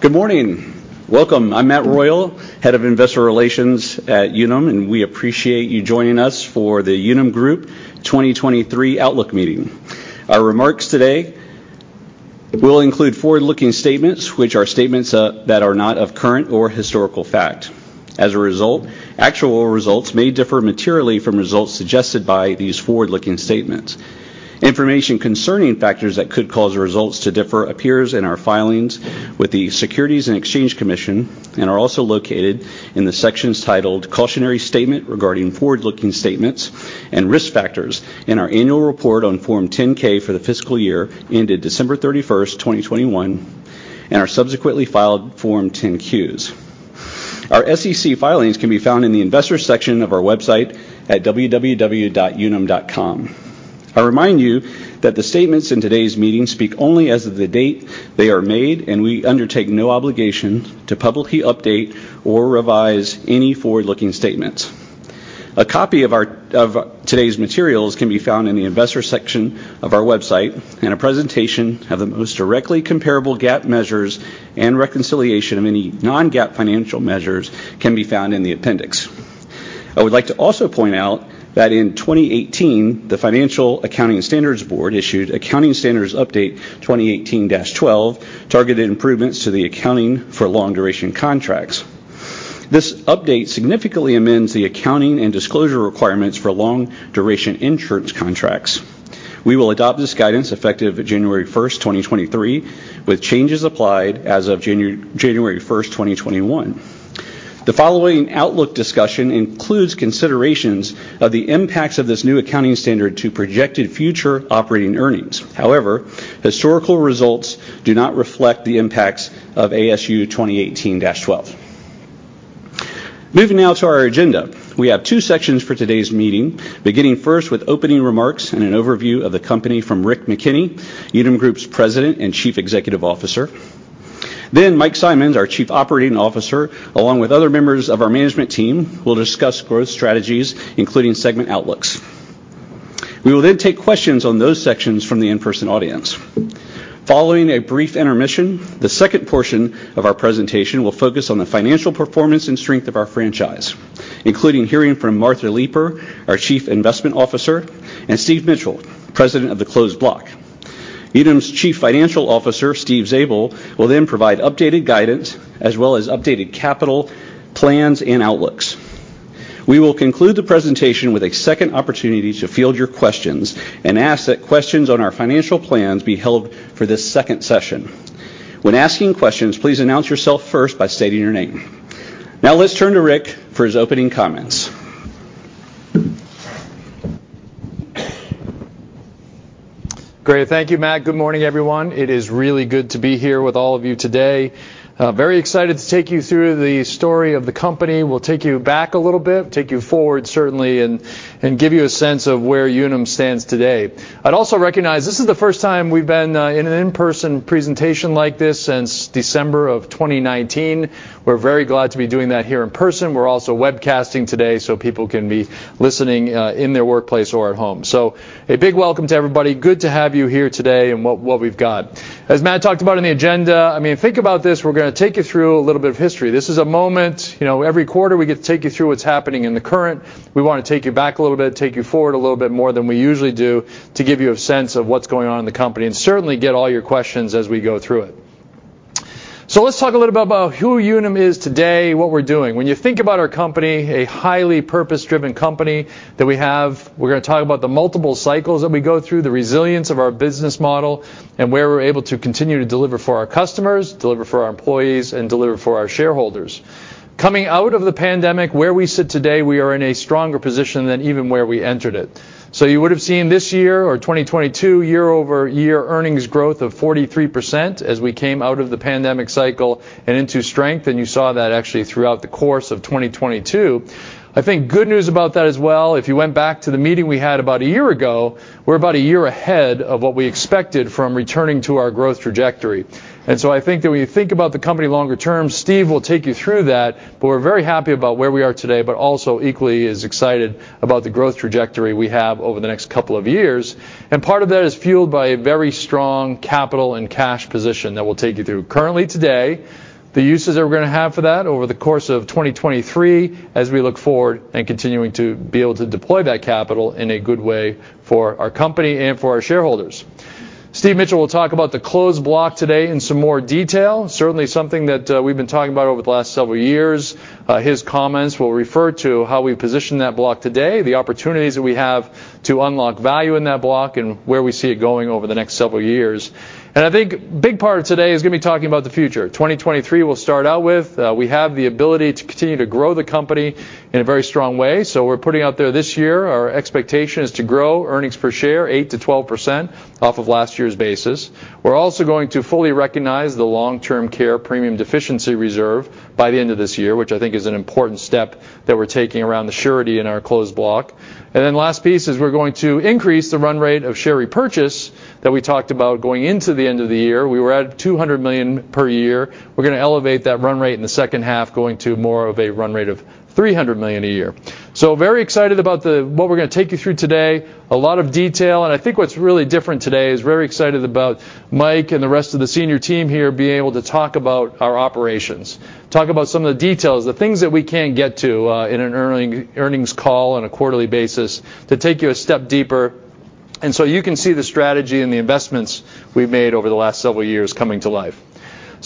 Good morning. Welcome. I'm Matt Royal, Head of Investor Relations at Unum. We appreciate you joining us for the Unum Group 2023 outlook meeting. Our remarks today will include forward-looking statements, which are statements that are not of current or historical fact. As a result, actual results may differ materially from results suggested by these forward-looking statements. Information concerning factors that could cause results to differ appears in our filings with the Securities and Exchange Commission and are also located in the sections titled "Cautionary Statement Regarding Forward-Looking Statements" and "Risk Factors" in our annual report on Form 10-K for the fiscal year ended December 31st, 2021, and our subsequently filed Form 10-Qs. Our SEC filings can be found in the Investors section of our website at www.unum.com. I remind you that the statements in today's meeting speak only as of the date they are made, and we undertake no obligation to publicly update or revise any forward-looking statements. A copy of today's materials can be found in the Investors section of our website, and a presentation of the most directly comparable GAAP measures and reconciliation of any non-GAAP financial measures can be found in the appendix. I would like to also point out that in 2018, the Financial Accounting Standards Board issued Accounting Standards Update 2018-12, Targeted Improvements to the Accounting for Long Duration Contracts. This update significantly amends the accounting and disclosure requirements for long duration insurance contracts. We will adopt this guidance effective January 1, 2023, with changes applied as of January 1, 2021. The following outlook discussion includes considerations of the impacts of this new accounting standard to projected future operating earnings. However, historical results do not reflect the impacts of ASU 2018-12. Moving now to our agenda. We have two sections for today's meeting, beginning first with opening remarks and an overview of the company from Rick McKenney, Unum Group's President and Chief Executive Officer. Mike Simonds, our Chief Operating Officer, along with other members of our management team, will discuss growth strategies, including segment outlooks. We will then take questions on those sections from the in-person audience. Following a brief intermission, the second portion of our presentation will focus on the financial performance and strength of our franchise, including hearing from Martha Leiper, our Chief Investment Officer, and Steve Mitchell, President of the Closed Block. Unum's Chief Financial Officer, Steve Zabel, will then provide updated guidance as well as updated capital plans and outlooks. We will conclude the presentation with a second opportunity to field your questions and ask that questions on our financial plans be held for this second session. When asking questions, please announce yourself first by stating your name. Let's turn to Rick for his opening comments. Great. Thank you, Matt. Good morning, everyone. It is really good to be here with all of you today. Very excited to take you through the story of the company. We'll take you back a little bit, take you forward certainly, and give you a sense of where Unum stands today. I'd also recognize this is the first time we've been in an in-person presentation like this since December of 2019. We're very glad to be doing that here in person. We're also webcasting today so people can be listening in their workplace or at home. A big welcome to everybody. Good to have you here today and what we've got. As Matt talked about in the agenda, I mean, think about this. We're gonna take you through a little bit of history. This is a moment. You know, every quarter we get to take you through what's happening in the current. We wanna take you back a little bit, take you forward a little bit more than we usually do to give you a sense of what's going on in the company, and certainly get all your questions as we go through it. Let's talk a little bit about who Unum is today, what we're doing. When you think about our company, a highly purpose-driven company that we have, we're gonna talk about the multiple cycles that we go through, the resilience of our business model, and where we're able to continue to deliver for our customers, deliver for our employees, and deliver for our shareholders. Coming out of the pandemic, where we sit today, we are in a stronger position than even where we entered it. You would have seen this year or 2022, year-over-year earnings growth of 43% as we came out of the pandemic cycle and into strength, and you saw that actually throughout the course of 2022. I think good news about that as well, if you went back to the meeting we had about a year ago, we're about a year ahead of what we expected from returning to our growth trajectory. I think that when you think about the company longer term, Steve will take you through that, but we're very happy about where we are today, but also equally as excited about the growth trajectory we have over the next couple of years. Part of that is fueled by a very strong capital and cash position that we'll take you through currently today, the uses that we're gonna have for that over the course of 2023 as we look forward and continuing to be able to deploy that capital in a good way for our company and for our shareholders. Steve Mitchell will talk about the Closed Block today in some more detail, certainly something that we've been talking about over the last several years. His comments will refer to how we position that Closed Block today, the opportunities that we have to unlock value in that Closed Block, and where we see it going over the next several years. I think big part of today is gonna be talking about the future. 2023 we'll start out with. We have the ability to continue to grow the company in a very strong way. We're putting out there this year our expectation is to grow earnings per share 8%-12% off of last year's basis. We're also going to fully recognize the long-term care premium deficiency reserve by the end of this year, which I think is an important step that we're taking around the surety in our Closed Block. Last piece is we're going to increase the run rate of share repurchase that we talked about going into the end of the year. We were at $200 million per year. We're gonna elevate that run rate in the second half, going to more of a run rate of $300 million a year. Very excited about what we're gonna take you through today. A lot of detail. I think what's really different today is very excited about Mike and the rest of the senior team here being able to talk about our operations. Talk about some of the details, the things that we can't get to in an earnings call on a quarterly basis to take you a step deeper, so you can see the strategy and the investments we've made over the last several years coming to life.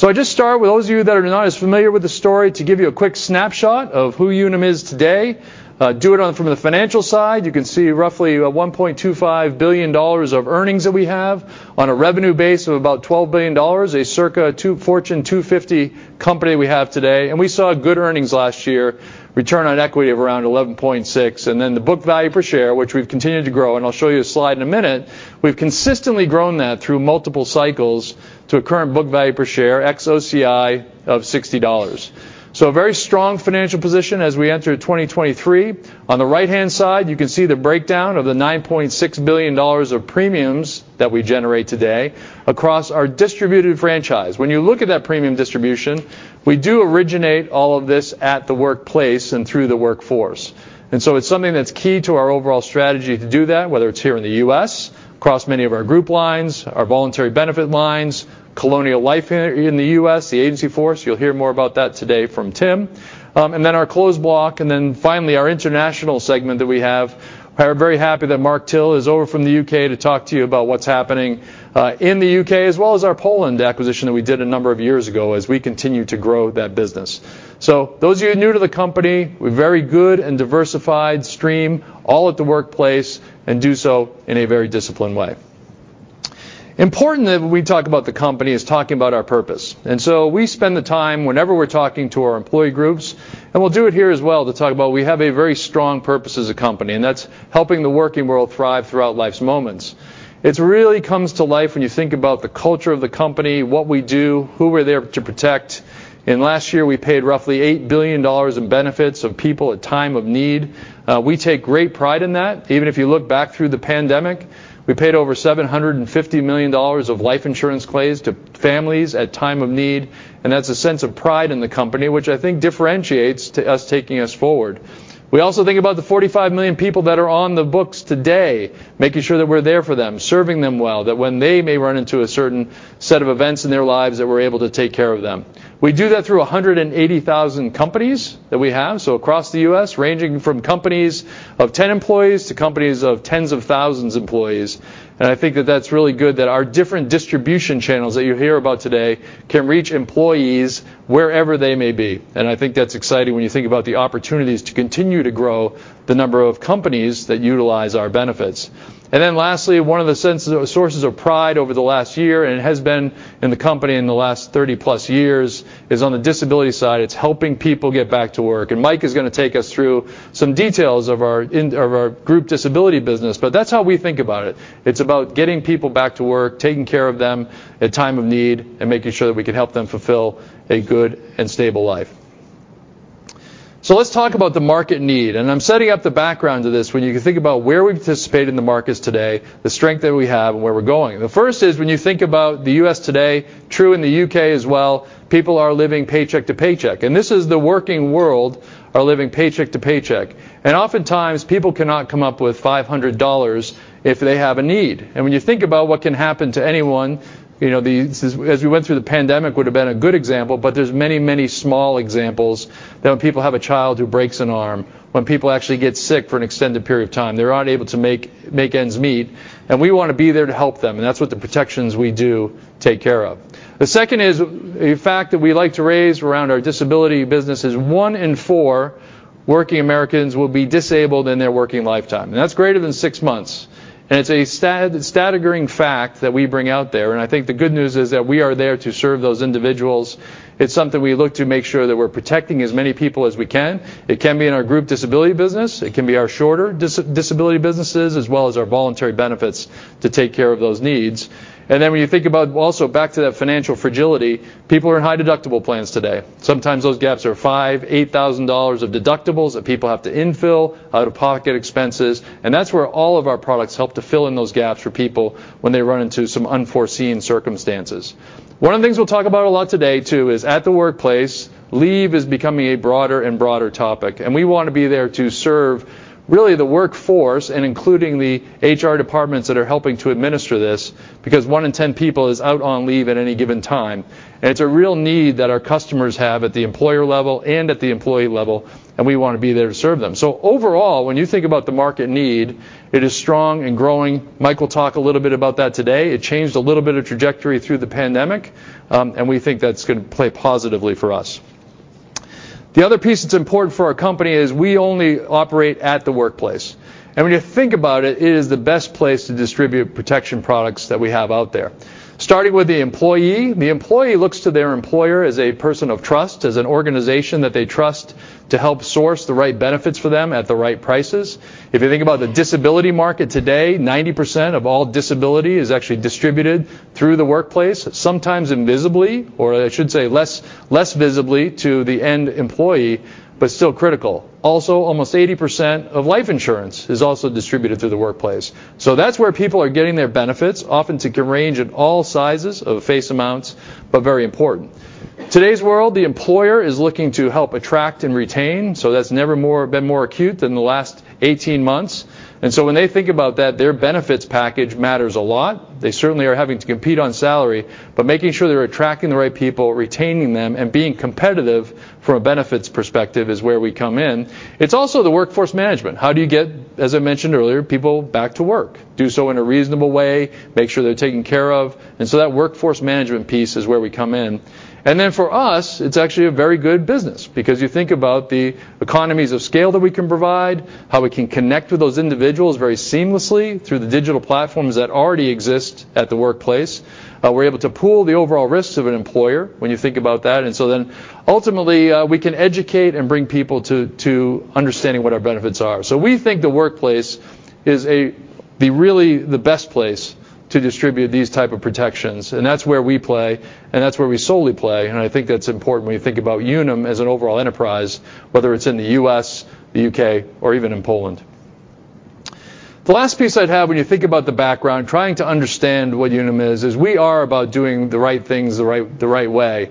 I just start with those of you that are not as familiar with the story, to give you a quick snapshot of who Unum is today. Do it on from the financial side. You can see roughly $1.25 billion of earnings that we have on a revenue base of about $12 billion, a circa Fortune 250 company we have today. We saw good earnings last year, return on equity of around 11.6. Then the book value per share, which we've continued to grow, and I'll show you a slide in a minute. We've consistently grown that through multiple cycles to a current book value per share ex OCI of $60. A very strong financial position as we enter 2023. On the right-hand side, you can see the breakdown of the $9.6 billion of premiums that we generate today across our distributed franchise. When you look at that premium distribution, we do originate all of this at the workplace and through the workforce. So it's something that's key to our overall strategy to do that, whether it's here in the U.S., across many of our group lines, our voluntary benefit lines, Colonial Life in the U.S., the agency force. You'll hear more about that today from Tim. Our closed block. Finally, our international segment that we have. We are very happy that Mark Till is over from the U.K. to talk to you about what's happening in the U.K., as well as our Poland acquisition that we did a number of years ago as we continue to grow that business. Those of you who are new to the company, we're very good and diversified stream all at the workplace and do so in a very disciplined way. Important that when we talk about the company is talking about our purpose, we spend the time whenever we're talking to our employee groups, and we'll do it here as well to talk about we have a very strong purpose as a company, and that's helping the working world thrive throughout life's moments. It really comes to life when you think about the culture of the company, what we do, who we're there to protect. Last year, we paid roughly $8 billion in benefits of people at time of need. We take great pride in that. Even if you look back through the pandemic, we paid over $750 million of life insurance claims to families at time of need. That's a sense of pride in the company, which I think differentiates to us taking us forward. We also think about the 45 million people that are on the books today, making sure that we're there for them, serving them well, that when they may run into a certain set of events in their lives, that we're able to take care of them. We do that through 180,000 companies that we have. Across the U.S., ranging from companies of 10 employees to companies of tens of thousands employees. I think that's really good that our different distribution channels that you hear about today can reach employees wherever they may be. I think that's exciting when you think about the opportunities to continue to grow the number of companies that utilize our benefits. Lastly, one of the sources of pride over the last year, and it has been in the company in the last 30+ years, is on the disability side. It's helping people get back to work, and Mike is going to take us through some details of our group disability business, but that's how we think about it. It's about getting people back to work, taking care of them at time of need, and making sure that we can help them fulfill a good and stable life. Let's talk about the market need. I'm setting up the background to this when you can think about where we participate in the markets today, the strength that we have and where we're going. The first is when you think about the U.S. today, true in the U.K. as well, people are living paycheck to paycheck, and this is the working world are living paycheck to paycheck. Oftentimes people cannot come up with $500 if they have a need. When you think about what can happen to anyone, you know, this is as we went through the pandemic would have been a good example. There's many small examples that when people have a child who breaks an arm, when people actually get sick for an extended period of time, they're unable to make ends meet, and we want to be there to help them. That's what the protections we do take care of. The second is a fact that we like to raise around our disability business is 1 in 4 working Americans will be disabled in their working lifetime, and that's greater than 6 months. It's a staggering fact that we bring out there. I think the good news is that we are there to serve those individuals. It's something we look to make sure that we're protecting as many people as we can. It can be in our group disability business. It can be our shorter disability businesses as well as our voluntary benefits to take care of those needs. When you think about also back to that financial fragility, people are in high deductible plans today. Sometimes those gaps are $5,000-$8,000 of deductibles that people have to infill out-of-pocket expenses. That's where all of our products help to fill in those gaps for people when they run into some unforeseen circumstances. One of the things we'll talk about a lot today too is at the workplace, leave is becoming a broader and broader topic. We want to be there to serve really the workforce and including the HR departments that are helping to administer this because 1 in 10 people is out on leave at any given time. It's a real need that our customers have at the employer level and at the employee level, and we want to be there to serve them. Overall, when you think about the market need, it is strong and growing. Mike will talk a little bit about that today. It changed a little bit of trajectory through the pandemic, and we think that's gonna play positively for us. The other piece that's important for our company is we only operate at the workplace. When you think about it is the best place to distribute protection products that we have out there. Starting with the employee, the employee looks to their employer as a person of trust, as an organization that they trust to help source the right benefits for them at the right prices. If you think about the disability market today, 90% of all disability is actually distributed through the workplace, sometimes invisibly, or I should say less, less visibly to the end employee, but still critical. Almost 80% of life insurance is also distributed through the workplace. That's where people are getting their benefits, often to can range in all sizes of face amounts, but very important. Today's world, the employer is looking to help attract and retain, so that's never been more acute than the last 18 months. When they think about that, their benefits package matters a lot. They certainly are having to compete on salary, making sure they're attracting the right people, retaining them, and being competitive from a benefits perspective is where we come in. It's also the workforce management. How do you get, as I mentioned earlier, people back to work? Do so in a reasonable way, make sure they're taken care of. That workforce management piece is where we come in. For us, it's actually a very good business because you think about the economies of scale that we can provide, how we can connect with those individuals very seamlessly through the digital platforms that already exist at the workplace. We're able to pool the overall risks of an employer when you think about that. Ultimately, we can educate and bring people to understanding what our benefits are. We think the workplace is really the best place to distribute these type of protections, and that's where we play, and that's where we solely play. I think that's important when you think about Unum as an overall enterprise, whether it's in the U.S., the U.K., or even in Poland. The last piece I'd have when you think about the background, trying to understand what Unum is we are about doing the right things the right way.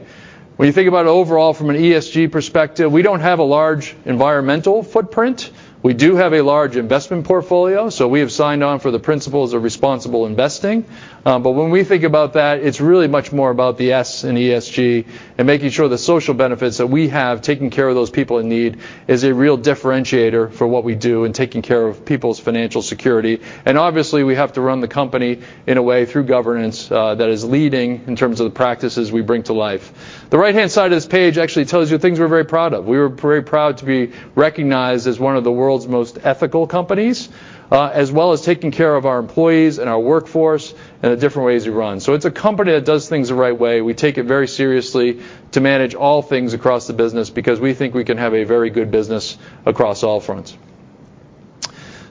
When you think about it overall from an ESG perspective, we don't have a large environmental footprint. We do have a large investment portfolio, so we have signed on for the principles of responsible investing. When we think about that, it's really much more about the S in ESG and making sure the social benefits that we have, taking care of those people in need, is a real differentiator for what we do in taking care of people's financial security. Obviously, we have to run the company in a way through governance that is leading in terms of the practices we bring to life. The right-hand side of this page actually tells you things we're very proud of. We're very proud to be recognized as one of the world's most ethical companies, as well as taking care of our employees and our workforce and the different ways we run. It's a company that does things the right way. We take it very seriously to manage all things across the business because we think we can have a very good business across all fronts.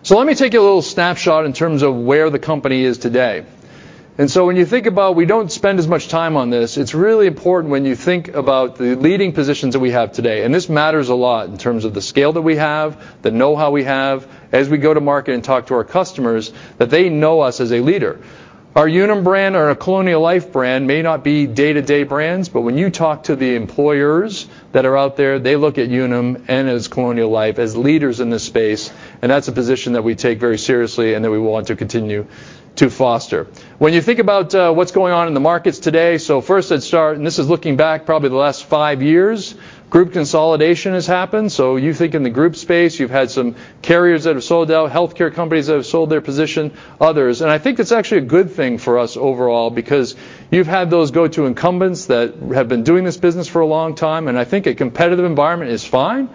Let me take you a little snapshot in terms of where the company is today. When you think about we don't spend as much time on this, it's really important when you think about the leading positions that we have today, and this matters a lot in terms of the scale that we have, the know-how we have as we go to market and talk to our customers, that they know us as a leader. Our Unum brand or our Colonial Life brand may not be day-to-day brands, but when you talk to the employers that are out there, they look at Unum and as Colonial Life as leaders in this space, and that's a position that we take very seriously and that we want to continue to foster. When you think about what's going on in the markets today, so first let's start, and this is looking back probably the last five years. Group consolidation has happened. You think in the group space, you've had some carriers that have sold out, healthcare companies that have sold their position, others. I think it's actually a good thing for us overall because you've had those go-to incumbents that have been doing this business for a long time, and I think a competitive environment is fine.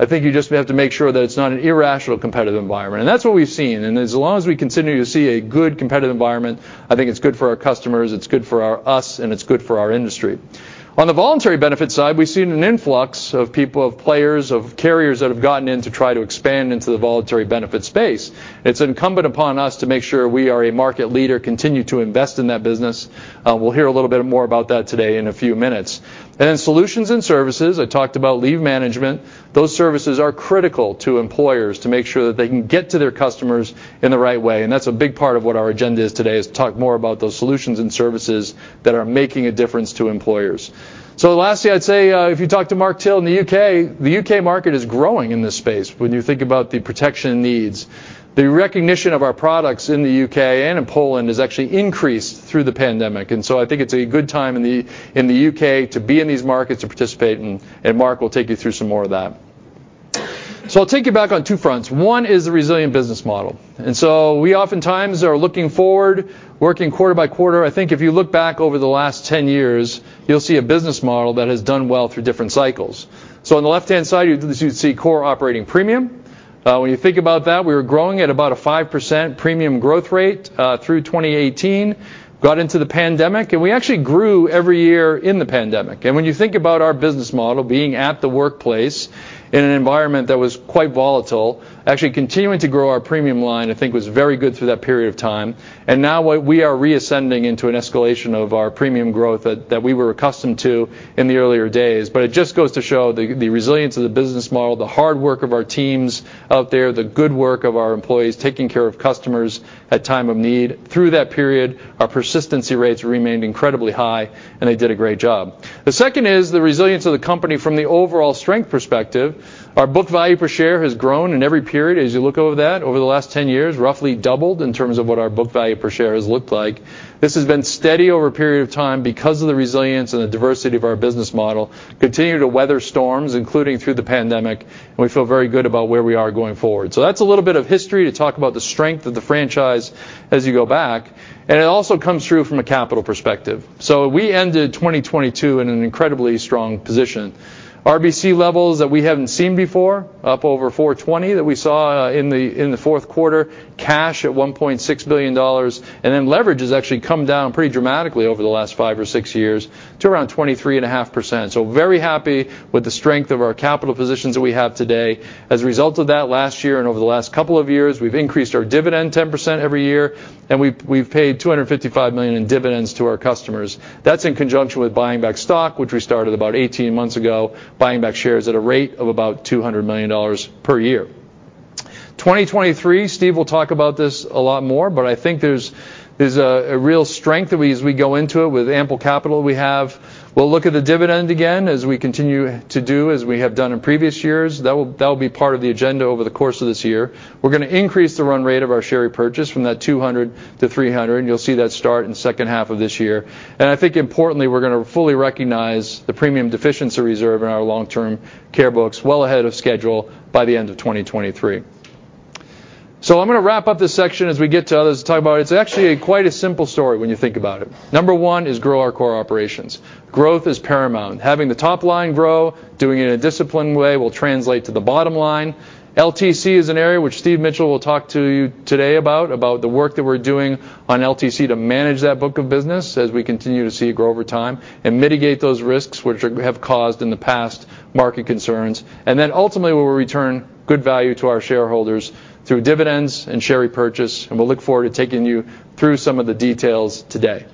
I think you just have to make sure that it's not an irrational competitive environment. That's what we've seen. As long as we continue to see a good competitive environment, I think it's good for our customers, it's good for us, and it's good for our industry. On the Voluntary Benefits side, we've seen an influx of people, of players, of carriers that have gotten in to try to expand into the Voluntary Benefits space. It's incumbent upon us to make sure we are a market leader, continue to invest in that business. We'll hear a little bit more about that today in a few minutes. Solutions and services, I talked about leave management. Those services are critical to employers to make sure that they can get to their customers in the right way, and that's a big part of what our agenda is today, is talk more about those solutions and services that are making a difference to employers. The last thing I'd say, if you talk to Mark Till in the U.K., the U.K. market is growing in this space when you think about the protection needs. The recognition of our products in the U.K. and in Poland has actually increased through the pandemic. I think it's a good time in the U.K. to be in these markets to participate, and Mark will take you through some more of that. I'll take you back on two fronts. One is the resilient business model. We oftentimes are looking forward, working quarter by quarter. I think if you look back over the last 10 years, you'll see a business model that has done well through different cycles. On the left-hand side, you see core operating premium. When you think about that, we were growing at about a 5% premium growth rate through 2018, got into the pandemic, and we actually grew every year in the pandemic. When you think about our business model being at the workplace in an environment that was quite volatile, actually continuing to grow our premium line I think was very good through that period of time. Now we are reascending into an escalation of our premium growth that we were accustomed to in the earlier days. It just goes to show the resilience of the business model, the hard work of our teams out there, the good work of our employees taking care of customers at time of need. Through that period, our persistency rates remained incredibly high, and they did a great job. The second is the resilience of the company from the overall strength perspective. Our book value per share has grown in every period. As you look over that, over the last 10 years, roughly doubled in terms of what our book value per share has looked like. This has been steady over a period of time because of the resilience and the diversity of our business model, continuing to weather storms, including through the pandemic, and we feel very good about where we are going forward. We ended 2022 in an incredibly strong position. RBC levels that we haven't seen before, up over 420 that we saw in the fourth quarter, cash at $1.6 billion. Leverage has actually come down pretty dramatically over the last five or six years to around 23.5%. Very happy with the strength of our capital positions that we have today. As a result of that last year and over the last couple of years, we've increased our dividend 10% every year, and we've paid $255 million in dividends to our customers. That's in conjunction with buying back stock, which we started about 18 months ago, buying back shares at a rate of about $200 million per year. 2023, Steve will talk about this a lot more, but I think there's a real strength that we, as we go into it with ample capital we have. We'll look at the dividend again as we continue to do as we have done in previous years. That will be part of the agenda over the course of this year. We're gonna increase the run rate of our share repurchase from that $200 million to $300 million. You'll see that start in the second half of this year. I think importantly, we're gonna fully recognize the premium deficiency reserve in our long-term care books well ahead of schedule by the end of 2023. I'm gonna wrap up this section as we get to others to talk about it. It's actually quite a simple story when you think about it. Number one is grow our core operations. Growth is paramount. Having the top line grow, doing it in a disciplined way will translate to the bottom line. LTC is an area which Steve Mitchell will talk to you today about the work that we're doing on LTC to manage that book of business as we continue to see it grow over time and mitigate those risks which have caused, in the past, market concerns. Ultimately, we will return good value to our shareholders through dividends and share repurchase, and we'll look forward to taking you through some of the details today.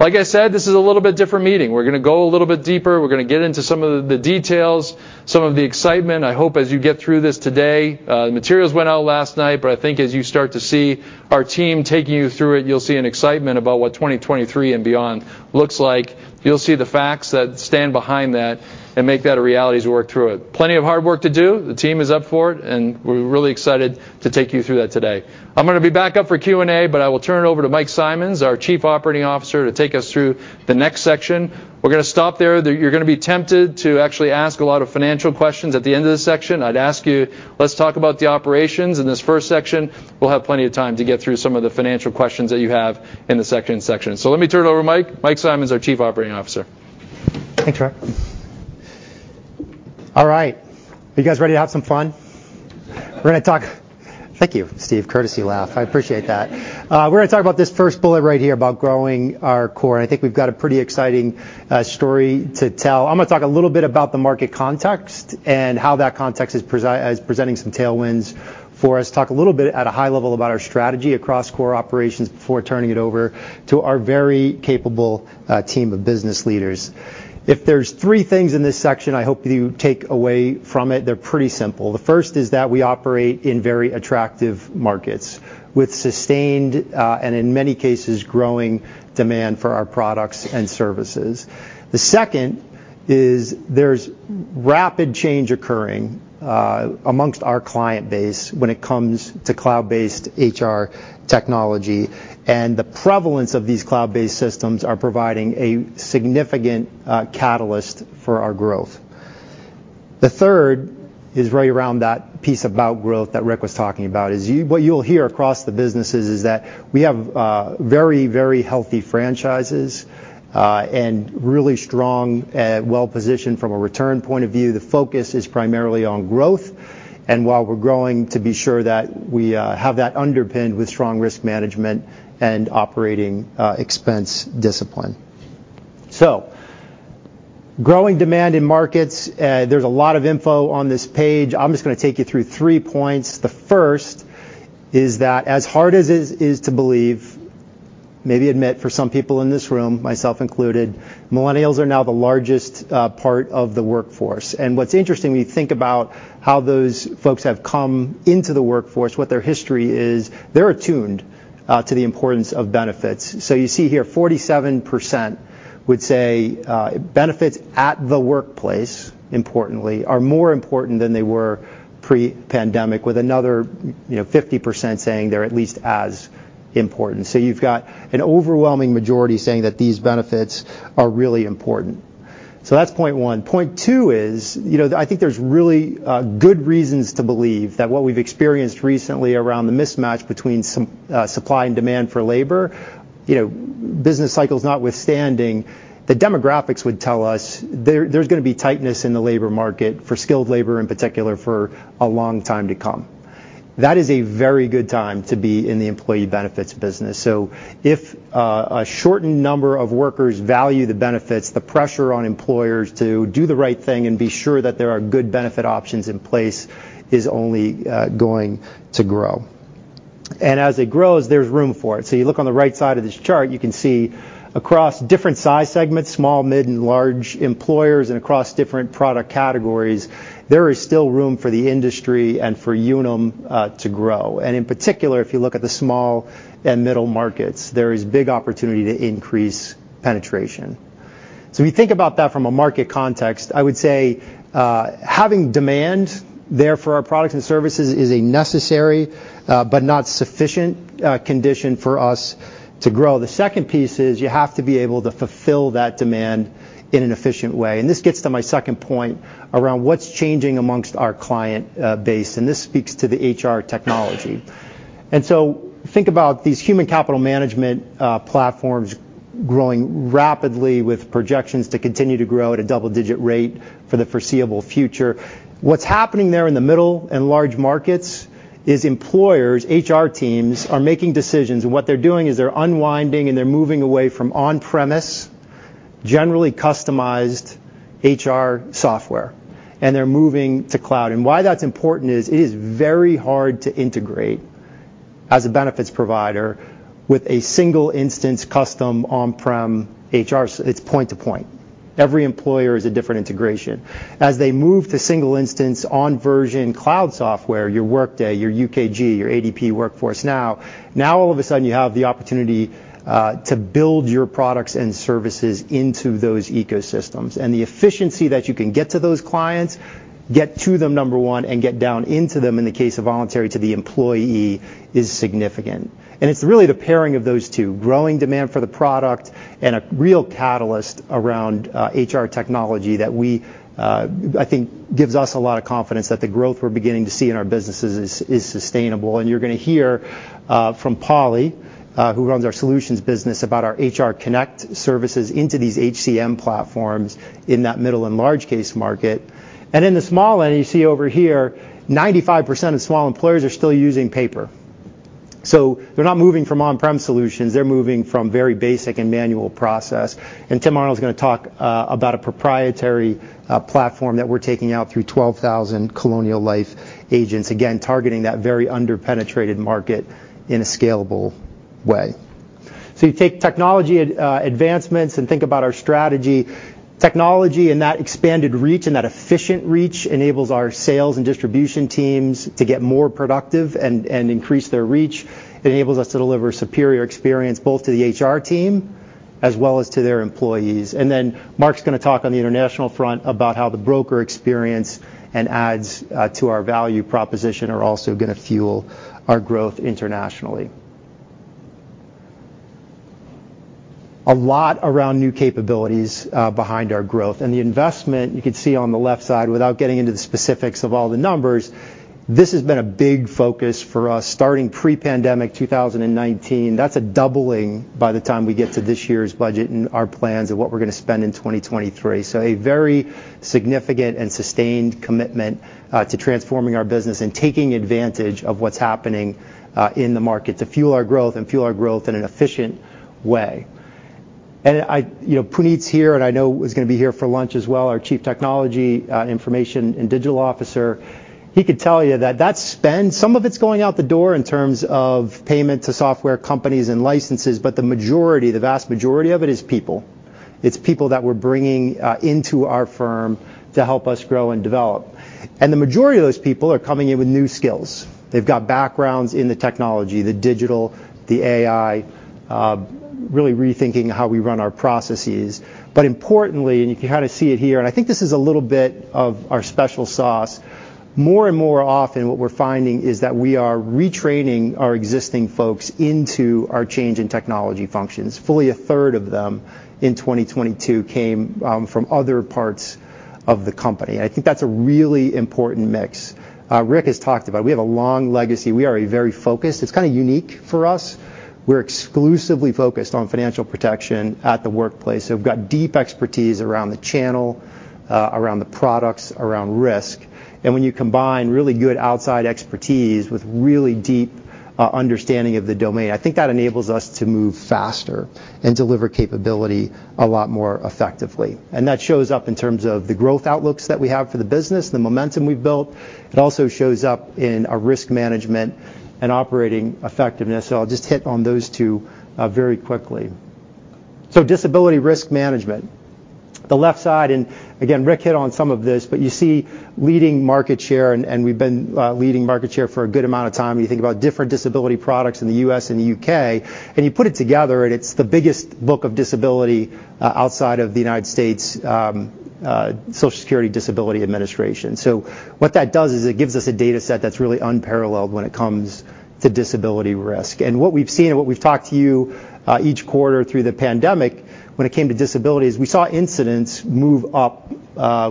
Like I said, this is a little bit different meeting. We're gonna go a little bit deeper. We're gonna get into some of the details, some of the excitement. I hope as you get through this today, the materials went out last night, but I think as you start to see our team take you through it, you'll see an excitement about what 2023 and beyond looks like. You'll see the facts that stand behind that and make that a reality as we work through it. Plenty of hard work to do. The team is up for it, and we're really excited to take you through that today. I'm gonna be back up for Q&A, but I will turn it over to Mike Simonds, our Chief Operating Officer, to take us through the next section. We're gonna stop there. You're gonna be tempted to actually ask a lot of financial questions at the end of this section. I'd ask you, let's talk about the operations in this first section. We'll have plenty of time to get through some of the financial questions that you have in the second section. Let me turn it over to Mike. Mike Simonds, our Chief Operating Officer. Thanks, Rick. All right. Are you guys ready to have some fun? Thank you, Steve. Courtesy laugh. I appreciate that. We're gonna talk about this first bullet right here about growing our core. I think we've got a pretty exciting story to tell. I'm gonna talk a little bit about the market context and how that context is presenting some tailwinds for us. Talk a little bit at a high level about our strategy across core operations before turning it over to our very capable team of business leaders. If there's three things in this section I hope you take away from it, they're pretty simple. The first is that we operate in very attractive markets with sustained, and in many cases, growing demand for our products and services. The second is there's rapid change occurring amongst our client base when it comes to cloud-based HR technology, the prevalence of these cloud-based systems are providing a significant catalyst for our growth. The third is right around that piece about growth that Rick was talking about is what you'll hear across the businesses is that we have very, very healthy franchises, really strong, well-positioned from a return point of view. The focus is primarily on growth, while we're growing, to be sure that we have that underpinned with strong risk management and operating expense discipline. Growing demand in markets, there's a lot of info on this page. I'm just gonna take you through three points. The first is that as hard as it is to believe, maybe admit for some people in this room, myself included, millennials are now the largest, part of the workforce. What's interesting when you think about how those folks have come into the workforce, what their history is, they're attuned, to the importance of benefits. You see here, 47% would say, benefits at the workplace, importantly, are more important than they were pre-pandemic, with another, you know, 50% saying they're at least as important. You've got an overwhelming majority saying that these benefits are really important. That's point one. Point two is, you know, I think there's really good reasons to believe that what we've experienced recently around the mismatch between some supply and demand for labor, you know, business cycles notwithstanding, the demographics would tell us there's gonna be tightness in the labor market for skilled labor in particular for a long time to come. That is a very good time to be in the employee benefits business. If a shortened number of workers value the benefits, the pressure on employers to do the right thing and be sure that there are good benefit options in place is only going to grow. As it grows, there's room for it. You look on the right side of this chart, you can see across different size segments, small, mid, and large employers, and across different product categories, there is still room for the industry and for Unum to grow. In particular, if you look at the small and middle markets, there is big opportunity to increase penetration. We think about that from a market context. I would say, having demand there for our products and services is a necessary, but not sufficient condition for us to grow. The second piece is you have to be able to fulfill that demand in an efficient way. This gets to my second point around what's changing amongst our client base, and this speaks to the HR technology. Think about these human capital management platforms growing rapidly with projections to continue to grow at a double-digit rate for the foreseeable future. What's happening there in the middle and large markets is employers, HR teams, are making decisions, and what they're doing is they're unwinding, and they're moving away from on-premise, generally customized HR software, and they're moving to cloud. Why that's important is it is very hard to integrate as a benefits provider with a single instance custom on-prem HR. It's point to point. Every employer is a different integration. As they move to single instance on version cloud software, your Workday, your UKG, your ADP Workforce Now, now all of a sudden you have the opportunity to build your products and services into those ecosystems. The efficiency that you can get to those clients, get to them, number 1, and get down into them, in the case of voluntary to the employee, is significant. It's really the pairing of those two, growing demand for the product and a real catalyst around HR technology that we I think gives us a lot of confidence that the growth we're beginning to see in our businesses is sustainable. You're gonna hear from Polly who runs our Unum Solutions business, about our Unum HR Connect services into these HCM platforms in that middle and large case market. In the small end, you see over here, 95% of small employers are still using paper. They're not moving from on-prem solutions, they're moving from very basic and manual process. Tim Arnold's gonna talk about a proprietary platform that we're taking out through 12,000 Colonial Life agents, again, targeting that very under-penetrated market in a scalable way. You take technology advancements and think about our strategy. Technology and that expanded reach and that efficient reach enables our sales and distribution teams to get more productive and increase their reach. It enables us to deliver superior experience both to the HR team as well as to their employees. Then Mark's gonna talk on the international front about how the broker experience and adds to our value proposition are also gonna fuel our growth internationally. A lot around new capabilities behind our growth. The investment, you can see on the left side, without getting into the specifics of all the numbers, this has been a big focus for us starting pre-pandemic 2019. That's a doubling by the time we get to this year's budget and our plans of what we're gonna spend in 2023. A very significant and sustained commitment to transforming our business and taking advantage of what's happening in the market to fuel our growth and fuel our growth in an efficient way. You know, Puneet's here, and I know is gonna be here for lunch as well, our Chief Technology, Information and Digital Officer. He could tell you that that spend, some of it's going out the door in terms of payment to software companies and licenses, but the majority, the vast majority of it is people. It's people that we're bringing into our firm to help us grow and develop. The majority of those people are coming in with new skills. They've got backgrounds in the technology, the digital, the AI, really rethinking how we run our processes. Importantly, and you can kinda see it here, and I think this is a little bit of our special sauce, more and more often what we're finding is that we are retraining our existing folks into our change in technology functions. Fully a third of them in 2022 came from other parts of the company, and I think that's a really important mix. Rick has talked about it. We have a long legacy. We are a very focused. It's kinda unique for us. We're exclusively focused on financial protection at the workplace, so we've got deep expertise around the channel, around the products, around risk. When you combine really good outside expertise with really deep understanding of the domain, I think that enables us to move faster and deliver capability a lot more effectively. That shows up in terms of the growth outlooks that we have for the business, the momentum we've built. It also shows up in our risk management and operating effectiveness, so I'll just hit on those two very quickly. Disability risk management. The left side, again, Rick hit on some of this, but you see leading market share, and we've been leading market share for a good amount of time. You think about different disability products in the U.S. and the U.K., and you put it together, and it's the biggest book of disability outside of the United States' Social Security Administration. What that does is it gives us a data set that's really unparalleled when it comes to disability risk. What we've seen and what we've talked to you each quarter through the pandemic when it came to disability is we saw incidents move up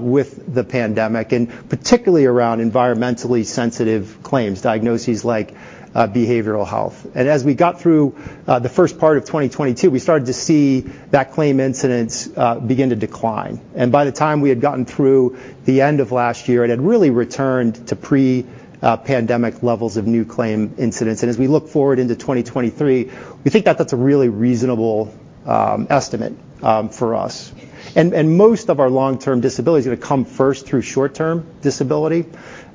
with the pandemic, and particularly around environmentally sensitive claims, diagnoses like behavioral health. As we got through the first part of 2022, we started to see that claim incidence begin to decline. By the time we had gotten through the end of last year, it had really returned to pre-pandemic levels of new claim incidents. As we look forward into 2023, we think that that's a really reasonable estimate for us. Most of our long-term disability is gonna come first through short-term disability,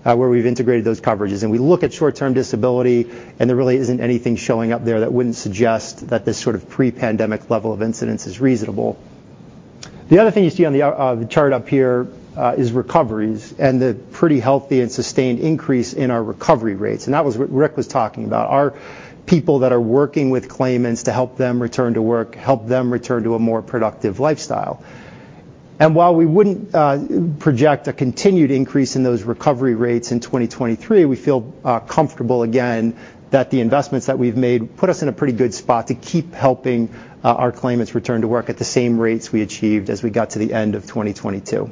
where we've integrated those coverages. We look at short-term disability, and there really isn't anything showing up there that wouldn't suggest that this sort of pre-pandemic level of incidence is reasonable. The other thing you see on the chart up here is recoveries and the pretty healthy and sustained increase in our recovery rates. That was what Rick was talking about, our people that are working with claimants to help them return to work, help them return to a more productive lifestyle. While we wouldn't project a continued increase in those recovery rates in 2023, we feel comfortable again that the investments that we've made put us in a pretty good spot to keep helping our claimants return to work at the same rates we achieved as we got to the end of 2022.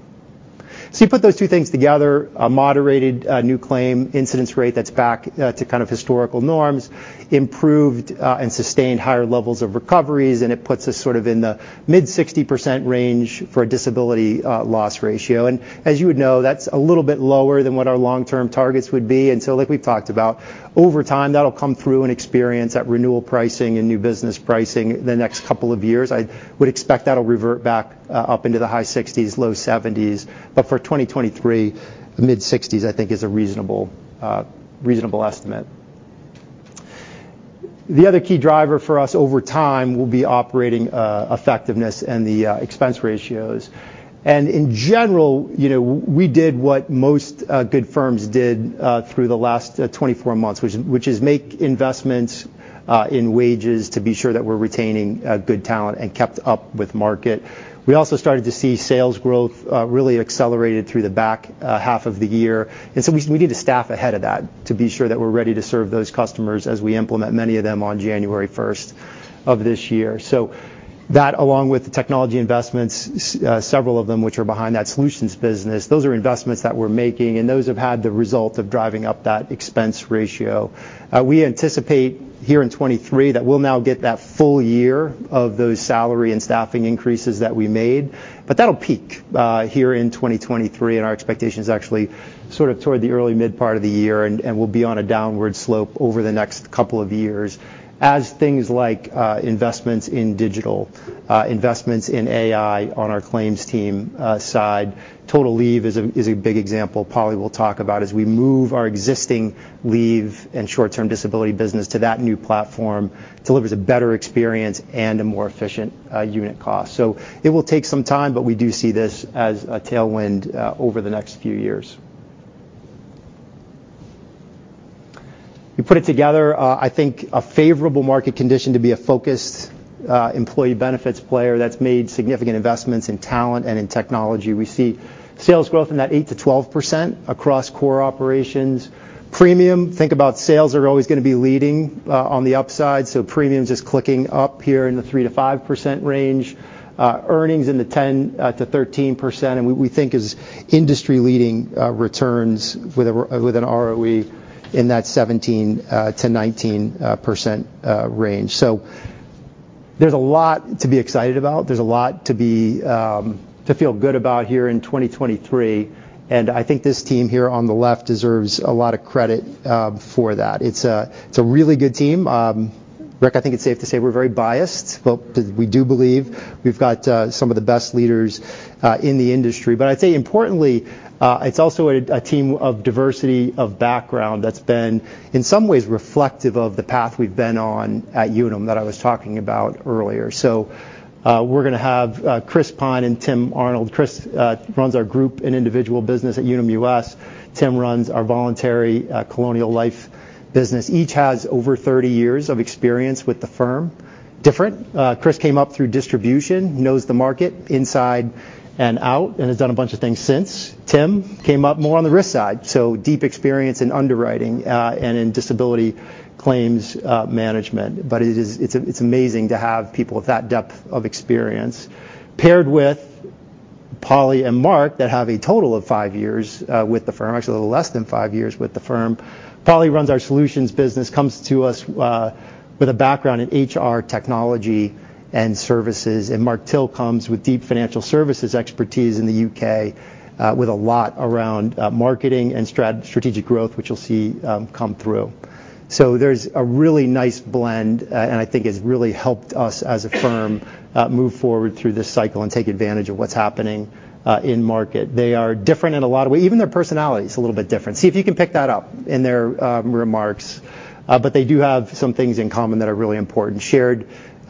You put those two things together, a moderated new claim incidence rate that's back to kind of historical norms, improved and sustained higher levels of recoveries, and it puts us sort of in the mid 60% range for a disability loss ratio. As you would know, that's a little bit lower than what our long-term targets would be. Like we've talked about, over time, that'll come through in experience at renewal pricing and new business pricing the next couple of years. I would expect that'll revert back up into the high sixties, low seventies. For 2023, mid-sixties I think is a reasonable reasonable estimate. The other key driver for us over time will be operating effectiveness and the expense ratios. In general, you know, we did what most good firms did through the last 24 months, which is make investments in wages to be sure that we're retaining good talent and kept up with market. We also started to see sales growth really accelerated through the back half of the year. We need to staff ahead of that to be sure that we're ready to serve those customers as we implement many of them on January 1st of this year. That, along with the technology investments, several of them which are behind that solutions business, those are investments that we're making, and those have had the result of driving up that expense ratio. We anticipate here in 2023 that we'll now get that full year of those salary and staffing increases that we made, but that'll peak here in 2023, and our expectation is actually sort of toward the early mid part of the year, and we'll be on a downward slope over the next couple of years as things like investments in digital, investments in AI on our claims team side. Unum Total Leave is a big example Polly will talk about as we move our existing leave and short-term disability business to that new platform, delivers a better experience and a more efficient unit cost. It will take some time, but we do see this as a tailwind over the next few years. You put it together, I think a favorable market condition to be a focused employee benefits player that's made significant investments in talent and in technology. We see sales growth in that 8%-12% across core operations. Premium, think about sales are always gonna be leading on the upside, premiums is clicking up here in the 3%-5% range. Earnings in the 10%-13%, and we think is industry-leading returns with an ROE in that 17%-19% range. There's a lot to be excited about. There's a lot to be, to feel good about here in 2023. I think this team here on the left deserves a lot of credit for that. It's a really good team. Rick, I think it's safe to say we're very biased, but we do believe we've got some of the best leaders in the industry. I'd say importantly, it's also a team of diversity of background that's been, in some ways reflective of the path we've been on at Unum that I was talking about earlier. We're gonna have Chris Pyne and Tim Arnold. Chris runs our group and individual business at Unum U.S.. Tim runs our voluntary Colonial Life business. Each has over 30 years of experience with the firm. Different. Chris came up through distribution, knows the market inside and out, and has done a bunch of things since. Tim came up more on the risk side, so deep experience in underwriting, and in disability claims, management. It's amazing to have people with that depth of experience paired with Polly and Mark that have a total of five years with the firm. Actually, a little less than five years with the firm. Polly runs our Solutions business, comes to us with a background in HR technology and services. Mark Till comes with deep financial services expertise in the U.K., with a lot around marketing and strategic growth, which you'll see come through. There's a really nice blend, and I think has really helped us as a firm move forward through this cycle and take advantage of what's happening in market. They are different in a lot of way. Even their personality is a little bit different. See if you can pick that up in their remarks. They do have some things in common that are really important.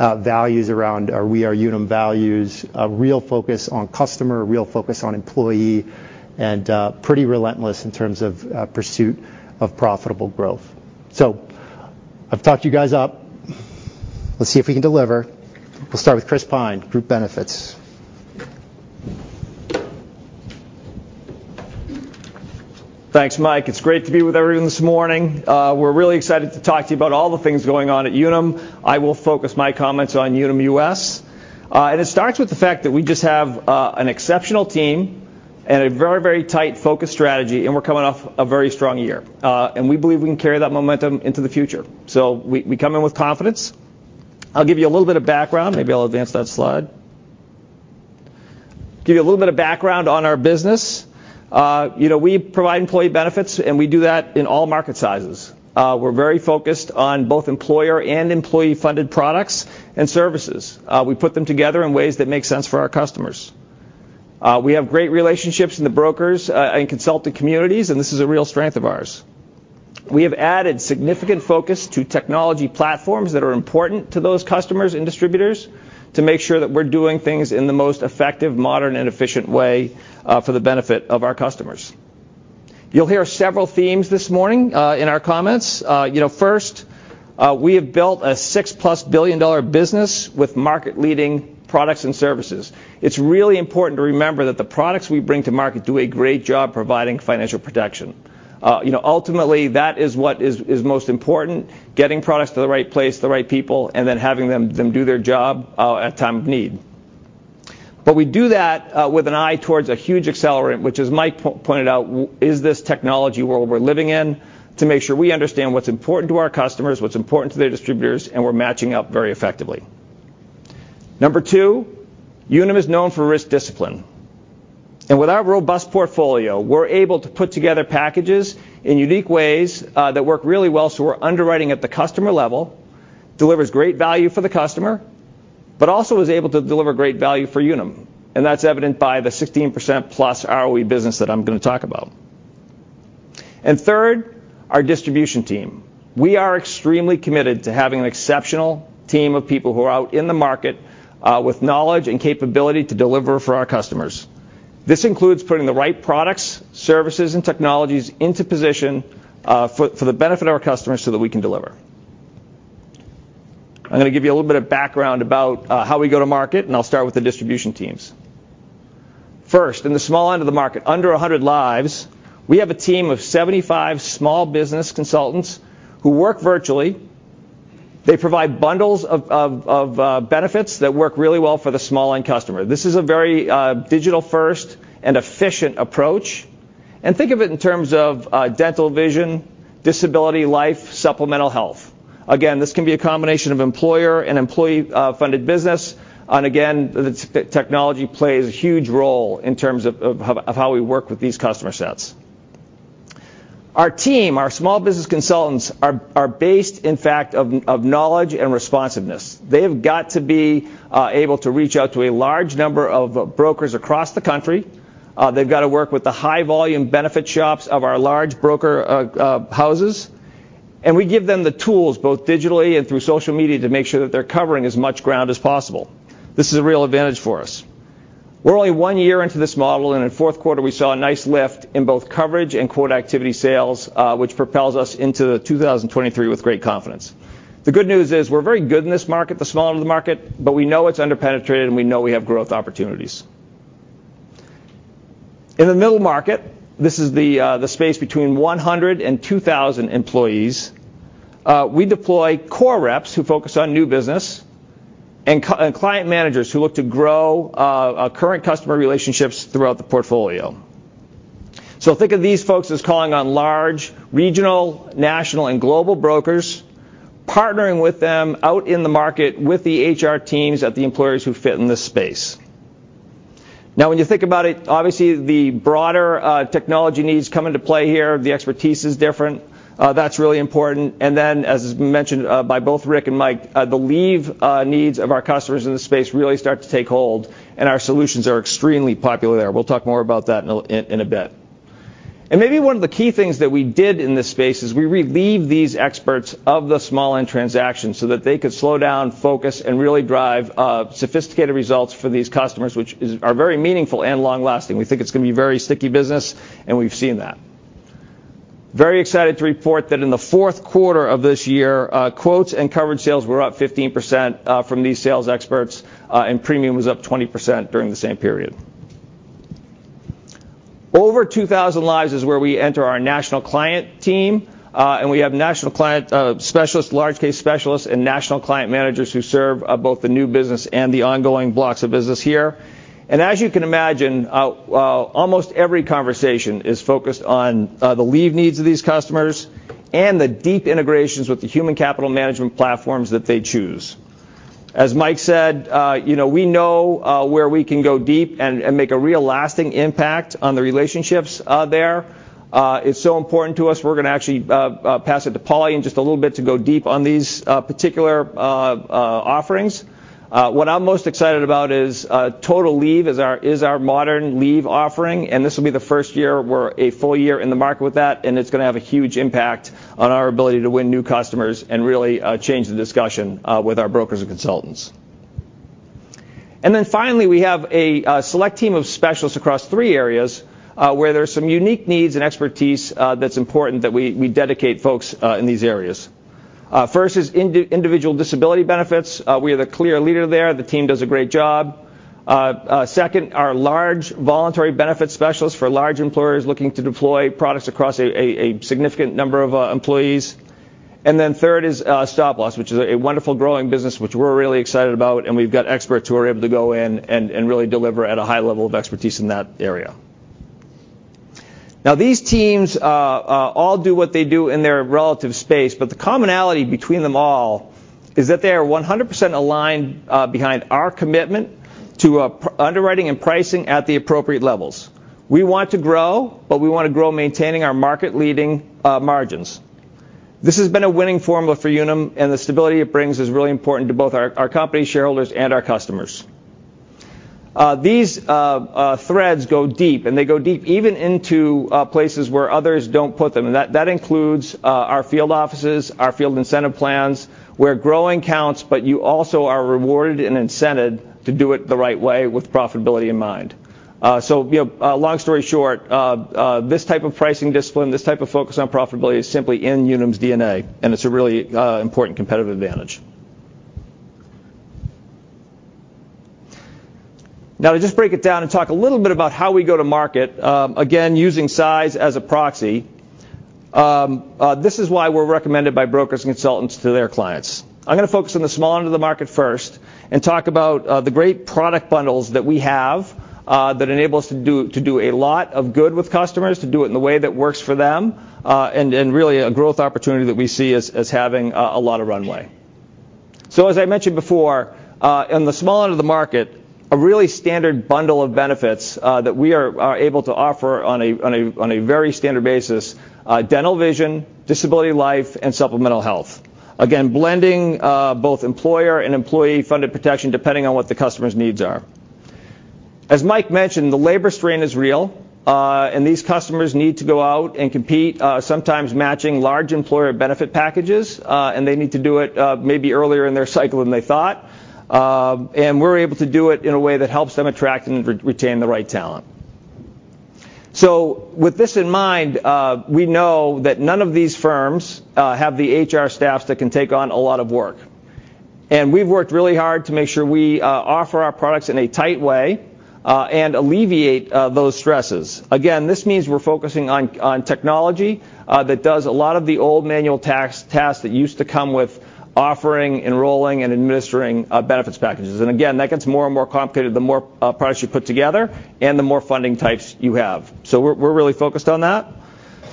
Shared values around our We Are Unum values, a real focus on customer, a real focus on employee, and pretty relentless in terms of pursuit of profitable growth. I've talked you guys up. Let's see if we can deliver. We'll start with Chris Pyne, Group Benefits. Thanks, Mike. It's great to be with everyone this morning. We're really excited to talk to you about all the things going on at Unum. I will focus my comments on Unum U.S.. It starts with the fact that we just have an exceptional team and a very tight focused strategy, and we're coming off a very strong year. We believe we can carry that momentum into the future. We come in with confidence. I'll give you a little bit of background. Maybe I'll advance that slide. Give you a little bit of background on our business. You know, we provide employee benefits, and we do that in all market sizes. We're very focused on both employer and employee-funded products and services. We put them together in ways that make sense for our customers. We have great relationships in the brokers and consulting communities, and this is a real strength of ours. We have added significant focus to technology platforms that are important to those customers and distributors to make sure that we're doing things in the most effective, modern, and efficient way for the benefit of our customers. You'll hear several themes this morning in our comments. You know, first, we have built a 6+ billion-dollar business with market-leading products and services. It's really important to remember that the products we bring to market do a great job providing financial protection. You know, ultimately that is what is most important, getting products to the right place, the right people, and then having them do their job at time of need. We do that with an eye towards a huge accelerant, which as Mike pointed out, is this technology world we're living in to make sure we understand what's important to our customers, what's important to their distributors, and we're matching up very effectively. Number two, Unum is known for risk discipline. With our robust portfolio, we're able to put together packages in unique ways that work really well, so we're underwriting at the customer level, delivers great value for the customer, but also is able to deliver great value for Unum, and that's evident by the 16%+ ROE business that I'm gonna talk about. Third, our distribution team. We are extremely committed to having an exceptional team of people who are out in the market with knowledge and capability to deliver for our customers. This includes putting the right products, services, and technologies into position for the benefit of our customers so that we can deliver. I'm gonna give you a little bit of background about how we go to market, and I'll start with the distribution teams. First, in the small end of the market, under 100 lives, we have a team of 75 small business consultants who work virtually. They provide bundles of benefits that work really well for the small-end customer. This is a very digital first and efficient approach. Think of it in terms of dental, vision, disability, life, supplemental health. Again, this can be a combination of employer and employee funded business, and again, technology plays a huge role in terms of how we work with these customer sets. Our team, our small business consultants are based in fact of knowledge and responsiveness. They have got to be able to reach out to a large number of brokers across the country. They've gotta work with the high volume benefit shops of our large broker houses. We give them the tools, both digitally and through social media, to make sure that they're covering as much ground as possible. This is a real advantage for us. We're only one year into this model, in fourth quarter we saw a nice lift in both coverage and quote activity sales, which propels us into 2023 with great confidence. The good news is we're very good in this market, the small end of the market, we know it's under-penetrated, we know we have growth opportunities. In the middle market, this is the space between 100 and 2,000 employees, we deploy core reps who focus on new business and client managers who look to grow current customer relationships throughout the portfolio. Think of these folks as calling on large regional, national, and global brokers, partnering with them out in the market with the HR teams at the employers who fit in this space. When you think about it, obviously the broader technology needs come into play here. The expertise is different. That's really important. As has been mentioned, by both Rick and Mike, the leave needs of our customers in this space really start to take hold, and our solutions are extremely popular there. We'll talk more about that in a bit. Maybe one of the key things that we did in this space is we relieved these experts of the small-end transactions so that they could slow down, focus, and really drive sophisticated results for these customers, which are very meaningful and long-lasting. We think it's gonna be very sticky business, and we've seen that. Very excited to report that in the fourth quarter of this year, quotes and coverage sales were up 15% from these sales experts, and premium was up 20% during the same period. Over 2,000 lives is where we enter our national client team, and we have national client specialists, large case specialists, and national client managers who serve both the new business and the ongoing blocks of business here. As you can imagine, almost every conversation is focused on the leave needs of these customers and the deep integrations with the human capital management platforms that they choose. As Mike said, you know, we know where we can go deep and make a real lasting impact on the relationships there. It's so important to us, we're gonna actually pass it to Polly in just a little bit to go deep on these particular offerings. What I'm most excited about is Unum Total Leave is our modern leave offering, and this will be the first year we're a full year in the market with that, and it's gonna have a huge impact on our ability to win new customers and really change the discussion with our brokers and consultants. Finally, we have a select team of specialists across three areas where there's some unique needs and expertise that's important that we dedicate folks in these areas. First is individual disability benefits. We are the clear leader there. The team does a great job. Second are large voluntary benefit specialists for large employers looking to deploy products across a significant number of employees. Third is stop loss, which is a wonderful growing business which we're really excited about, and we've got experts who are able to go in and really deliver at a high level of expertise in that area. These teams all do what they do in their relative space. The commonality between them all is that they are 100% aligned behind our commitment to underwriting and pricing at the appropriate levels. We want to grow. We wanna grow maintaining our market-leading margins. This has been a winning formula for Unum. The stability it brings is really important to both our company shareholders and our customers. These threads go deep. They go deep even into places where others don't put them. That includes our field offices, our field incentive plans, where growing counts. You also are rewarded and incented to do it the right way with profitability in mind. So, you know, long story short, this type of pricing discipline, this type of focus on profitability is simply in Unum's DNA, and it's a really important competitive advantage. To just break it down and talk a little bit about how we go to market, again, using size as a proxy, this is why we're recommended by brokers and consultants to their clients. I'm gonna focus on the small end of the market first and talk about the great product bundles that we have that enable us to do a lot of good with customers, to do it in the way that works for them, and really a growth opportunity that we see as having a lot of runway. As I mentioned before, in the small end of the market, a really standard bundle of benefits, that we are able to offer on a very standard basis, dental, vision, disability, life, and supplemental health, again, blending, both employer and employee-funded protection depending on what the customer's needs are. As Mike mentioned, the labor strain is real, and these customers need to go out and compete, sometimes matching large employer benefit packages, and they need to do it, maybe earlier in their cycle than they thought. We're able to do it in a way that helps them attract and re-retain the right talent. With this in mind, we know that none of these firms, have the HR staffs that can take on a lot of work. We've worked really hard to make sure we offer our products in a tight way and alleviate those stresses. Again, this means we're focusing on technology that does a lot of the old manual tasks that used to come with offering, enrolling, and administering benefits packages. Again, that gets more and more complicated the more products you put together and the more funding types you have. We're really focused on that.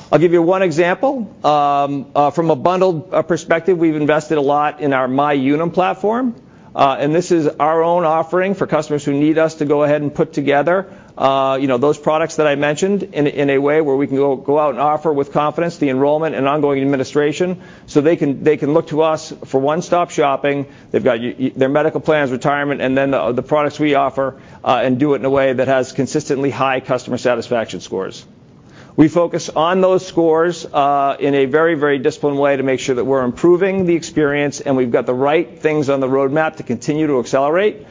I'll give you one example. From a bundled perspective, we've invested a lot in our MyUnum platform. This is our own offering for customers who need us to go ahead and put together, you know, those products that I mentioned in a way where we can go out and offer with confidence the enrollment and ongoing administration, so they can look to us for one-stop shopping. They've got their medical plans, retirement, and then the products we offer and do it in a way that has consistently high customer satisfaction scores. We focus on those scores in a very disciplined way to make sure that we're improving the experience, and we've got the right things on the roadmap to continue to accelerate.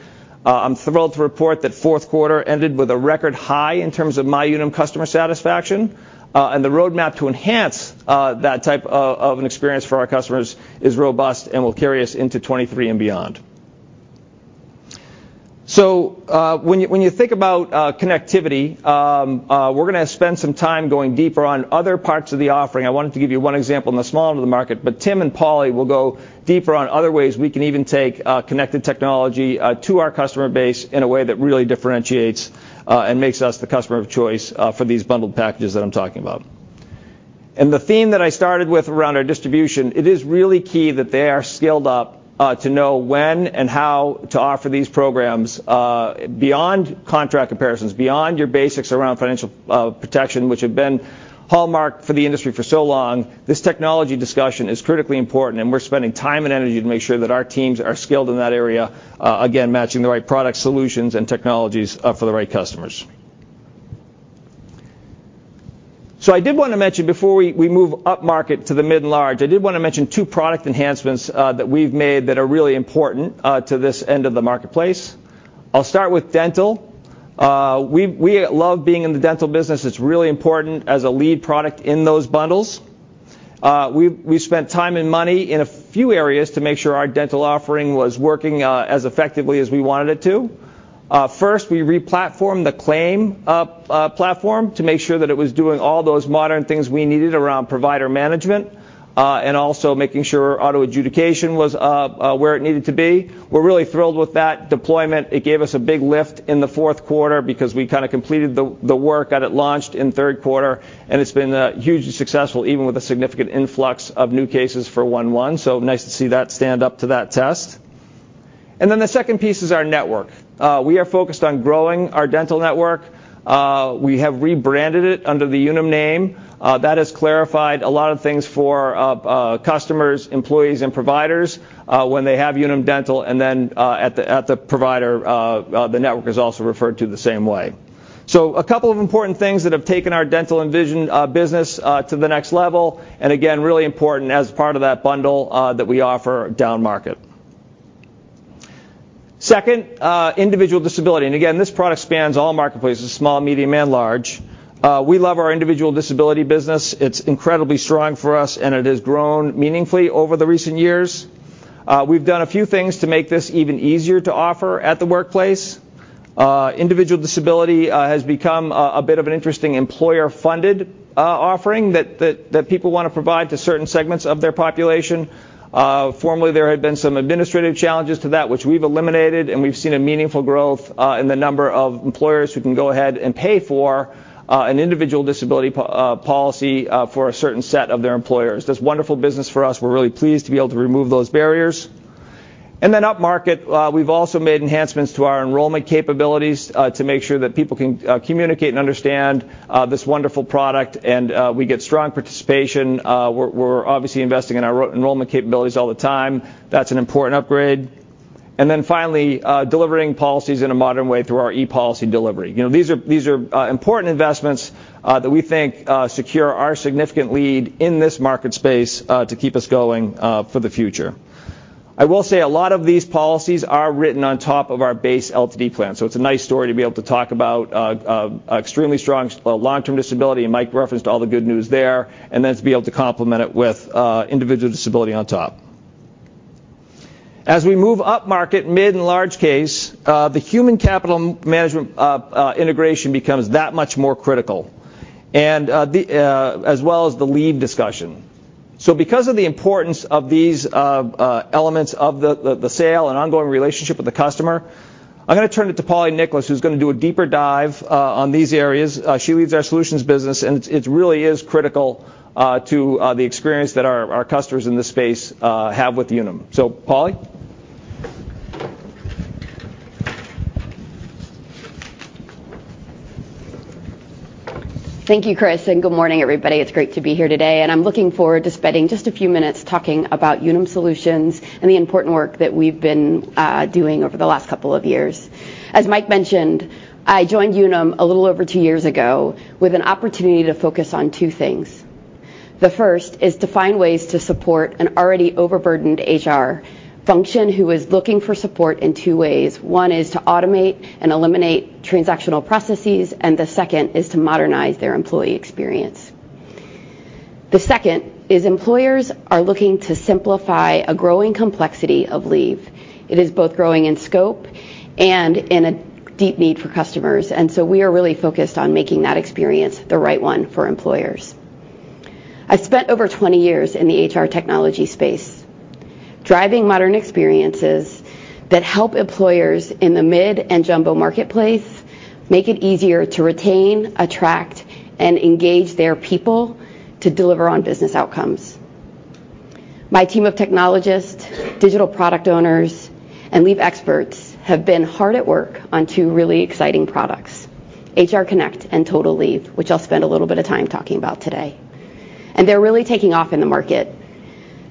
I'm thrilled to report that fourth quarter ended with a record high in terms of MyUnum customer satisfaction. The roadmap to enhance that type of an experience for our customers is robust and will carry us into 2023 and beyond. When you think about connectivity, we're gonna spend some time going deeper on other parts of the offering. I wanted to give you one example in the small end of the market, but Tim and Polly will go deeper on other ways we can even take connected technology to our customer base in a way that really differentiates and makes us the customer of choice for these bundled packages that I'm talking about. The theme that I started with around our distribution, it is really key that they are scaled up to know when and how to offer these programs beyond contract comparisons, beyond your basics around financial protection, which have been hallmark for the industry for so long. This technology discussion is critically important, and we're spending time and energy to make sure that our teams are skilled in that area, again, matching the right product solutions and technologies for the right customers. I did wanna mention before we move upmarket to the mid and large, I did wanna mention 2 product enhancements that we've made that are really important to this end of the marketplace. I'll start with Dental. We love being in the Dental business. It's really important as a lead product in those bundles. We spent time and money in a few areas to make sure our dental offering was working as effectively as we wanted it to. First we re-platformed the claim platform to make sure that it was doing all those modern things we needed around provider management and also making sure auto-adjudication was where it needed to be. We're really thrilled with that deployment. It gave us a big lift in the fourth quarter because we kinda completed the work, got it launched in third quarter, and it's been hugely successful, even with a significant influx of new cases for 1/1, so nice to see that stand up to that test. The second piece is our network. We are focused on growing our dental network. We have rebranded it under the Unum name. That has clarified a lot of things for customers, employees, and providers when they have Unum Dental, at the provider, the network is also referred to the same way. A couple of important things that have taken our dental and vision business to the next level, and again, really important as part of that bundle that we offer downmarket. Second, individual disability, this product spans all marketplaces, small, medium, and large. We love our individual disability business. It's incredibly strong for us, it has grown meaningfully over the recent years. We've done a few things to make this even easier to offer at the workplace. Individual disability has become a bit of an interesting employer-funded offering that people wanna provide to certain segments of their population. Formerly there had been some administrative challenges to that, which we've eliminated, and we've seen a meaningful growth in the number of employers who can go ahead and pay for an individual disability policy for a certain set of their employers. That's wonderful business for us. We're really pleased to be able to remove those barriers. Upmarket, we've also made enhancements to our enrollment capabilities to make sure that people can communicate and understand this wonderful product and we get strong participation. We're obviously investing in our enrollment capabilities all the time. That's an important upgrade. Finally, delivering policies in a modern way through our ePolicy delivery. You know, these are important investments that we think secure our significant lead in this market space to keep us going for the future. I will say a lot of these policies are written on top of our base LTD plan. It's a nice story to be able to talk about extremely strong long-term disability, and Mike referenced all the good news there, and then to be able to complement it with individual disability on top. As we move upmarket, mid and large case, the human capital management integration becomes that much more critical and the as well as the lead discussion. Because of the importance of these elements of the, the sale and ongoing relationship with the customer, I'm gonna turn it to Polly Nicholas, who's gonna do a deeper dive on these areas. She leads our solutions business, and it's, it really is critical to the experience that our customers in this space have with Unum. Polly? Thank you, Chris. Good morning, everybody. It's great to be here today. I'm looking forward to spending just a few minutes talking about Unum Solutions and the important work that we've been doing over the last couple of years. As Mike mentioned, I joined Unum a little over two years ago with an opportunity to focus on two things. The first is to find ways to support an already overburdened HR function who is looking for support in two ways. One is to automate and eliminate transactional processes. The second is to modernize their employee experience. The second is employers are looking to simplify a growing complexity of leave. It is both growing in scope and in a deep need for customers. We are really focused on making that experience the right one for employers. I spent over 20 years in the HR technology space, driving modern experiences that help employers in the mid and jumbo marketplace make it easier to retain, attract, and engage their people to deliver on business outcomes. My team of technologists, digital product owners, and leave experts have been hard at work on two really exciting products, HR Connect and Total Leave, which I'll spend a little bit of time talking about today. They're really taking off in the market,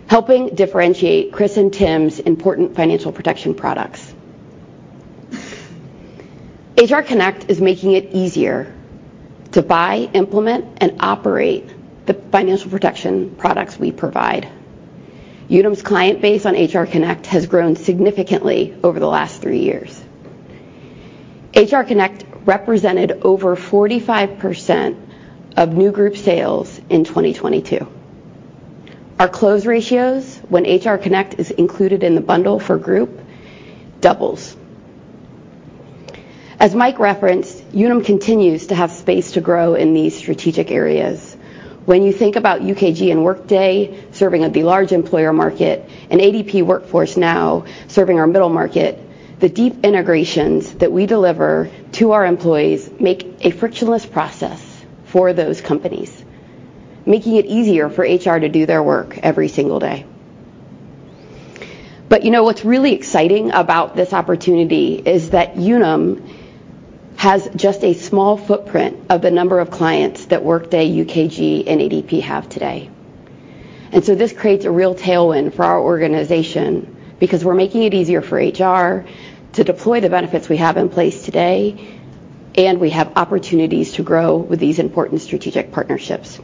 helping differentiate Chris and Tim's important financial protection products. HR Connect is making it easier to buy, implement, and operate the financial protection products we provide. Unum's client base on HR Connect has grown significantly over the last three years. HR Connect represented over 45% of new group sales in 2022. Our close ratios when HR Connect is included in the bundle for group doubles. As Mike referenced, Unum continues to have space to grow in these strategic areas. When you think about UKG and Workday serving the large employer market and ADP Workforce Now serving our middle market, the deep integrations that we deliver to our employees make a frictionless process for those companies, making it easier for HR to do their work every single day. You know what's really exciting about this opportunity is that Unum has just a small footprint of the number of clients that Workday, UKG, and ADP have today. This creates a real tailwind for our organization because we're making it easier for HR to deploy the benefits we have in place today, and we have opportunities to grow with these important strategic partnerships.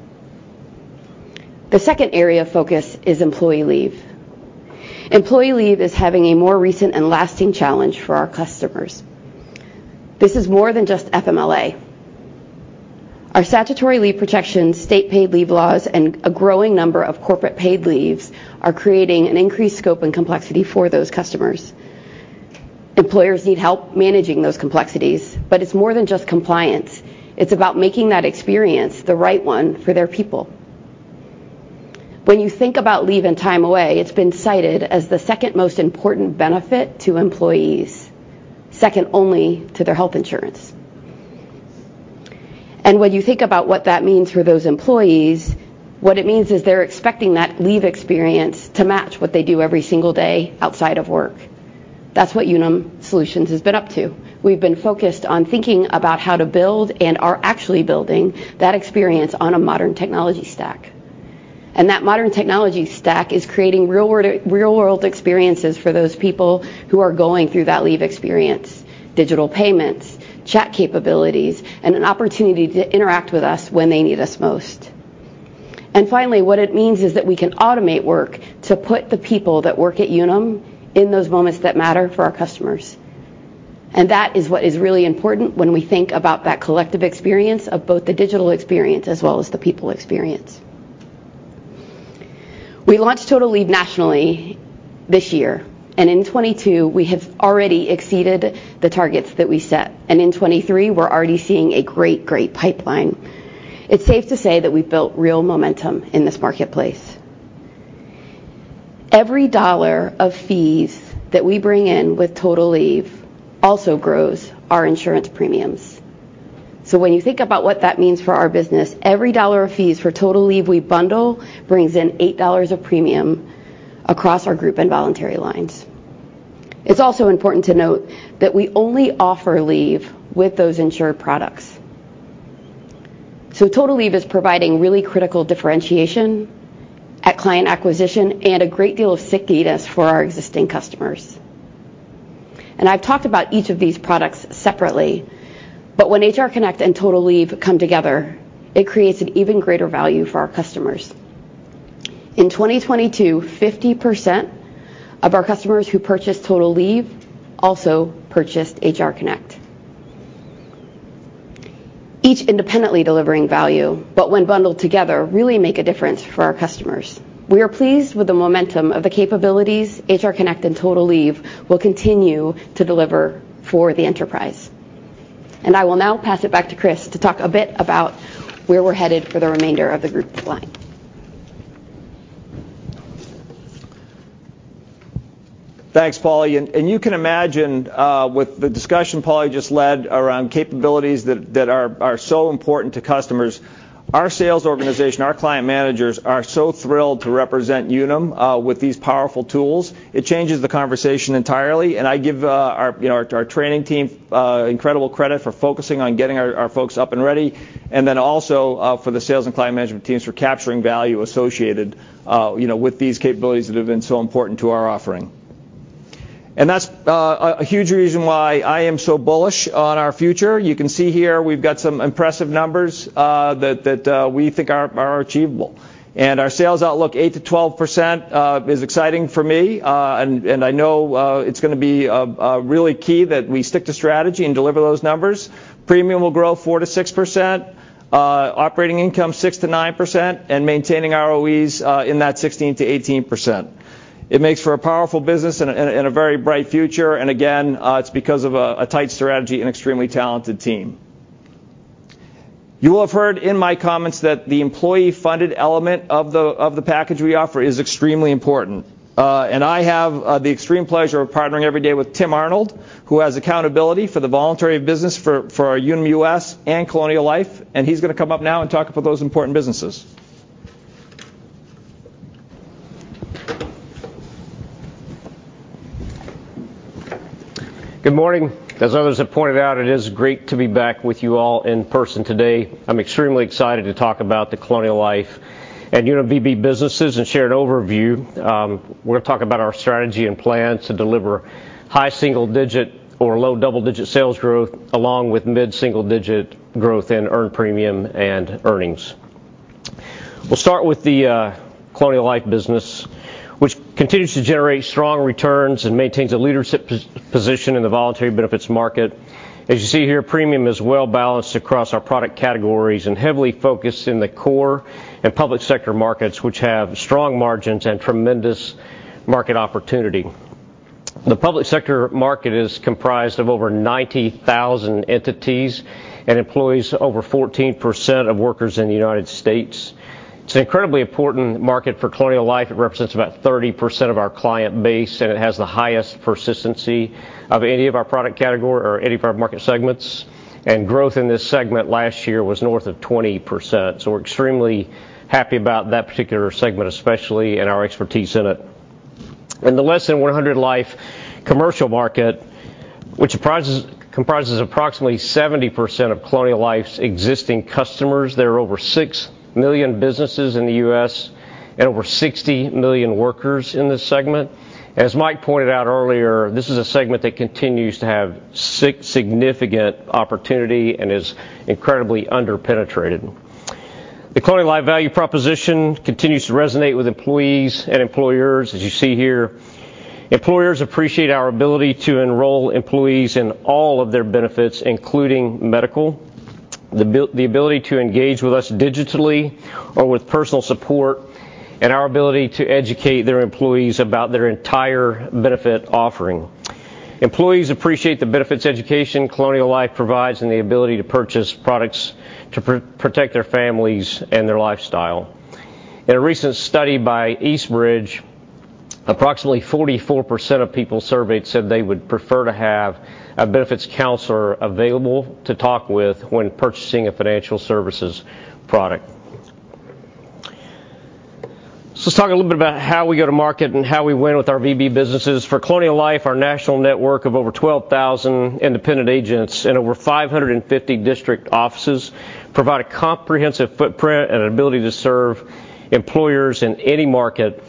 The second area of focus is employee leave. Employee leave is having a more recent and lasting challenge for our customers. This is more than just FMLA. Our statutory leave protections, state paid leave laws, and a growing number of corporate paid leaves are creating an increased scope and complexity for those customers. Employers need help managing those complexities, but it's more than just compliance. It's about making that experience the right one for their people. When you think about leave and time away, it's been cited as the second most important benefit to employees, second only to their health insurance. When you think about what that means for those employees, what it means is they're expecting that leave experience to match what they do every single day outside of work. That's what Unum Solutions has been up to. We've been focused on thinking about how to build and are actually building that experience on a modern technology stack. That modern technology stack is creating real-world experiences for those people who are going through that leave experience, digital payments, chat capabilities, and an opportunity to interact with us when they need us most. Finally, what it means is that we can automate work to put the people that work at Unum in those moments that matter for our customers. That is what is really important when we think about that collective experience of both the digital experience as well as the people experience. We launched Total Leave nationally this year, and in 2022 we have already exceeded the targets that we set, and in 2023 we're already seeing a great pipeline. It's safe to say that we've built real momentum in this marketplace. Every $1 of fees that we bring in with Total Leave also grows our insurance premiums. When you think about what that means for our business, every $1 of fees for Total Leave we bundle brings in $8 of premium across our group and voluntary lines. It's also important to note that we only offer leave with those insured products. Total Leave is providing really critical differentiation at client acquisition and a great deal of stickiness for our existing customers. I've talked about each of these products separately, but when HR Connect and Total Leave come together, it creates an even greater value for our customers. In 2022, 50% of our customers who purchased Total Leave also purchased HR Connect. Each independently delivering value, but when bundled together, really make a difference for our customers. We are pleased with the momentum of the capabilities HR Connect and Total Leave will continue to deliver for the enterprise. I will now pass it back to Chris to talk a bit about where we're headed for the remainder of the group's line. Thanks, Polly. You can imagine with the discussion Polly just led around capabilities that are so important to customers. Our sales organization, our client managers are so thrilled to represent Unum with these powerful tools. It changes the conversation entirely. I give our, you know, our training team incredible credit for focusing on getting our folks up and ready, and then also for the sales and client management teams for capturing value associated, you know, with these capabilities that have been so important to our offering. That's a huge reason why I am so bullish on our future. You can see here we've got some impressive numbers that we think are achievable. Our sales outlook, 8%-12%, is exciting for me. I know it's gonna be really key that we stick to strategy and deliver those numbers. Premium will grow 4%-6%, operating income 6%-9%, maintaining ROEs in that 16%-18%. It makes for a powerful business and a very bright future, again, it's because of a tight strategy and extremely talented team. You will have heard in my comments that the employee-funded element of the package we offer is extremely important. I have the extreme pleasure of partnering every day with Tim Arnold, who has accountability for the voluntary business for our Unum U.S. and Colonial Life, he's gonna come up now and talk about those important businesses. Good morning. As others have pointed out, it is great to be back with you all in person today. I'm extremely excited to talk about the Colonial Life and Unum VB businesses and share an overview. We're gonna talk about our strategy and plans to deliver high single-digit or low double-digit sales growth, along with mid-single-digit growth in earned premium and earnings. We'll start with the Colonial Life business, which continues to generate strong returns and maintains a leadership position in the voluntary benefits market. As you see here, premium is well-balanced across our product categories and heavily focused in the core and public sector markets, which have strong margins and tremendous market opportunity. The public sector market is comprised of over 90,000 entities and employs over 14% of workers in the United States. It's an incredibly important market for Colonial Life. It represents about 30% of our client base. It has the highest persistency of any of our product category or any of our market segments. Growth in this segment last year was north of 20%. We're extremely happy about that particular segment especially and our expertise in it. In the less than 100 life commercial market, which comprises approximately 70% of Colonial Life's existing customers, there are over 6 million businesses in the U.S. and over 60 million workers in this segment. As Mike pointed out earlier, this is a segment that continues to have significant opportunity and is incredibly under-penetrated. The Colonial Life value proposition continues to resonate with employees and employers, as you see here. Employers appreciate our ability to enroll employees in all of their benefits, including medical, the ability to engage with us digitally or with personal support, and our ability to educate their employees about their entire benefit offering. Employees appreciate the benefits education Colonial Life provides and the ability to protect their families and their lifestyle. In a recent study by Eastbridge, approximately 44% of people surveyed said they would prefer to have a benefits counselor available to talk with when purchasing a financial services product. Let's talk a little bit about how we go to market and how we win with our VB businesses. For Colonial Life, our national network of over 12,000 independent agents and over 550 district offices provide a comprehensive footprint and an ability to serve employers in any market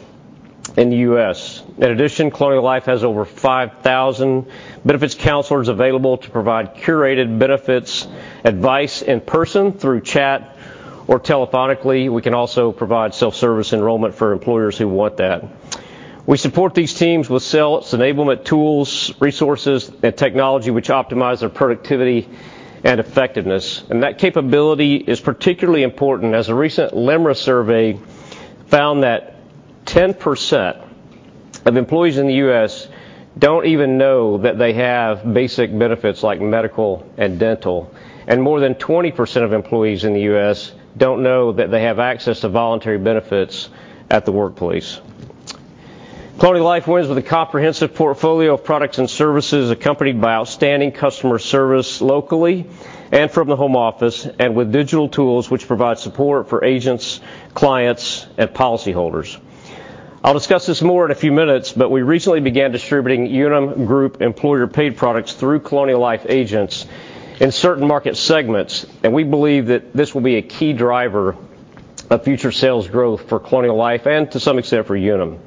in the U.S.. In addition, Colonial Life has over 5,000 benefits counselors available to provide curated benefits advice in person through chat or telephonically. We can also provide self-service enrollment for employers who want that. We support these teams with sales enablement tools, resources, and technology which optimize their productivity and effectiveness. That capability is particularly important, as a recent LIMRA survey found that 10% of employees in the U.S. don't even know that they have basic benefits like medical and dental, and more than 20% of employees in the U.S. don't know that they have access to voluntary benefits at the workplace. Colonial Life wins with a comprehensive portfolio of products and services accompanied by outstanding customer service locally and from the home office and with digital tools which provide support for agents, clients, and policyholders. I'll discuss this more in a few minutes, but we recently began distributing Unum Group employer paid products through Colonial Life agents in certain market segments, and we believe that this will be a key driver of future sales growth for Colonial Life and to some extent for Unum.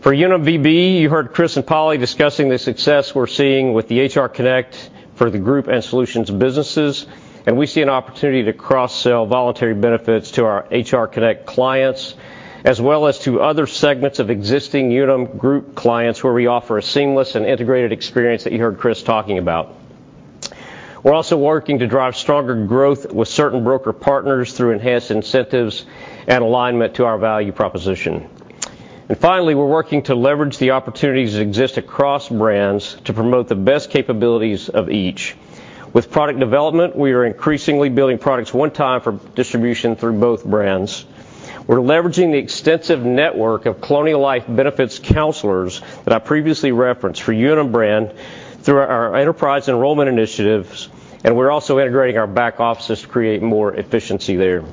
For Unum VB, you heard Chris and Polly discussing the success we're seeing with the HR Connect for the group and solutions businesses, and we see an opportunity to cross-sell voluntary benefits to our HR Connect clients, as well as to other segments of existing Unum Group clients where we offer a seamless and integrated experience that you heard Chris talking about. Finally, we're working to drive stronger growth with certain broker partners through enhanced incentives and alignment to our value proposition. Finally, we're working to leverage the opportunities that exist across brands to promote the best capabilities of each. With product development, we are increasingly building products one time for distribution through both brands. We're leveraging the extensive network of Colonial Life benefits counselors that I previously referenced for Unum Brand through our enterprise enrollment initiatives, and we're also integrating our back offices to create more efficiency there.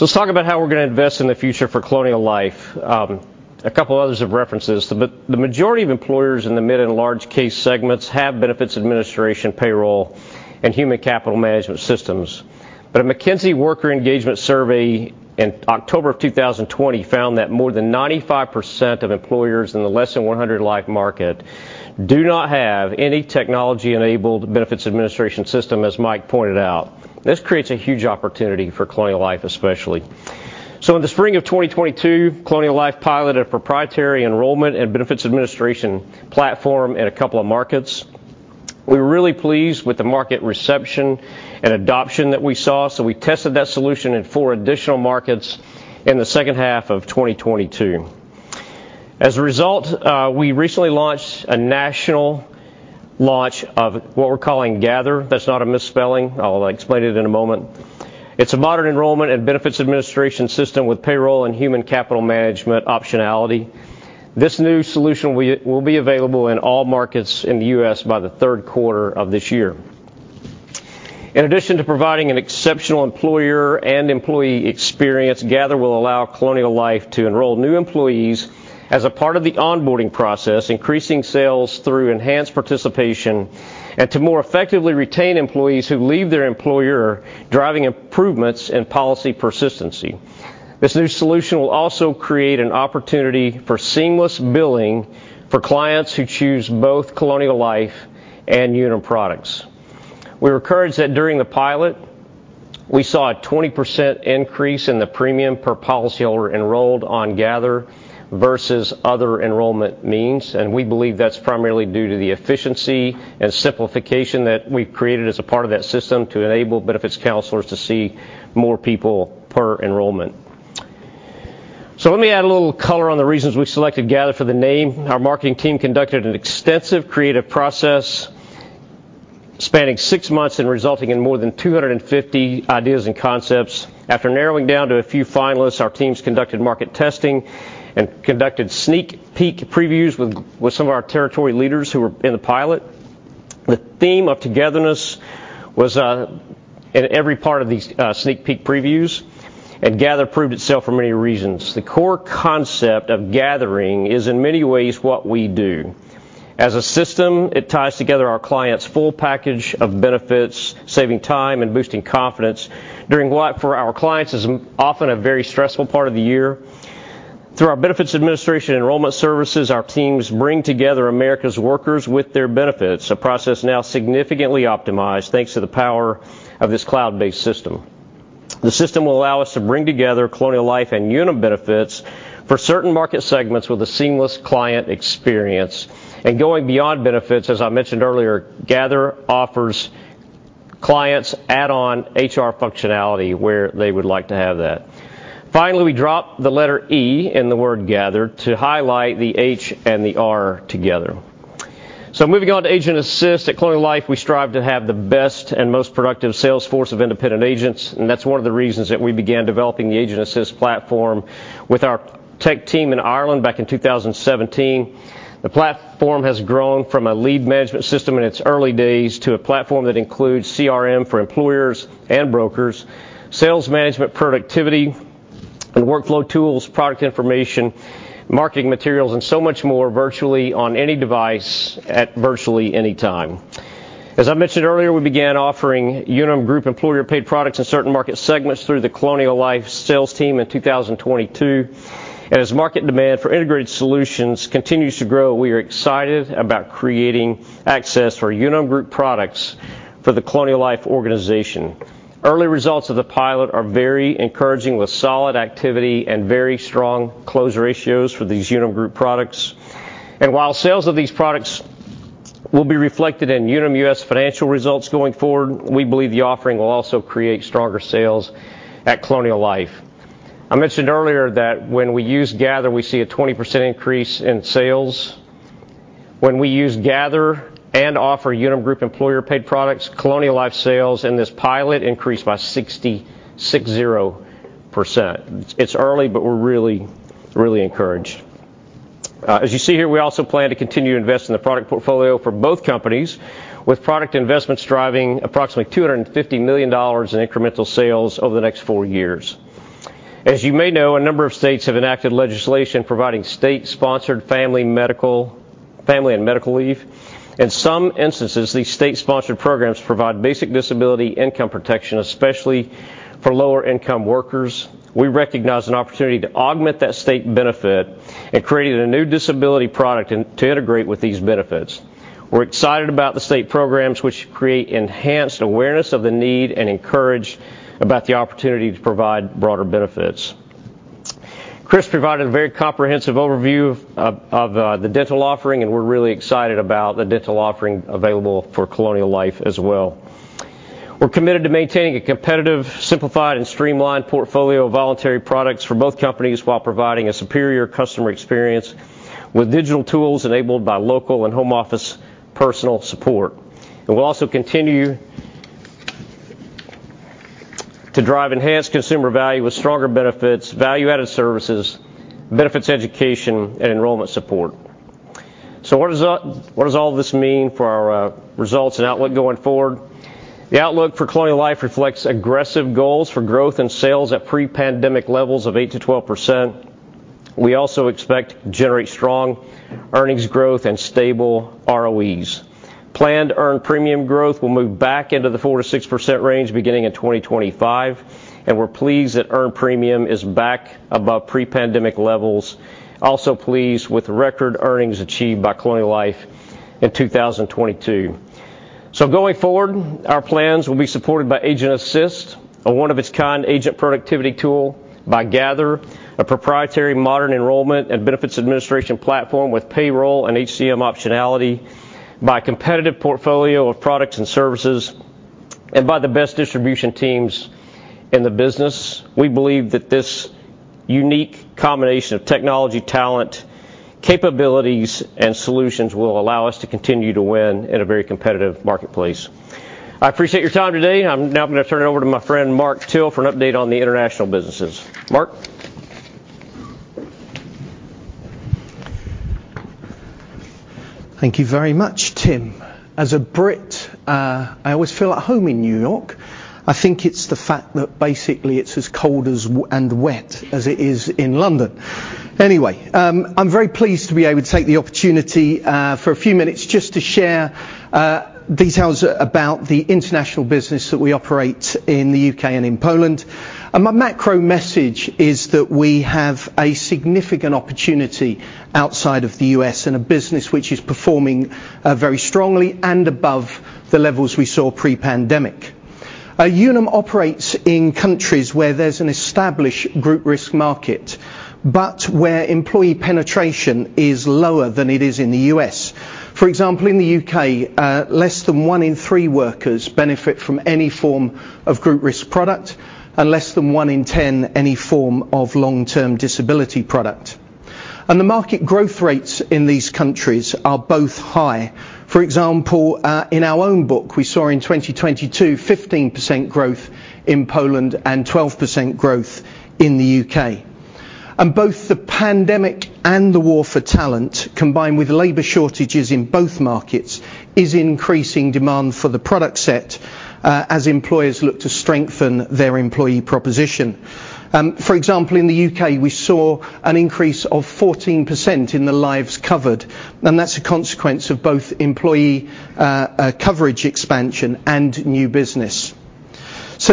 Let's talk about how we're going to invest in the future for Colonial Life. A couple others have referenced this. The majority of employers in the mid and large case segments have benefits administration, payroll, and human capital management systems. A McKinsey worker engagement survey in October of 2020 found that more than 95% of employers in the less than 100 life market do not have any technology-enabled benefits administration system, as Mike pointed out. This creates a huge opportunity for Colonial Life especially. In the spring of 2022, Colonial Life piloted a proprietary enrollment and benefits administration platform in a couple of markets. We were really pleased with the market reception and adoption that we saw, so we tested that solution in four additional markets in the second half of 2022. As a result, we recently launched a national launch of what we're calling Gather. That's not a misspelling. I'll explain it in a moment. It's a modern enrollment and benefits administration system with payroll and human capital management optionality. This new solution will be available in all markets in the U.S. by the third quarter of this year. In addition to providing an exceptional employer and employee experience, Gather will allow Colonial Life to enroll new employees as a part of the onboarding process, increasing sales through enhanced participation, and to more effectively retain employees who leave their employer, driving improvements in policy persistency. This new solution will also create an opportunity for seamless billing for clients who choose both Colonial Life and Unum products. We were encouraged that during the pilot, we saw a 20% increase in the premium per policyholder enrolled on Gather versus other enrollment means, and we believe that's primarily due to the efficiency and simplification that we've created as a part of that system to enable benefits counselors to see more people per enrollment. Let me add a little color on the reasons we selected Gather for the name. Our marketing team conducted an extensive creative process spanning six months and resulting in more than 250 ideas and concepts. After narrowing down to a few finalists, our teams conducted market testing and conducted sneak peek previews with some of our territory leaders who were in the pilot. The theme of togetherness was in every part of these sneak peek previews and Gather proved itself for many reasons. The core concept of gathering is in many ways what we do. As a system, it ties together our clients' full package of benefits, saving time and boosting confidence during what for our clients is often a very stressful part of the year. Through our benefits administration enrollment services, our teams bring together America's workers with their benefits, a process now significantly optimized thanks to the power of this cloud-based system. The system will allow us to bring together Colonial Life and Unum benefits for certain market segments with a seamless client experience. Going beyond benefits, as I mentioned earlier, Gather offers clients add-on HR functionality where they would like to have that. Finally, we dropped the letter E in the word Gather to highlight the H and the R together. Moving on to Agent Assist. At Colonial Life, we strive to have the best and most productive sales force of independent agents, and that's one of the reasons that we began developing the Agent Assist platform with our tech team in Ireland back in 2017. The platform has grown from a lead management system in its early days to a platform that includes CRM for employers and brokers, sales management, productivity and workflow tools, product information, marketing materials, and so much more virtually on any device at virtually any time. As I mentioned earlier, we began offering Unum Group employer-paid products in certain market segments through the Colonial Life sales team in 2022. As market demand for integrated solutions continues to grow, we are excited about creating access for Unum Group products for the Colonial Life organization. Early results of the pilot are very encouraging, with solid activity and very strong close ratios for these Unum Group products. While sales of these products will be reflected in Unum U.S. financial results going forward, we believe the offering will also create stronger sales at Colonial Life. I mentioned earlier that when we use Gather, we see a 20% increase in sales. When we use Gather and offer Unum Group employer-paid products, Colonial Life sales in this pilot increased by 660%. It's early, but we're really encouraged. As you see here, we also plan to continue to invest in the product portfolio for both companies with product investments driving approximately $250 million in incremental sales over the next four years. As you may know, a number of states have enacted legislation providing state-sponsored family, medical, family and medical leave. In some instances, these state-sponsored programs provide basic disability income protection, especially for lower-income workers. We recognize an opportunity to augment that state benefit and created a new disability product to integrate with these benefits. We're excited about the state programs, which create enhanced awareness of the need and encourage about the opportunity to provide broader benefits. Chris provided a very comprehensive overview of the dental offering, we're really excited about the dental offering available for Colonial Life as well. We're committed to maintaining a competitive, simplified, and streamlined portfolio of voluntary products for both companies while providing a superior customer experience. With digital tools enabled by local and home office personal support. We'll also continue to drive enhanced consumer value with stronger benefits, value-added services, benefits education, and enrollment support. What does all this mean for our results and outlook going forward? The outlook for Colonial Life reflects aggressive goals for growth in sales at pre-pandemic levels of 8%-12%. We also expect to generate strong earnings growth and stable ROEs. Planned earned premium growth will move back into the 4%-6% range beginning in 2025. We're pleased that earned premium is back above pre-pandemic levels. Also pleased with the record earnings achieved by Colonial Life in 2022. Going forward, our plans will be supported by Agent Assist, a one-of-its-kind agent productivity tool, by Gather, a proprietary modern enrollment and benefits administration platform with payroll and HCM optionality, by a competitive portfolio of products and services, and by the best distribution teams in the business. We believe that this unique combination of technology, talent, capabilities, and solutions will allow us to continue to win in a very competitive marketplace. I appreciate your time today. I'm now going to turn it over to my friend Mark Till for an update on the international businesses. Mark. Thank you very much, Tim. As a Brit, I always feel at home in New York. I think it's the fact that basically it's as cold as and wet as it is in London. I'm very pleased to be able to take the opportunity for a few minutes just to share details about the international business that we operate in the U.K. and in Poland. My macro message is that we have a significant opportunity outside of the U.S. in a business which is performing very strongly and above the levels we saw pre-pandemic. Unum operates in countries where there's an established group risk market, but where employee penetration is lower than it is in the U.S. For example, in the U.K., less than one in three workers benefit from any form of group risk product, and less than one in ten any form of long-term disability product. The market growth rates in these countries are both high. For example, in our own book, we saw in 2022 15% growth in Poland and 12% growth in the U.K.. Both the pandemic and the war for talent, combined with labor shortages in both markets, is increasing demand for the product set, as employers look to strengthen their employee proposition. For example, in the U.K., we saw an increase of 14% in the lives covered, and that's a consequence of both employee coverage expansion and new business.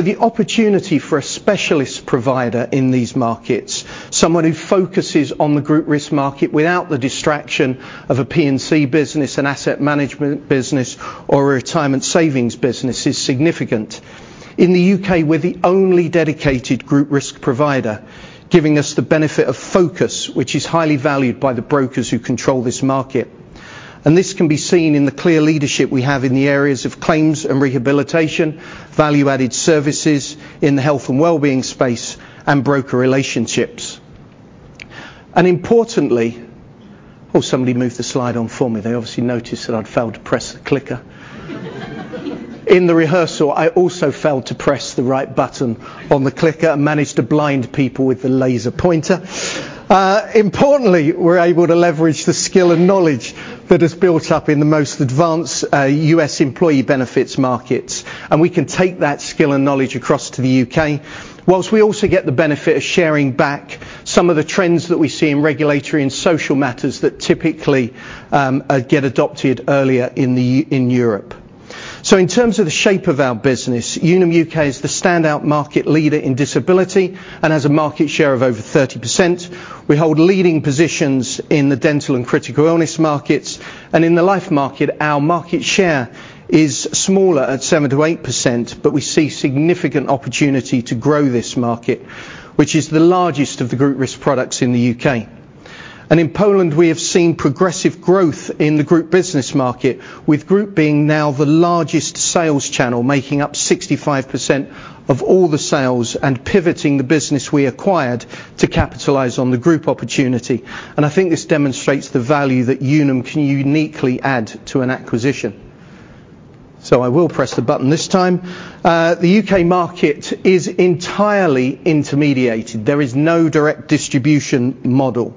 The opportunity for a specialist provider in these markets, someone who focuses on the group risk market without the distraction of a P&C business, an asset management business, or a retirement savings business, is significant. In the U.K., we're the only dedicated group risk provider, giving us the benefit of focus, which is highly valued by the brokers who control this market. This can be seen in the clear leadership we have in the areas of claims and rehabilitation, value-added services in the health and wellbeing space, and broker relationships. Importantly... Oh, somebody moved the slide on for me. They obviously noticed that I'd failed to press the clicker. In the rehearsal, I also failed to press the right button on the clicker and managed to blind people with the laser pointer. Importantly, we're able to leverage the skill and knowledge that is built up in the most advanced U.S. employee benefits markets, and we can take that skill and knowledge across to the U.K., whilst we also get the benefit of sharing back some of the trends that we see in regulatory and social matters that typically get adopted earlier in Europe. In terms of the shape of our business, Unum U.K. is the standout market leader in disability and has a market share of over 30%. We hold leading positions in the dental and critical illness markets. In the life market, our market share is smaller at 7%-8%, but we see significant opportunity to grow this market, which is the largest of the group risk products in the U.K. In Poland, we have seen progressive growth in the group business market, with group being now the largest sales channel, making up 65% of all the sales and pivoting the business we acquired to capitalize on the group opportunity. I think this demonstrates the value that Unum can uniquely add to an acquisition. I will press the button this time. The U.K. market is entirely intermediated. There is no direct distribution model.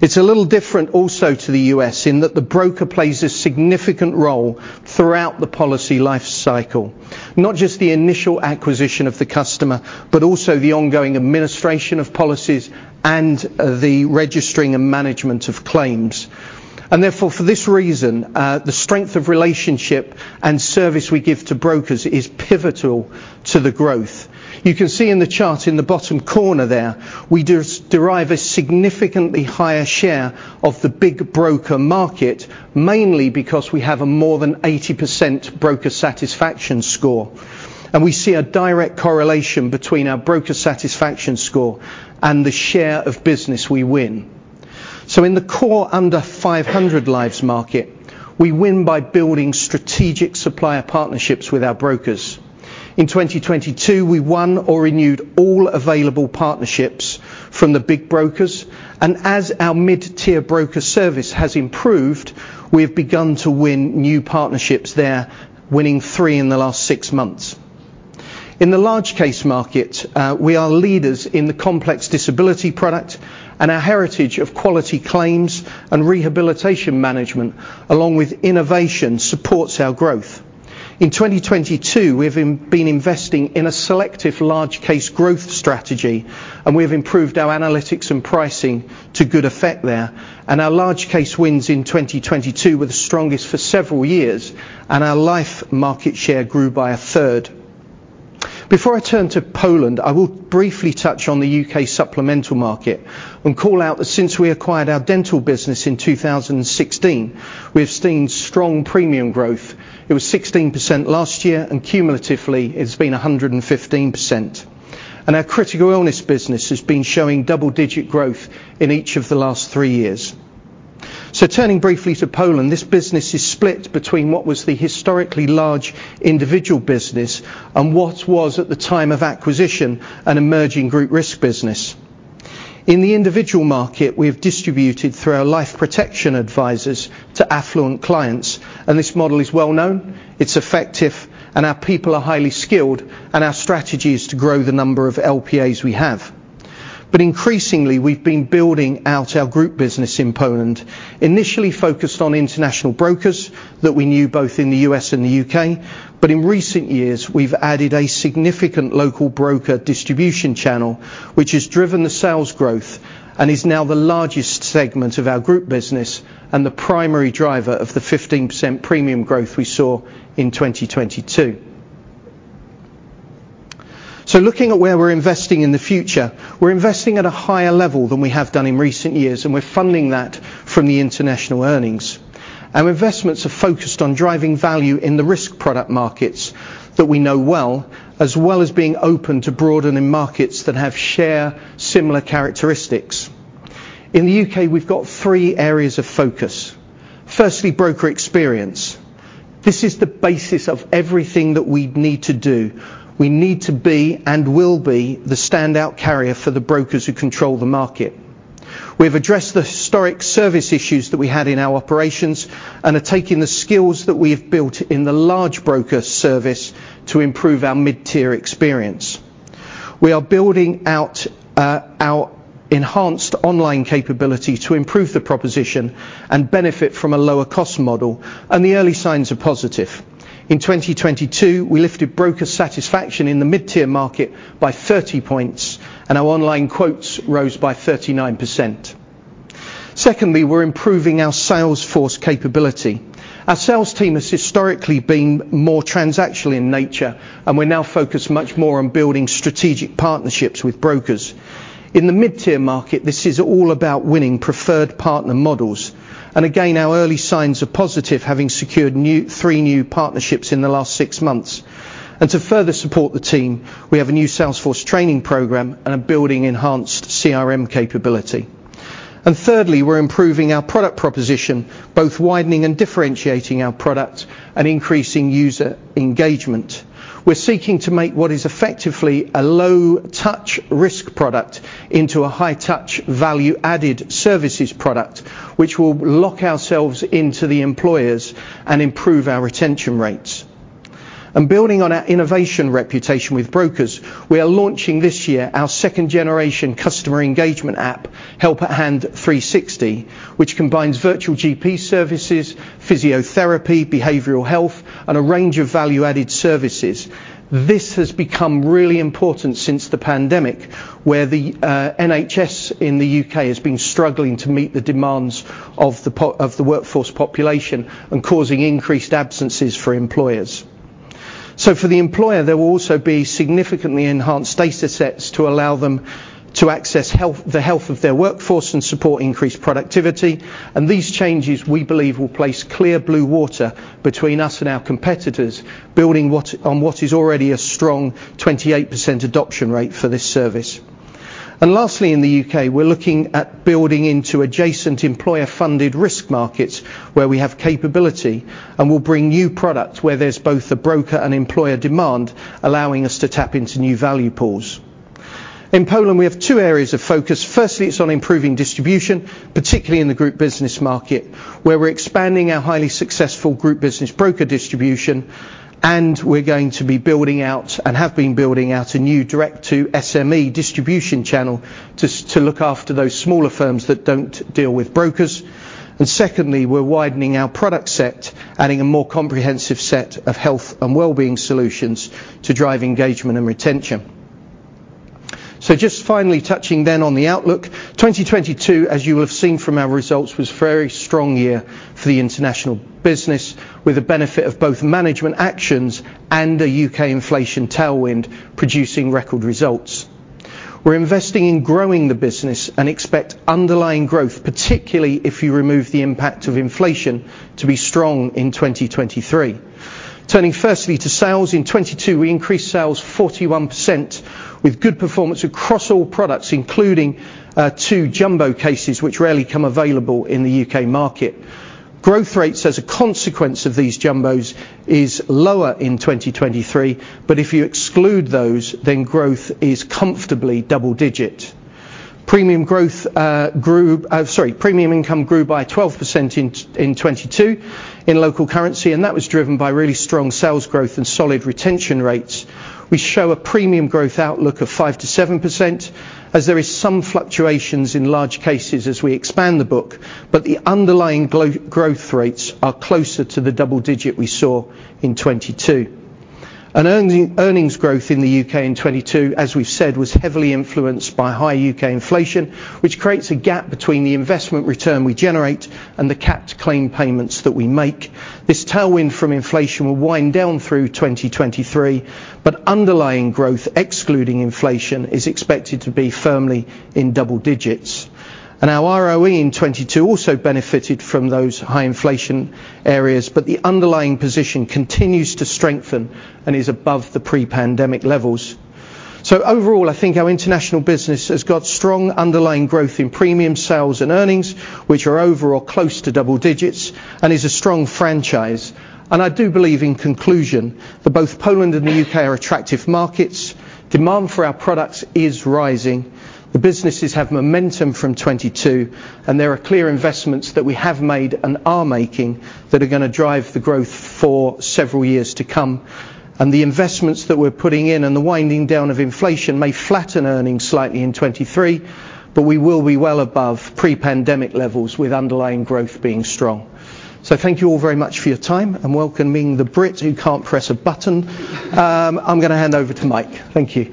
It's a little different also to the U.S. in that the broker plays a significant role throughout the policy life cycle, not just the initial acquisition of the customer, but also the ongoing administration of policies and the registering and management of claims. Therefore, for this reason, the strength of relationship and service we give to brokers is pivotal to the growth. You can see in the chart in the bottom corner there, we derive a significantly higher share of the big broker market, mainly because we have a more than 80% broker satisfaction score. We see a direct correlation between our broker satisfaction score and the share of business we win. In the core under 500 lives market, we win by building strategic supplier partnerships with our brokers. In 2022, we won or renewed all available partnerships from the big brokers. As our mid-tier broker service has improved, we have begun to win new partnerships there, winning three in the last six months. In the large case market, we are leaders in the complex disability product and our heritage of quality claims and rehabilitation management, along with innovation, supports our growth. In 2022, we have been investing in a selective large case growth strategy, and we have improved our analytics and pricing to good effect there. Our large case wins in 2022 were the strongest for several years, and our life market share grew by 1/3. Before I turn to Poland, I will briefly touch on the U.K. supplemental market and call out that since we acquired our Unum Dental business in 2016, we have seen strong premium growth. It was 16% last year, and cumulatively it has been 115%. Our critical illness business has been showing double-digit growth in each of the last three years. Turning briefly to Poland, this business is split between what was the historically large individual business and what was, at the time of acquisition, an emerging group risk business. In the individual market, we have distributed through our life protection advisors to affluent clients. This model is well known. It's effective. Our people are highly skilled. Our strategy is to grow the number of LPAs we have. Increasingly, we've been building out our group business in Poland, initially focused on international brokers that we knew both in the U.S. and the U.K. In recent years, we've added a significant local broker distribution channel, which has driven the sales growth and is now the largest segment of our group business and the primary driver of the 15% premium growth we saw in 2022. Looking at where we're investing in the future, we're investing at a higher level than we have done in recent years. We're funding that from the international earnings. Our investments are focused on driving value in the risk product markets that we know well, as well as being open to broadening markets that have share similar characteristics. In the U.K., we've got 3 areas of focus. Firstly, broker experience. This is the basis of everything that we need to do. We need to be and will be the standout carrier for the brokers who control the market. We've addressed the historic service issues that we had in our operations and are taking the skills that we have built in the large broker service to improve our mid-tier experience. We are building out our enhanced online capability to improve the proposition and benefit from a lower cost model, and the early signs are positive. In 2022, we lifted broker satisfaction in the mid-tier market by 30 points, and our online quotes rose by 39%. Secondly, we're improving our sales force capability. Our sales team has historically been more transactional in nature, and we're now focused much more on building strategic partnerships with brokers. In the mid-tier market, this is all about winning preferred partner models. Again, our early signs are positive, having secured 3 new partnerships in the last 6 months. To further support the team, we have a new sales force training program and are building enhanced CRM capability. Thirdly, we're improving our product proposition, both widening and differentiating our product and increasing user engagement. We're seeking to make what is effectively a low touch risk product into a high touch value-added services product, which will lock ourselves into the employers and improve our retention rates. Building on our innovation reputation with brokers, we are launching this year our 2nd generation customer engagement app, Help@hand 360, which combines virtual GP services, physiotherapy, behavioral health, and a range of value-added services. This has become really important since the pandemic, where the NHS in the U.K. has been struggling to meet the demands of the workforce population and causing increased absences for employers. For the employer, there will also be significantly enhanced data sets to allow them to access the health of their workforce and support increased productivity. These changes, we believe, will place clear blue water between us and our competitors, building on what is already a strong 28% adoption rate for this service. Lastly, in the U.K., we're looking at building into adjacent employer-funded risk markets where we have capability and will bring new products where there's both a broker and employer demand, allowing us to tap into new value pools. In Poland, we have two areas of focus. Firstly, it's on improving distribution, particularly in the group business market, where we're expanding our highly successful group business broker distribution, and we're going to be building out and have been building out a new direct-to-SME distribution channel to look after those smaller firms that don't deal with brokers. Secondly, we're widening our product set, adding a more comprehensive set of health and wellbeing solutions to drive engagement and retention. Just finally touching then on the outlook. 2022, as you have seen from our results, was a very strong year for the international business with the benefit of both management actions and a U.K. inflation tailwind producing record results. We're investing in growing the business. We expect underlying growth, particularly if you remove the impact of inflation to be strong in 2023. Turning firstly to sales. In 2022, we increased sales 41% with good performance across all products, including two jumbo cases which rarely come available in the U.K. market. Growth rates as a consequence of these jumbos is lower in 2023. If you exclude those, growth is comfortably double-digit. Premium income grew by 12% in 2022 in local currency. That was driven by really strong sales growth and solid retention rates. We show a premium growth outlook of 5%-7% as there is some fluctuations in large cases as we expand the book, but the underlying growth rates are closer to the double digit we saw in 2022. Earnings growth in the U.K. in 2022, as we've said, was heavily influenced by high U.K. inflation, which creates a gap between the investment return we generate and the capped claim payments that we make. This tailwind from inflation will wind down through 2023, but underlying growth, excluding inflation, is expected to be firmly in double digits. Our ROE in 2022 also benefited from those high inflation areas, but the underlying position continues to strengthen and is above the pre-pandemic levels. Overall, I think our international business has got strong underlying growth in premium sales and earnings, which are overall close to double digits and is a strong franchise. I do believe, in conclusion, that both Poland and the U.K. are attractive markets. Demand for our products is rising. The businesses have momentum from 22, and there are clear investments that we have made and are making that's gonna drive the growth for several years to come. The investments that we're putting in and the winding down of inflation may flatten earnings slightly in 23, but we will be well above pre-pandemic levels with underlying growth being strong. Thank you all very much for your time, and welcoming the Brit who can't press a button. I'm gonna hand over to Mike. Thank you.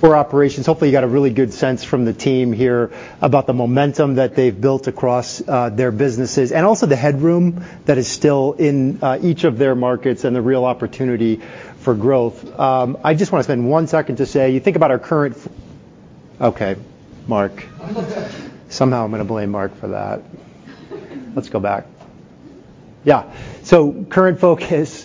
Thanks, Mark. Key takeaways across core operations. Hopefully you got a really good sense from the team here about the momentum that they've built across their businesses and also the headroom that is still in each of their markets and the real opportunity for growth. I just want to spend one second to say, you think about our current. Okay, Mark. Somehow I'm going to blame Mark for that. Let's go back. Current focus,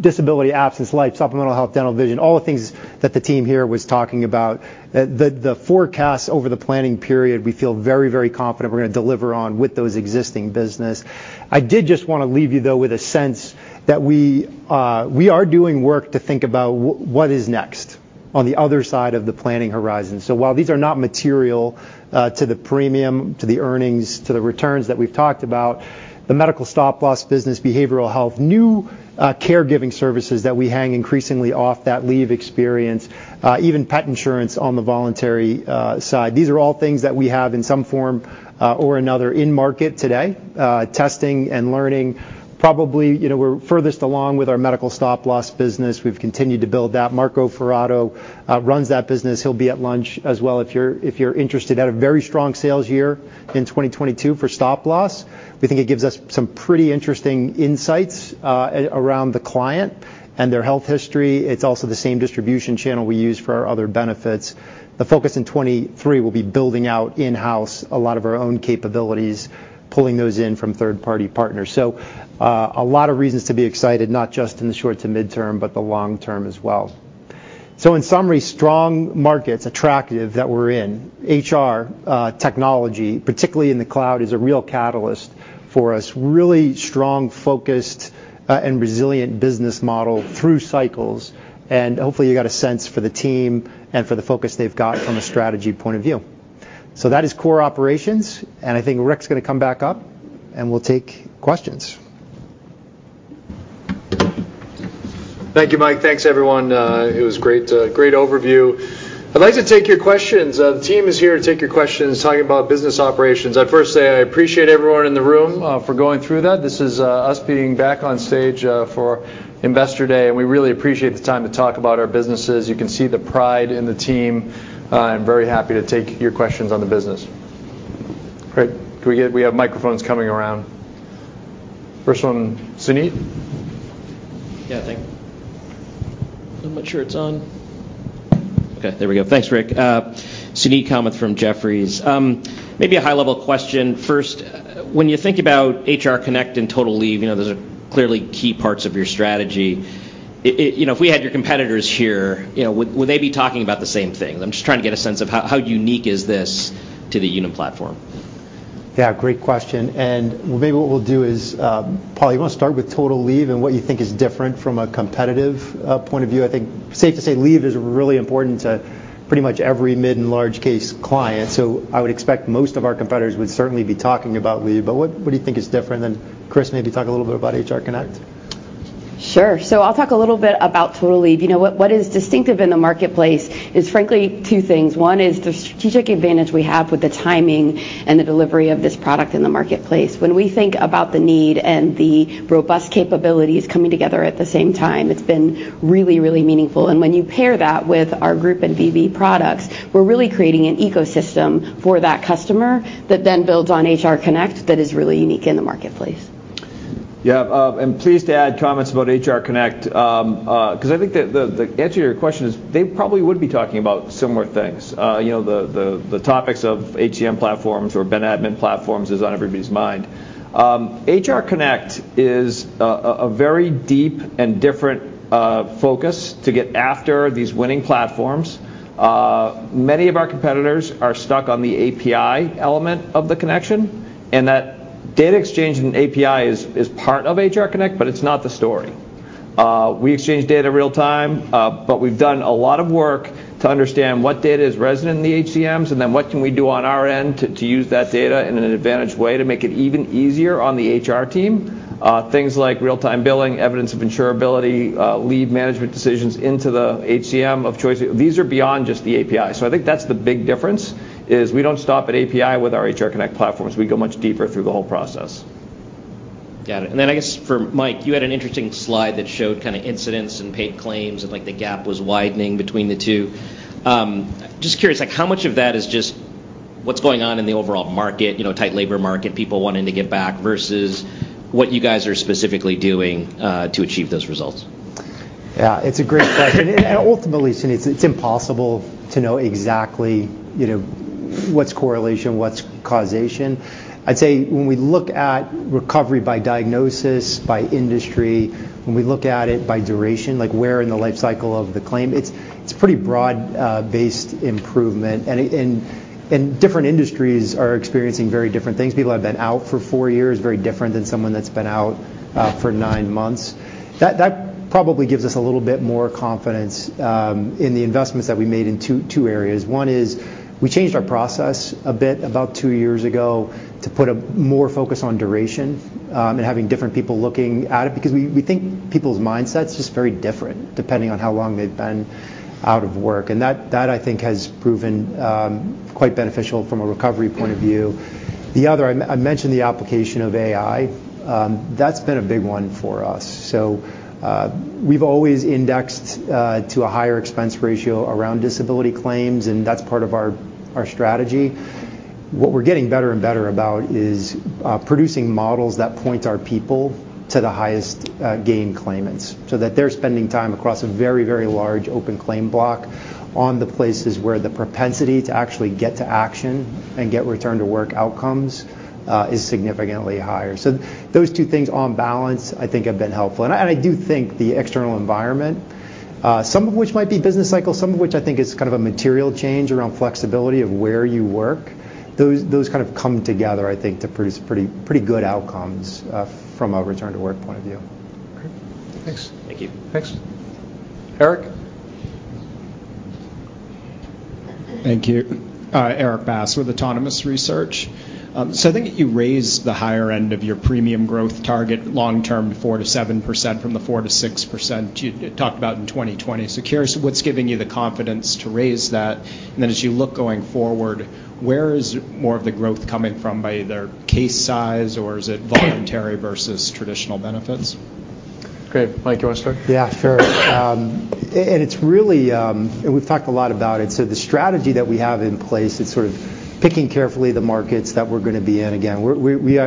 disability, absence life, supplemental health, dental, vision, all the things that the team here was talking about. The forecast over the planning period, we feel very, very confident we're going to deliver on with those existing business. I did just want to leave you, though, with a sense that we are doing work to think about what is next on the other side of the planning horizon. While these are not material to the premium, to the earnings, to the returns that we've talked about, the Medical Stop Loss business, behavioral health, new caregiving services that we hang increasingly off that leave experience, even pet insurance on the voluntary side, these are all things that we have in some form or another in market today, testing and learning. Probably, you know, we're furthest along with our Medical Stop Loss business. We've continued to build that. Marco Forato runs that business. He'll be at lunch as well if you're interested. Had a very strong sales year in 2022 for Stop Loss. We think it gives us some pretty interesting insights around the client and their health history. It's also the same distribution channel we use for our other benefits. The focus in 2023 will be building out in-house a lot of our own capabilities, pulling those in from third-party partners. A lot of reasons to be excited, not just in the short to midterm, but the long term as well. In summary, strong markets, attractive that we're in. HR, technology, particularly in the cloud, is a real catalyst for us. Really strong, focused, and resilient business model through cycles, and hopefully you got a sense for the team and for the focus they've got from a strategy point of view. That is core operations, and I think Rick's gonna come back up, and we'll take questions. Thank you, Mike. Thanks, everyone. It was great overview. I'd like to take your questions. The team is here to take your questions, talking about business operations. I'd first say I appreciate everyone in the room for going through that. This is us being back on stage for Investor Day. We really appreciate the time to talk about our businesses. You can see the pride in the team. I'm very happy to take your questions on the business. Great. We have microphones coming around. First one, Suneet? Yeah. Thank you. I'm not sure it's on. Okay, there we go. Thanks, Rick. Suneet Kamath from Jefferies. Maybe a high-level question first. When you think about Unum HR Connect and Unum Total Leave, you know, those are clearly key parts of your strategy. You know, if we had your competitors here, you know, would they be talking about the same thing? I'm just trying to get a sense of how unique is this to the Unum platform. Yeah, great question. Well, maybe what we'll do is, Polly, you wanna start with Total Leave and what you think is different from a competitive point of view? I think safe to say leave is really important to pretty much every mid and large case client. I would expect most of our competitors would certainly be talking about leave. What do you think is different? Chris, maybe talk a little bit about HR Connect. Sure. I'll talk a little bit about Total Leave. You know what is distinctive in the marketplace is frankly two things. One is the strategic advantage we have with the timing and the delivery of this product in the marketplace. When we think about the need and the robust capabilities coming together at the same time, it's been really, really meaningful. When you pair that with our group and VB products, we're really creating an ecosystem for that customer that then builds on HR Connect that is really unique in the marketplace. Yeah. Please add comments about HR Connect, 'cause I think the, the answer to your question is they probably would be talking about similar things. You know, the, the topics of HCM platforms or Ben admin platforms is on everybody's mind. Unum HR Connect is a very deep and different focus to get after these winning platforms. Many of our competitors are stuck on the API element of the connection, and that data exchange and API is part of Unum HR Connect, but it's not the story. We exchange data real time. We've done a lot of work to understand what data is resident in the HCMs, then what can we do on our end to use that data in an advantaged way to make it even easier on the HR team. Things like real-time billing, evidence of insurability, lead management decisions into the HCM of choice. These are beyond just the API. I think that's the big difference, is we don't stop at API with our Unum HR Connect platforms. We go much deeper through the whole process. Got it. I guess for Mike, you had an interesting slide that showed kind of incidents and paid claims, and, like, the gap was widening between the two. Just curious, like, how much of that is just what's going on in the overall market, you know, tight labor market, people wanting to get back, versus what you guys are specifically doing, to achieve those results? Yeah. Ultimately, it's impossible to know exactly, you know, what's correlation, what's causation. I'd say when we look at recovery by diagnosis, by industry, when we look at it by duration, like where in the life cycle of the claim, it's pretty broad, based improvement. Different industries are experiencing very different things. People have been out for four years, very different than someone that's been out for 9 months. That probably gives us a little bit more confidence in the investments that we made in two areas. One is we changed our process a bit about two years ago to put a more focus on duration, and having different people looking at it because we think people's mindset's just very different depending on how long they've been out of work. That I think has proven quite beneficial from a recovery point of view. The other, I mentioned the application of AI. That's been a big one for us. We've always indexed to a higher expense ratio around disability claims, and that's part of our strategy. What we're getting better and better about is producing models that point our people to the highest gain claimants, so that they're spending time across a very, very large open claim block on the places where the propensity to actually get to action and get return-to-work outcomes is significantly higher. Those 2 things on balance I think have been helpful. I do think the external environment, some of which might be business cycle, some of which I think is kind of a material change around flexibility of where you work, those kind of come together, I think, to produce pretty good outcomes, from a return-to-work point of view. Great. Thanks. Thank you. Thanks. Erik? Thank you. Erik Bass with Autonomous Research. I think you raised the higher end of your premium growth target long term 4% to 7% from the 4% to 6% you talked about in 2020. Curious, what's giving you the confidence to raise that? As you look going forward, where is more of the growth coming from, by either case size or is it voluntary versus traditional benefits? Great. Mike, you wanna start? Yeah, sure. It's really, we've talked a lot about it. The strategy that we have in place, it's sort of picking carefully the markets that we're going to be in.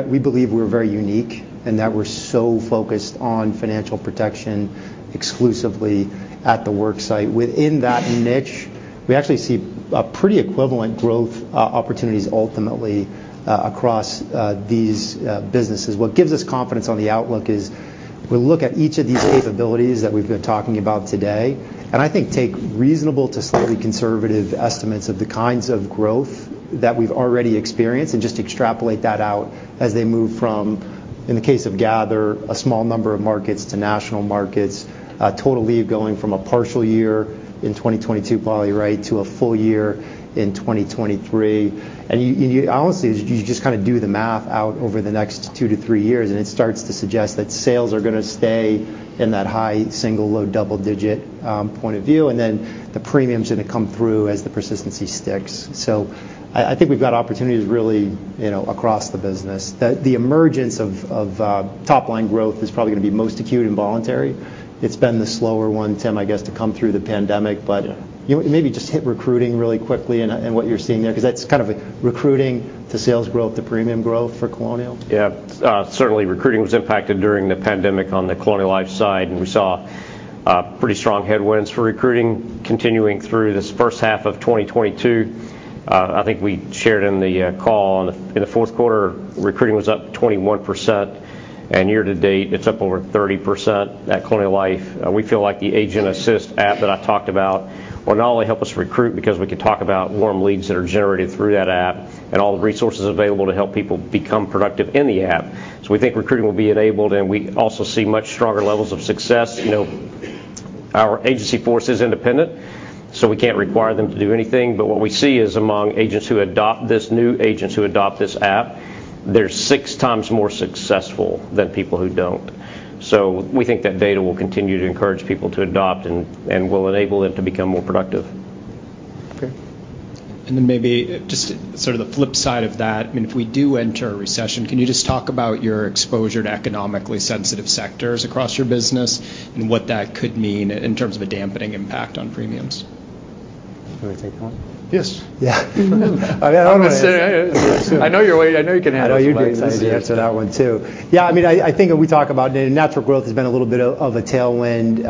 We believe we're very unique in that we're so focused on financial protection exclusively at the worksite. Within that niche, we actually see a pretty equivalent growth opportunities ultimately across these businesses. What gives us confidence on the outlook is we look at each of these capabilities that we've been talking about today, and I think take reasonable to slightly conservative estimates of the kinds of growth that we've already experienced and just extrapolate that out as they move from, in the case of Gather, a small number of markets to national markets. TotalLeave going from a partial year in 2022, probably right, to a full year in 2023. You honestly, you just kind of do the math out over the next 2-3 years, and it starts to suggest that sales are gonna stay in that high single, low double-digit point of view, and then the premium's gonna come through as the persistency sticks. I think we've got opportunities really, you know, across the business. The emergence of top line growth is probably gonna be most acute and voluntary. It's been the slower one, Tim, I guess, to come through the pandemic, but you maybe just hit recruiting really quickly and what you're seeing there, 'cause that's kind of recruiting to sales growth to premium growth for Colonial. Certainly recruiting was impacted during the pandemic on the Colonial Life side. We saw pretty strong headwinds for recruiting continuing through this first half of 2022. I think we shared in the call in the fourth quarter, recruiting was up 21%, year to date it's up over 30% at Colonial Life. We feel like the Agent Assist app that I talked about will not only help us recruit because we can talk about warm leads that are generated through that app and all the resources available to help people become productive in the app. We think recruiting will be enabled. We also see much stronger levels of success. You know, our agency force is independent, we can't require them to do anything. What we see is among agents who adopt this app, they're 6 times more successful than people who don't. We think that data will continue to encourage people to adopt and will enable them to become more productive. Okay. Then maybe just sort of the flip side of that, I mean, if we do enter a recession, can you just talk about your exposure to economically sensitive sectors across your business and what that could mean in terms of a dampening impact on premiums? You want me to take that one? Yes. Yeah. I mean, I wanna say... I know you're waiting. I know you can add to that. I know you're dying to answer that one too. Yeah, I mean, I think we talk about natural growth has been a little bit of a tailwind.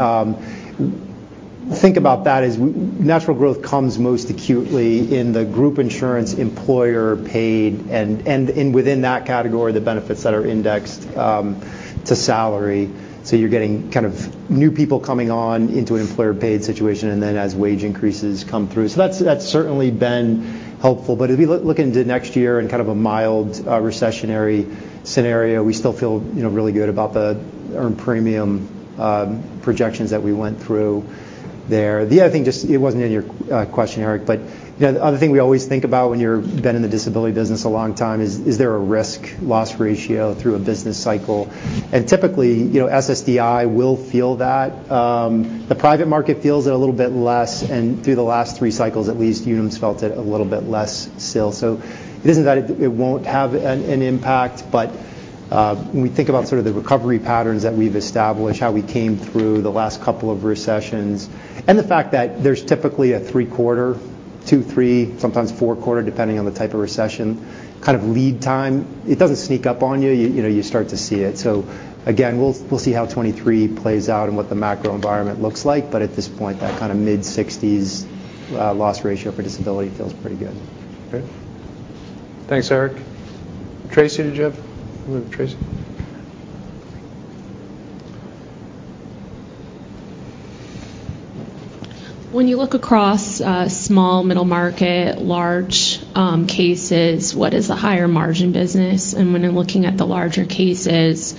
Think about that as natural growth comes most acutely in the group insurance employer paid, and within that category, the benefits that are indexed to salary. You're getting kind of new people coming on into an employer-paid situation and then as wage increases come through. That's certainly been helpful. If you look into next year in kind of a mild recessionary scenario, we still feel, you know, really good about the earned premium projections that we went through there. The other thing, it wasn't in your question, Erik, you know, the other thing we always think about when you've been in the disability business a long time is there a risk loss ratio through a business cycle? Typically, you know, SSDI will feel that. The private market feels it a little bit less, and through the last three cycles, at least Unum's felt it a little bit less still. It isn't that it won't have an impact, but when we think about sort of the recovery patterns that we've established, how we came through the last couple of recessions, and the fact that there's typically a three-quarter, two, three, sometimes four-quarter, depending on the type of recession, kind of lead time. It doesn't sneak up on you. You know, you start to see it. Again, we'll see how 23 plays out and what the macro environment looks like, but at this point, that kinda mid-60s loss ratio for disability feels pretty good. Okay. Thanks, Erik. Tracy, did you have...? Tracy. When you look across small middle market, large cases, what is the higher margin business? When you're looking at the larger cases,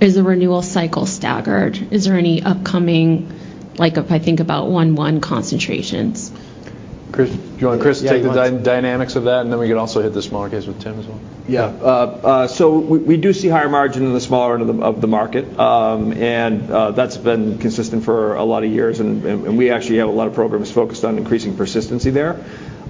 is the renewal cycle staggered? Is there any upcoming, like if I think about 1-1 concentrations? Chris, do you want Chris to take the dynamics of that, and then we can also hit the small case with Tim as well? Yeah. We do see higher margin in the smaller of the market. That's been consistent for a lot of years, and we actually have a lot of programs focused on increasing persistency there.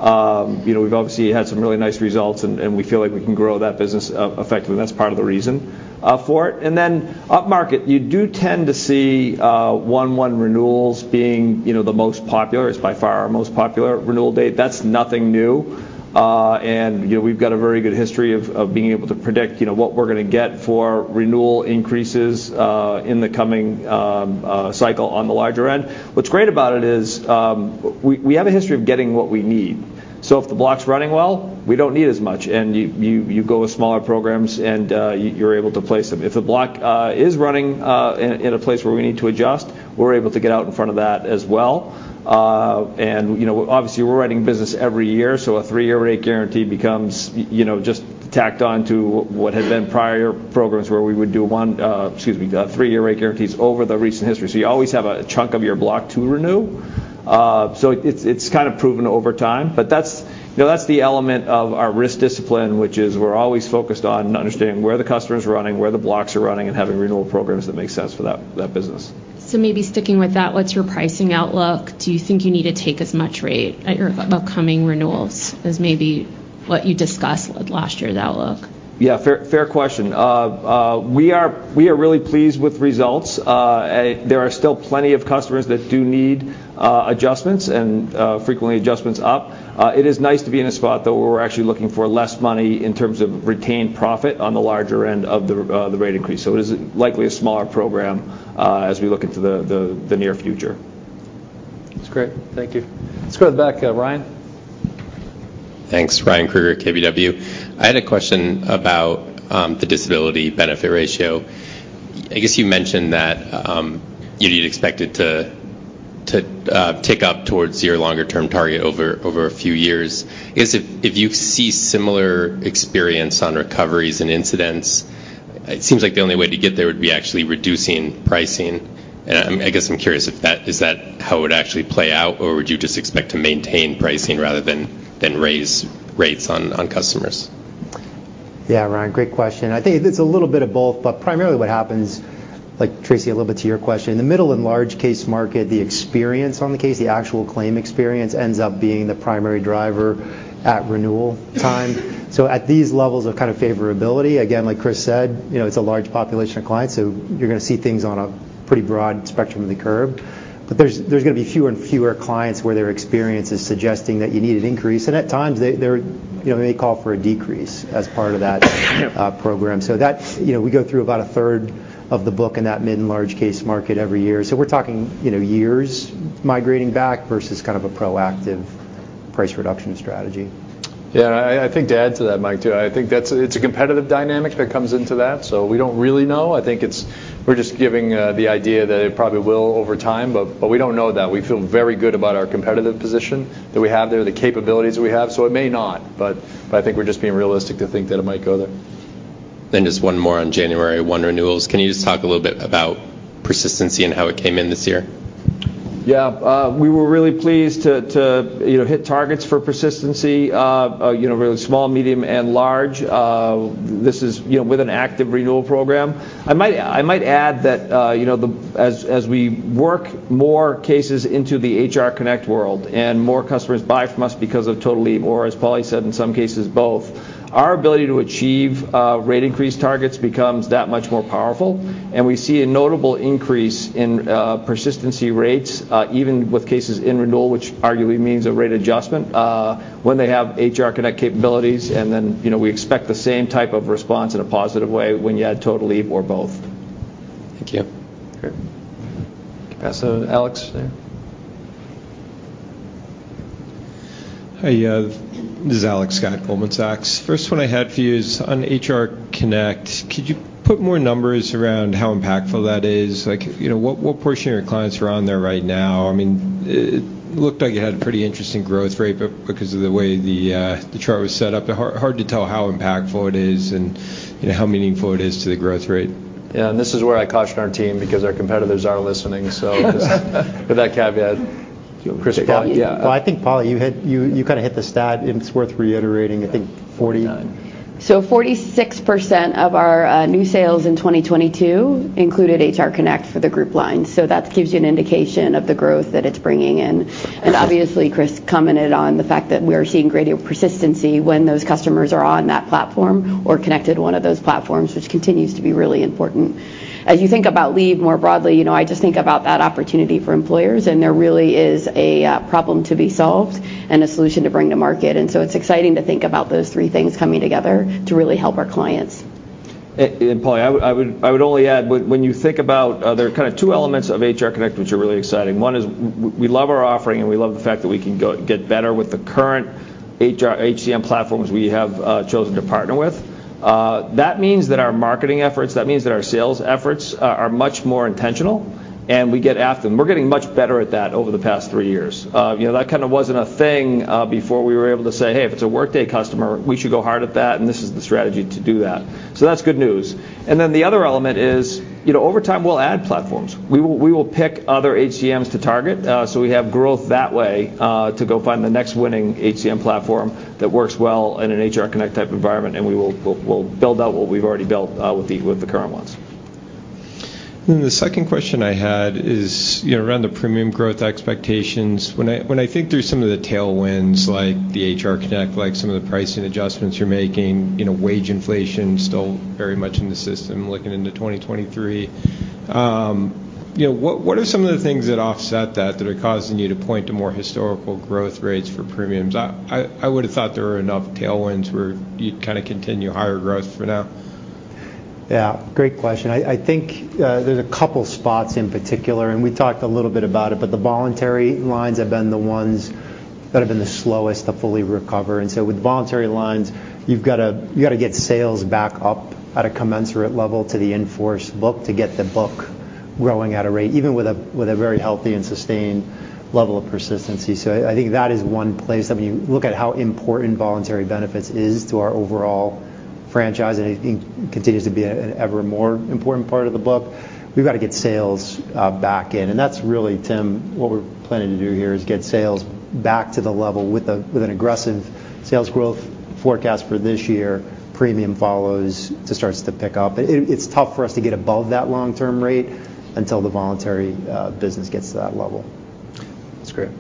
You know, we've obviously had some really nice results, and we feel like we can grow that business effectively. That's part of the reason for it. Upmarket, you do tend to see one renewals being, you know, the most popular. It's by far our most popular renewal date. That's nothing new. You know, we've got a very good history of being able to predict, you know, what we're gonna get for renewal increases in the coming cycle on the larger end. What's great about it is, we have a history of getting what we need. If the block's running well, we don't need as much. You go with smaller programs and you're able to place them. If the block is running in a place where we need to adjust, we're able to get out in front of that as well. You know, obviously, we're writing business every year, so a three-year rate guarantee becomes, you know, just tacked on to what had been prior programs where we would do 1, excuse me, three-year rate guarantees over the recent history. You always have a chunk of your block to renew. It's, it's kind of proven over time. That's, you know, that's the element of our risk discipline, which is we're always focused on understanding where the customer is running, where the blocks are running, and having renewal programs that make sense for that business. Maybe sticking with that, what's your pricing outlook? Do you think you need to take as much rate at your upcoming renewals as maybe what you discussed last year's outlook? Fair, fair question. We are really pleased with results. There are still plenty of customers that do need adjustments and frequently adjustments up. It is nice to be in a spot though where we're actually looking for less money in terms of retained profit on the larger end of the rate increase. It is likely a smaller program as we look into the near future. That's great. Thank you. Let's go to the back. Ryan? Thanks. Ryan Krueger, KBW. I had a question about the disability benefit ratio. I guess you mentioned that you'd expect it to tick up towards your longer term target over a few years. I guess if you see similar experience on recoveries and incidents, it seems like the only way to get there would be actually reducing pricing. I guess I'm curious if that is that how it would actually play out, or would you just expect to maintain pricing rather than raise rates on customers? Yeah, Ryan, great question. I think it's a little bit of both, but primarily what happens, like Tracy, a little bit to your question, in the middle and large case market, the experience on the case, the actual claim experience ends up being the primary driver at renewal time. At these levels of kind of favorability, again, like Chris said, you know, it's a large population of clients, you're gonna see things on a pretty broad spectrum of the curve. There's gonna be fewer and fewer clients where their experience is suggesting that you need an increase. At times, they're, you know, may call for a decrease as part of that program. That's, you know, we go through about a third of the book in that mid and large case market every year. We're talking, you know, years migrating back versus kind of a proactive price reduction strategy. Yeah. I think to add to that, Mike, too, I think that's a competitive dynamic that comes into that. We don't really know. I think we're just giving the idea that it probably will over time, but we don't know that. We feel very good about our competitive position that we have there, the capabilities we have. It may not, but I think we're just being realistic to think that it might go there. Just one more on January 1 renewals. Can you just talk a little bit about persistency and how it came in this year? Yeah. We were really pleased to, you know, hit targets for persistency, you know, really small, medium, and large. This is, you know, with an active renewal program. I might, I might add that, you know, as we work more cases into the Unum HR Connect world and more customers buy from us because of Unum Total Leave, or as Paulie said, in some cases, both, our ability to achieve rate increase targets becomes that much more powerful. We see a notable increase in persistency rates, even with cases in renewal, which arguably means a rate adjustment, when they have Unum HR Connect capabilities, and then, you know, we expect the same type of response in a positive way when you add Unum Total Leave or both. Thank you. Okay. Alex. Hi, this is Alex Scott, Goldman Sachs. First one I had for you is on HR Connect. Could you put more numbers around how impactful that is? What portion of your clients are on there right now? It looked like it had a pretty interesting growth rate, but because of the way the chart was set up, it hard to tell how impactful it is and how meaningful it is to the growth rate. Yeah, this is where I caution our team because our competitors are listening. With that caveat. Chris, Polly? Yeah, I think, Polly, you kind of hit the stat, and it's worth reiterating. Nine. 46% of our new sales in 2022 included HR Connect for the group line. That gives you an indication of the growth that it's bringing in. Obviously, Chris commented on the fact that we're seeing greater persistency when those customers are on that platform or connected to one of those platforms, which continues to be really important. As you think about Leave more broadly, you know, I just think about that opportunity for employers, and there really is a problem to be solved and a solution to bring to market. It's exciting to think about those three things coming together to really help our clients. Polly, I would only add when you think about, there are kind of two elements of HR Connect which are really exciting. One is we love our offering, and we love the fact that we can go get better with the current HCM platforms we have chosen to partner with. That means that our marketing efforts, that means that our sales efforts are much more intentional, and we get after them. We're getting much better at that over the past three years. You know, that kind of wasn't a thing before we were able to say, "Hey, if it's a Workday customer, we should go hard at that, and this is the strategy to do that." That's good news. The other element is, you know, over time, we'll add platforms. We will pick other HCMs to target. We have growth that way, to go find the next winning HCM platform that works well in an HR Connect type environment. We will build out what we've already built with the current ones. The second question I had is, you know, around the premium growth expectations. When I think through some of the tailwinds, like the HR Connect, like some of the pricing adjustments you're making, you know, wage inflation still very much in the system looking into 2023, you know, what are some of the things that offset that that are causing you to point to more historical growth rates for premiums? I would've thought there were enough tailwinds where you'd kind of continue higher growth for now. Yeah. Great question. I think, there's a couple spots in particular, and we talked a little bit about it, but the voluntary lines have been the ones that have been the slowest to fully recover. With voluntary lines, you've got to get sales back up at a commensurate level to the in-force book to get the book growing at a rate, even with a very healthy and sustained level of persistency. I think that is one place. I mean, you look at how important voluntary benefits is to our overall franchise, and I think continues to be an ever more important part of the book. We've got to get sales back in, and that's really, Tim, what we're planning to do here is get sales back to the level with a, with an aggressive sales growth forecast for this year. Premium follows. It starts to pick up. It's tough for us to get above that long-term rate until the voluntary business gets to that level. That's great.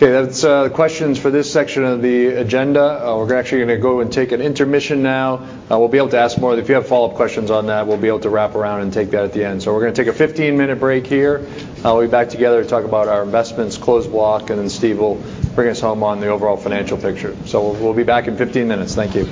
Okay, that's the questions for this section of the agenda. We're actually gonna go and take an intermission now. We'll be able to ask more. If you have follow-up questions on that, we'll be able to wrap around and take that at the end. We're gonna take a 15-minute break here. We'll be back together to talk about our investments, close block, and then Steve will bring us home on the overall financial picture. We'll be back in 15 minutes. Thank you.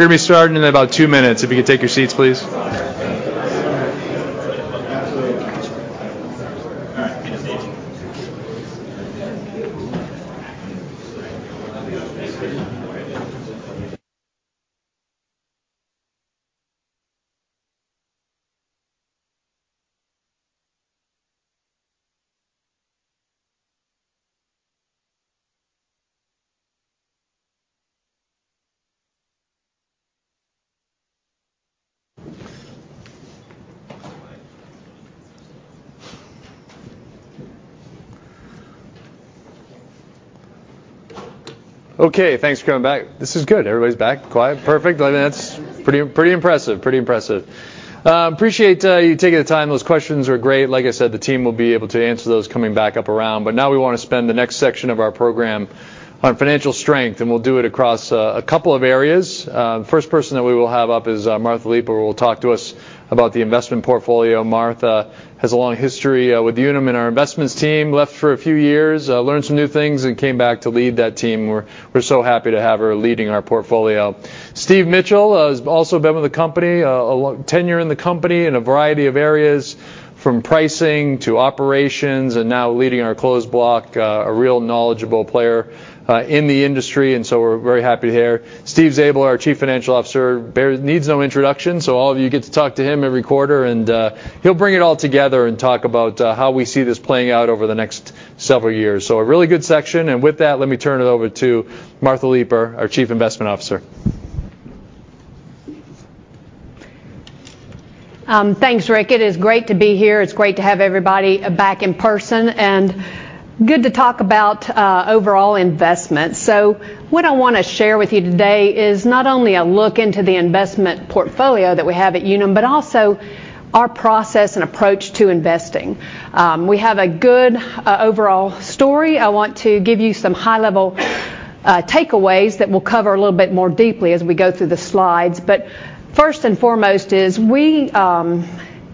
We're gonna be starting in about two minutes. If you could take your seats, please. Okay. Thanks for coming back. This is good. Everybody's back, quiet, perfect. I mean, that's pretty impressive. Pretty impressive. Appreciate you taking the time. Those questions are great. Like I said, the team will be able to answer those coming back up around. Now we wanna spend the next section of our program on financial strength, and we'll do it across a couple of areas. First person that we will have up is Martha Leiper, will talk to us about the investment portfolio. Martha has a long history with Unum, and our investments team. Left for a few years, learned some new things and came back to lead that team. We're so happy to have her leading our portfolio. Steve Mitchell has also been with the company, a long tenure in the company in a variety of areas, from pricing to operations and now leading our closed block. A real knowledgeable player in the industry, we're very happy to hear. Steve Zabel, our Chief Financial Officer, needs no introduction, all of you get to talk to him every quarter. He'll bring it all together and talk about how we see this playing out over the next several years. A really good section. With that, let me turn it over to Martha Leiper, our Chief Investment Officer. Thanks, Rick. It is great to be here. It's great to have everybody back in person, and good to talk about overall investment. What I wanna share with you today is not only a look into the investment portfolio that we have at Unum, but also our process and approach to investing. We have a good overall story. I want to give you some high-level takeaways that we'll cover a little bit more deeply as we go through the slides. First and foremost is we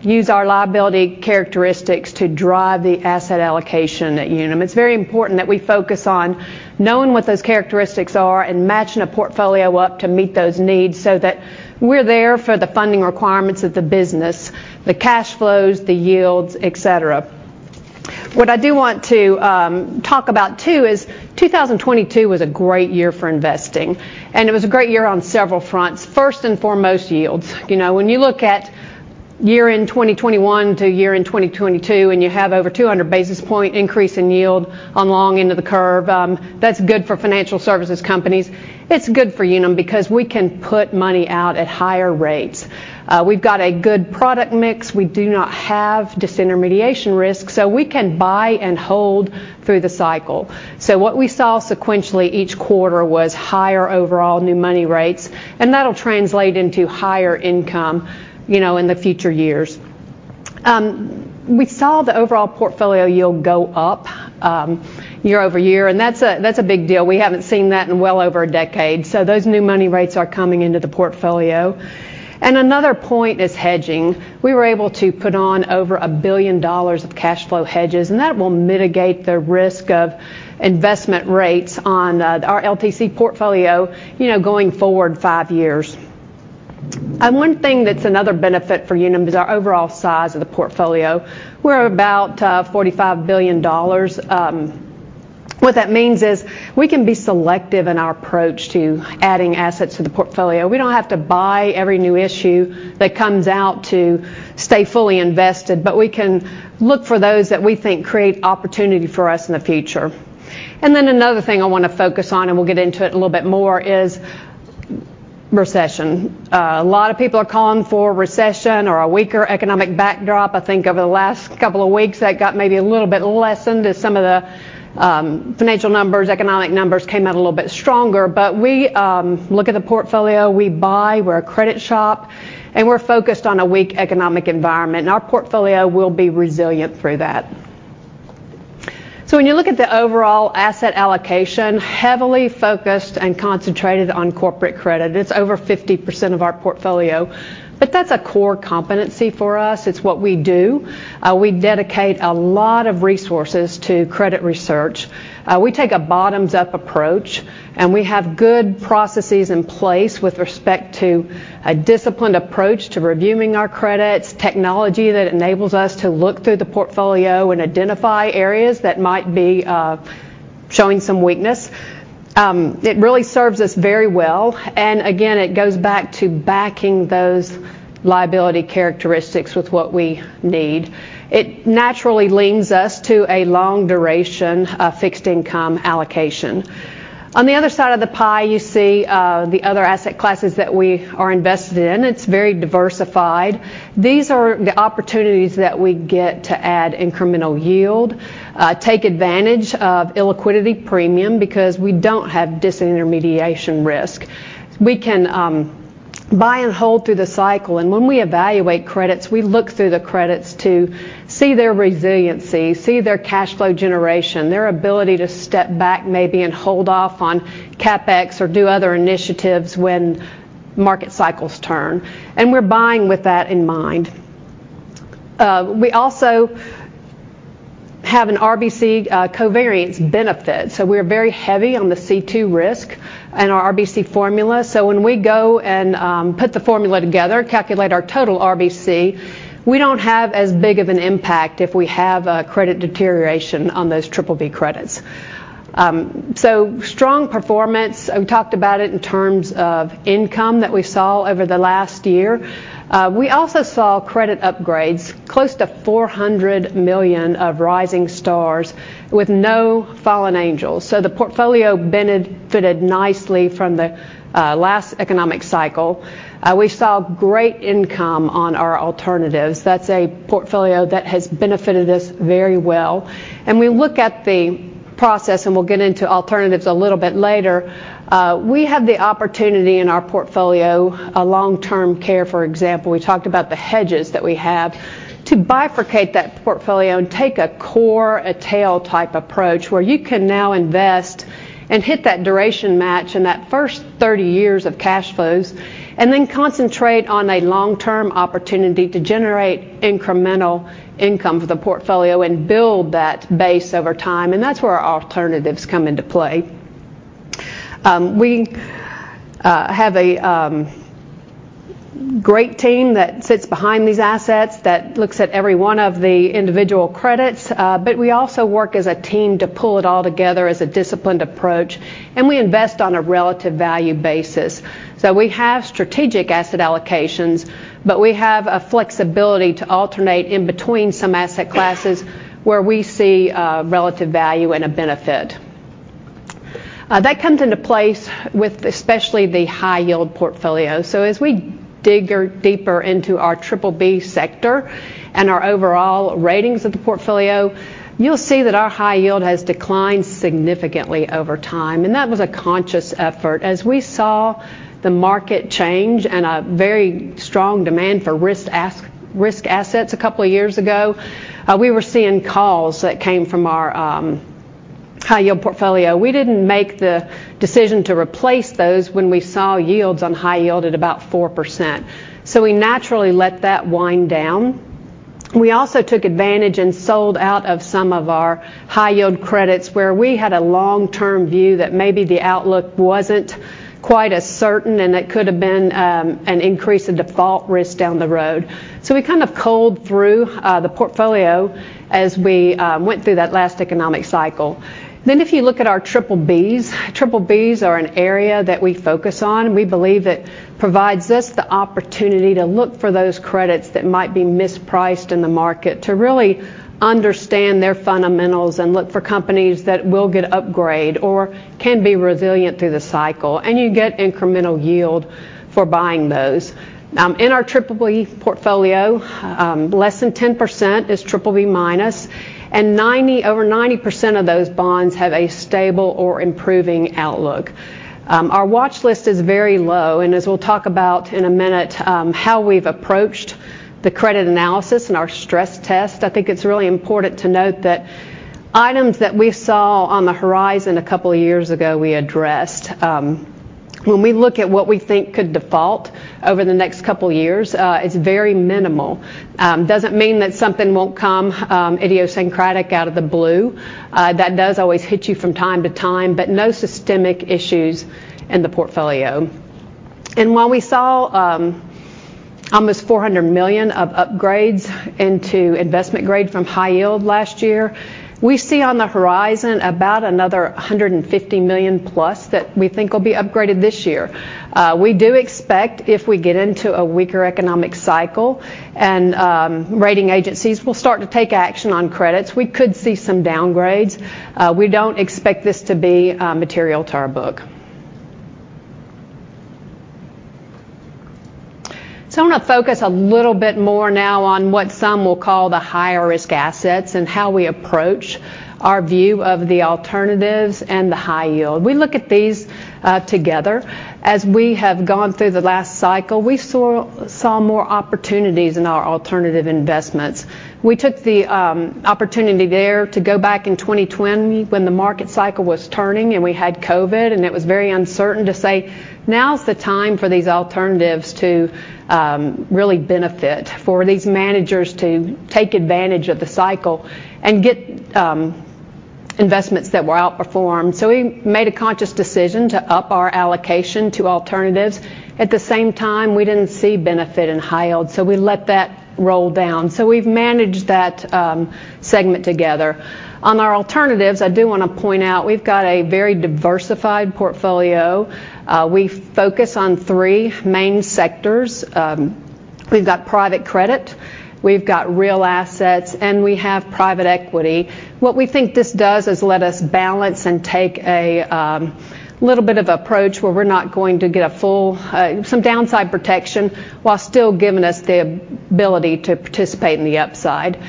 use our liability characteristics to drive the asset allocation at Unum. It's very important that we focus on knowing what those characteristics are and matching a portfolio up to meet those needs so that we're there for the funding requirements of the business, the cash flows, the yields, et cetera. What I do want to talk about too is 2022 was a great year for investing. It was a great year on several fronts. First and foremost, yields. You know, when you look at year-end 2021 to year-end 2022, you have over 200 basis point increase in yield on long end of the curve, that's good for financial services companies. It's good for Unum because we can put money out at higher rates. We've got a good product mix. We do not have disintermediation risk, we can buy and hold through the cycle. What we saw sequentially each quarter was higher overall new money rates, that'll translate into higher income, you know, in the future years. We saw the overall portfolio yield go up year-over-year, that's a big deal. We haven't seen that in well over a decade. Those new money rates are coming into the portfolio. Another point is hedging. We were able to put on over $1 billion of cash flow hedges, and that will mitigate the risk of investment rates on our LTC portfolio, you know, going forward five years. One thing that's another benefit for Unum is our overall size of the portfolio. We're about $45 billion. What that means is we can be selective in our approach to adding assets to the portfolio. We don't have to buy every new issue that comes out to stay fully invested, but we can look for those that we think create opportunity for us in the future. Another thing I wanna focus on, and we'll get into it a little bit more, is recession. A lot of people are calling for recession or a weaker economic backdrop. I think over the last couple of weeks, that got maybe a little bit lessened as some of the financial numbers, economic numbers came out a little bit stronger. We look at the portfolio, we buy, we're a credit shop, and we're focused on a weak economic environment, and our portfolio will be resilient through that. When you look at the overall asset allocation, heavily focused and concentrated on corporate credit. It's over 50% of our portfolio, but that's a core competency for us. It's what we do. We dedicate a lot of resources to credit research. We take a bottoms-up approach, we have good processes in place with respect to a disciplined approach to reviewing our credits, technology that enables us to look through the portfolio and identify areas that might be showing some weakness. It really serves us very well. Again, it goes back to backing those liability characteristics with what we need. It naturally leans us to a long duration of fixed income allocation. On the other side of the pie, you see the other asset classes that we are invested in. It's very diversified. These are the opportunities that we get to add incremental yield, take advantage of illiquidity premium because we don't have disintermediation risk. We can buy and hold through the cycle. When we evaluate credits, we look through the credits to see their resiliency, see their cash flow generation, their ability to step back maybe and hold off on CapEx or do other initiatives when Market cycles turn, and we're buying with that in mind. We also have an RBC covariance benefit. We're very heavy on the C2 risk in our RBC formula. When we go and put the formula together, calculate our total RBC, we don't have as big of an impact if we have a credit deterioration on those BBB credits. Strong performance, we talked about it in terms of income that we saw over the last year. We also saw credit upgrades, close to $400 million of rising stars with no fallen angels. The portfolio benefited nicely from the last economic cycle. We saw great income on our alternatives. That's a portfolio that has benefited us very well. We look at the process, and we'll get into alternatives a little bit later. We have the opportunity in our portfolio, a long-term care, for example, we talked about the hedges that we have, to bifurcate that portfolio and take a core, a tail type approach where you can now invest and hit that duration match in that first 30 years of cash flows, and then concentrate on a long-term opportunity to generate incremental income for the portfolio and build that base over time. That's where our alternatives come into play. We have a great team that sits behind these assets, that looks at every one of the individual credits, but we also work as a team to pull it all together as a disciplined approach, and we invest on a relative value basis. We have strategic asset allocations, but we have a flexibility to alternate in between some asset classes where we see relative value and a benefit. That comes into place with especially the high yield portfolio. As we digger deeper into our BBB sector and our overall ratings of the portfolio, you'll see that our high yield has declined significantly over time. That was a conscious effort. As we saw the market change and a very strong demand for risk assets a couple of years ago, we were seeing calls that came from our high yield portfolio. We didn't make the decision to replace those when we saw yields on high yield at about 4%. We naturally let that wind down. We also took advantage and sold out of some of our high yield credits where we had a long-term view that maybe the outlook wasn't quite as certain, and it could have been an increase in default risk down the road. We kind of culled through the portfolio as we went through that last economic cycle. If you look at our BBBs are an area that we focus on. We believe it provides us the opportunity to look for those credits that might be mispriced in the market to really understand their fundamentals and look for companies that will get upgrade or can be resilient through the cycle. You get incremental yield for buying those. In our BBB portfolio, less than 10% is BBB-, and over 90% of those bonds have a stable or improving outlook. Our watch list is very low, and as we'll talk about in a minute, how we've approached the credit analysis and our stress test, I think it's really important to note that items that we saw on the horizon a couple of years ago we addressed. When we look at what we think could default over the next couple of years, it's very minimal. Doesn't mean that something won't come idiosyncratic out of the blue. That does always hit you from time to time, but no systemic issues in the portfolio. While we saw almost $400 million of upgrades into investment grade from high yield last year, we see on the horizon about another $150 million+ that we think will be upgraded this year. We do expect if we get into a weaker economic cycle and rating agencies will start to take action on credits, we could see some downgrades. We don't expect this to be material to our book. I wanna focus a little bit more now on what some will call the higher risk assets and how we approach our view of the alternatives and the high yield. We look at these together. As we have gone through the last cycle, we saw more opportunities in our alternative investments. We took the opportunity there to go back in 2020 when the market cycle was turning and we had COVID, and it was very uncertain to say, "Now is the time for these alternatives to really benefit, for these managers to take advantage of the cycle and get investments that were outperformed." We made a conscious decision to up our allocation to alternatives. At the same time, we didn't see benefit in high yield, so we let that roll down. We've managed that segment together. On our alternatives, I do wanna point out we've got a very diversified portfolio. We focus on three main sectors. We've got private credit, we've got real assets, and we have private equity. What we think this does is let us balance and take a little bit of approach where we're not going to get a full some downside protection while still giving us the ability to participate in the upside.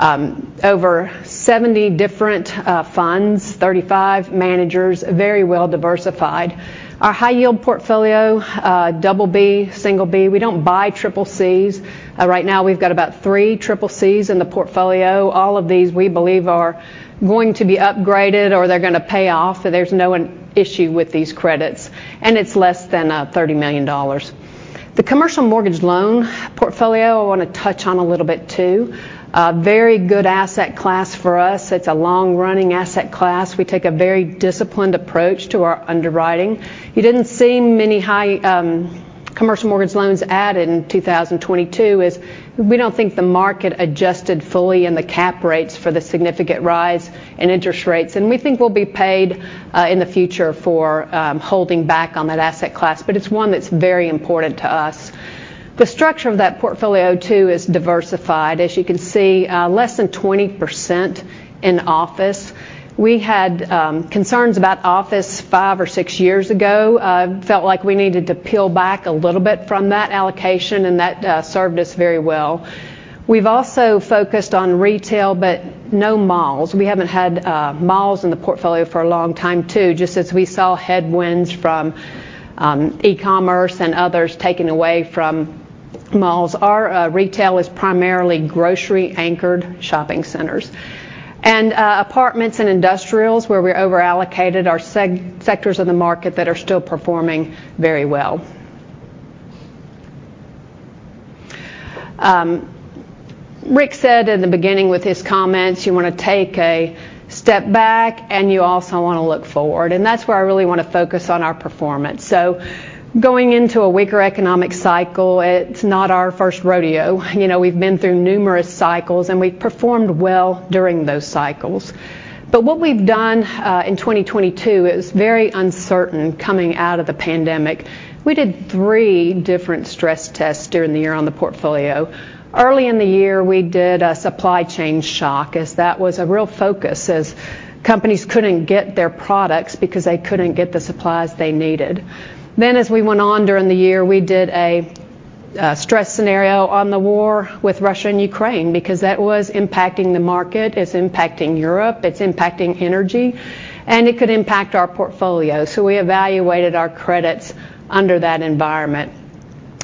Over 70 different funds, 35 managers, very well-diversified. Our high-yield portfolio, BB, B. We don't buy CCCs. Right now we've got about 3 CCCs in the portfolio. All of these we believe are going to be upgraded or they're gonna pay off. There's no an issue with these credits, and it's less than $30 million. The commercial mortgage loan portfolio, I want to touch on a little bit too. Very good asset class for us. It's a long-running asset class. We take a very disciplined approach to our underwriting. You didn't see many high commercial mortgage loans added in 2022 as we don't think the market adjusted fully in the cap rates for the significant rise in interest rates. We think we'll be paid in the future for holding back on that asset class. It's one that's very important to us. The structure of that portfolio too is diversified. As you can see, less than 20% in office. We had concerns about office five or six years ago. Felt like we needed to peel back a little bit from that allocation, and that served us very well. We've also focused on retail, but no malls. We haven't had malls in the portfolio for a long time too, just as we saw headwinds from e-commerce and others taking away from malls. Our retail is primarily grocery-anchored shopping centers. Apartments and industrials, where we're over-allocated, are sectors of the market that are still performing very well. Rick said in the beginning with his comments, you want to take a step back, and you also want to look forward, and that's where I really want to focus on our performance. Going into a weaker economic cycle, it's not our first rodeo. You know, we've been through numerous cycles, and we've performed well during those cycles. What we've done in 2022 is very uncertain coming out of the pandemic. We did three different stress tests during the year on the portfolio. Early in the year, we did a supply chain shock, as that was a real focus as companies couldn't get their products because they couldn't get the supplies they needed. As we went on during the year, we did a stress scenario on the war with Russia and Ukraine because that was impacting the market, it's impacting Europe, it's impacting energy, and it could impact our portfolio. We evaluated our credits under that environment.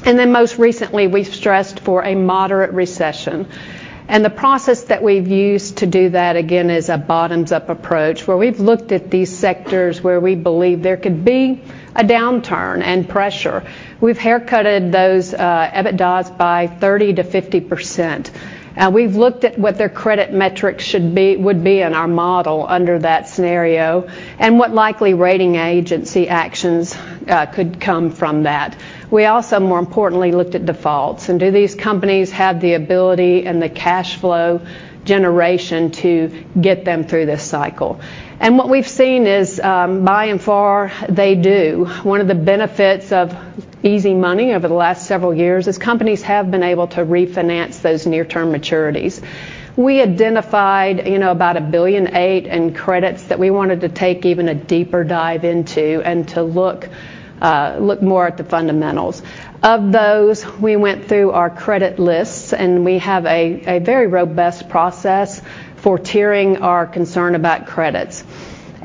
Most recently, we've stressed for a moderate recession. The process that we've used to do that again is a bottoms-up approach, where we've looked at these sectors where we believe there could be a downturn and pressure. We've haircutted those EBITDAs by 30%-50%. We've looked at what their credit metrics would be in our model under that scenario and what likely rating agency actions could come from that. We also, more importantly, looked at defaults, do these companies have the ability and the cash flow generation to get them through this cycle? What we've seen is, by and far, they do. One of the benefits of easy money over the last several years is companies have been able to refinance those near-term maturities. We identified, you know, about $1.8 billion in credits that we wanted to take even a deeper dive into and to look more at the fundamentals. Of those, we went through our credit lists, we have a very robust process for tiering our concern about credits.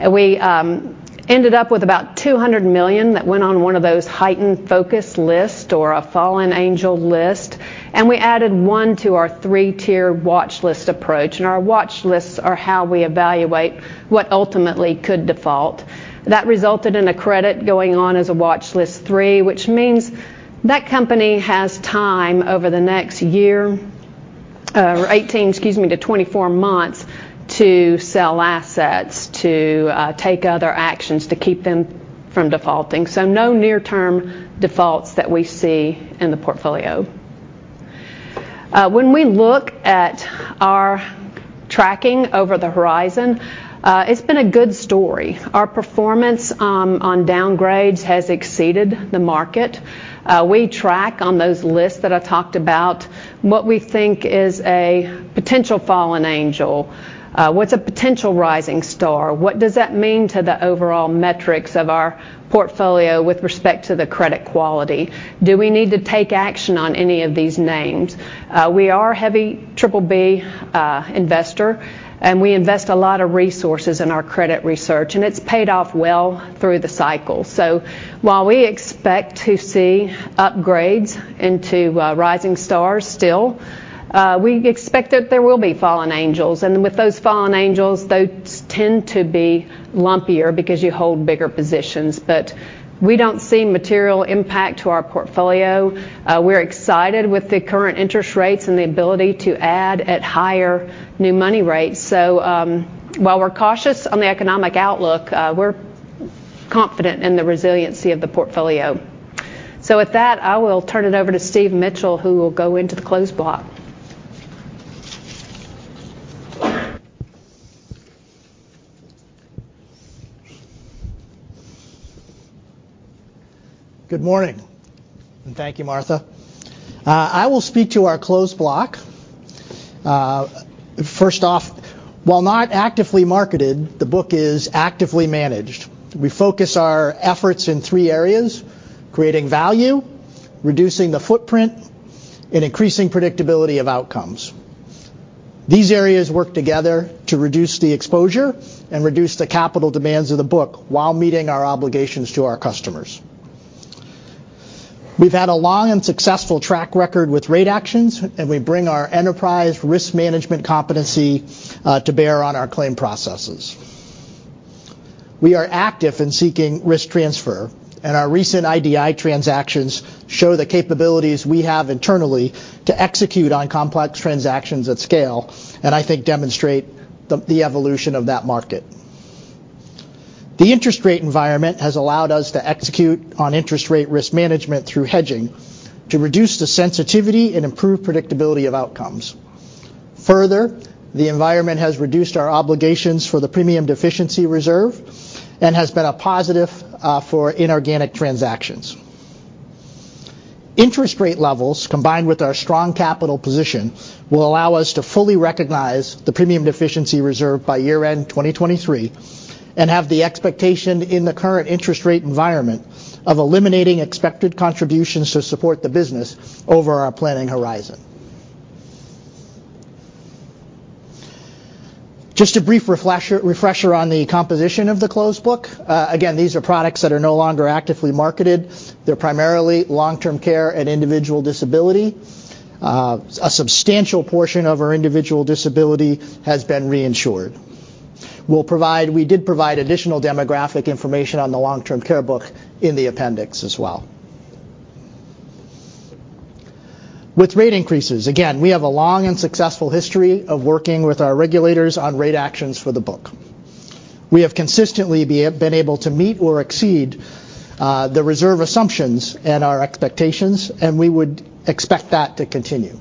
We ended up with about $200 million that went on one of those heightened focus lists or a fallen angel list, we added one to our 3-tier watchlist approach. Our watchlists are how we evaluate what ultimately could default. That resulted in a credit going on as a watchlist 3, which means that company has time over the next year, or 18, excuse me, to 24 months to sell assets, to take other actions to keep them from defaulting. No near-term defaults that we see in the portfolio. When we look at our tracking over the horizon, it's been a good story. Our performance on downgrades has exceeded the market. We track on those lists that I talked about what we think is a potential fallen angel. What's a potential rising star? What does that mean to the overall metrics of our portfolio with respect to the credit quality? Do we need to take action on any of these names? We are a heavy BBB investor, we invest a lot of resources in our credit research, it's paid off well through the cycle. While we expect to see upgrades into rising stars still, we expect that there will be fallen angels. With those fallen angels, those tend to be lumpier because you hold bigger positions. We don't see material impact to our portfolio. We're excited with the current interest rates and the ability to add at higher new money rates. While we're cautious on the economic outlook, we're confident in the resiliency of the portfolio. With that, I will turn it over to Steve Mitchell, who will go into the closed block. Good morning. Thank you, Martha. I will speak to our closed block. First off, while not actively marketed, the book is actively managed. We focus our efforts in three areas: creating value, reducing the footprint, and increasing predictability of outcomes. These areas work together to reduce the exposure and reduce the capital demands of the book while meeting our obligations to our customers. We've had a long and successful track record with rate actions, and we bring our enterprise risk management competency to bear on our claim processes. We are active in seeking risk transfer. Our recent IDI transactions show the capabilities we have internally to execute on complex transactions at scale, and I think demonstrate the evolution of that market. The interest rate environment has allowed us to execute on interest rate risk management through hedging to reduce the sensitivity and improve predictability of outcomes. Further, the environment has reduced our obligations for the premium deficiency reserve and has been a positive for inorganic transactions. Interest rate levels combined with our strong capital position will allow us to fully recognize the premium deficiency reserve by year-end 2023 and have the expectation in the current interest rate environment of eliminating expected contributions to support the business over our planning horizon. Just a brief refresher on the composition of the closed book. Again, these are products that are no longer actively marketed. They're primarily long-term care and individual disability. A substantial portion of our individual disability has been reinsured. We did provide additional demographic information on the long-term care book in the appendix as well. With rate increases, again, we have a long and successful history of working with our regulators on rate actions for the book. We have consistently been able to meet or exceed the reserve assumptions and our expectations. We would expect that to continue.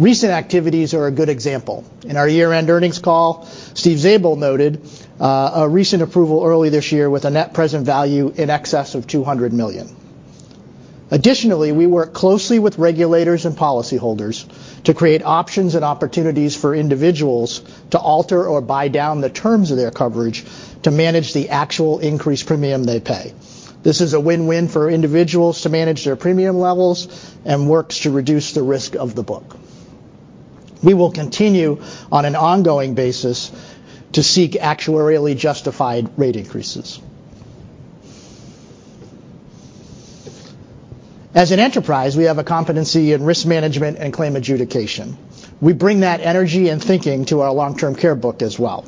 Recent activities are a good example. In our year-end earnings call, Steve Zabel noted a recent approval early this year with a net present value in excess of $200 million. Additionally, we work closely with regulators and policyholders to create options and opportunities for individuals to alter or buy down the terms of their coverage to manage the actual increased premium they pay. This is a win-win for individuals to manage their premium levels and works to reduce the risk of the book. We will continue on an ongoing basis to seek actuarially justified rate increases. As an enterprise, we have a competency in risk management and claim adjudication. We bring that energy and thinking to our long-term care book as well.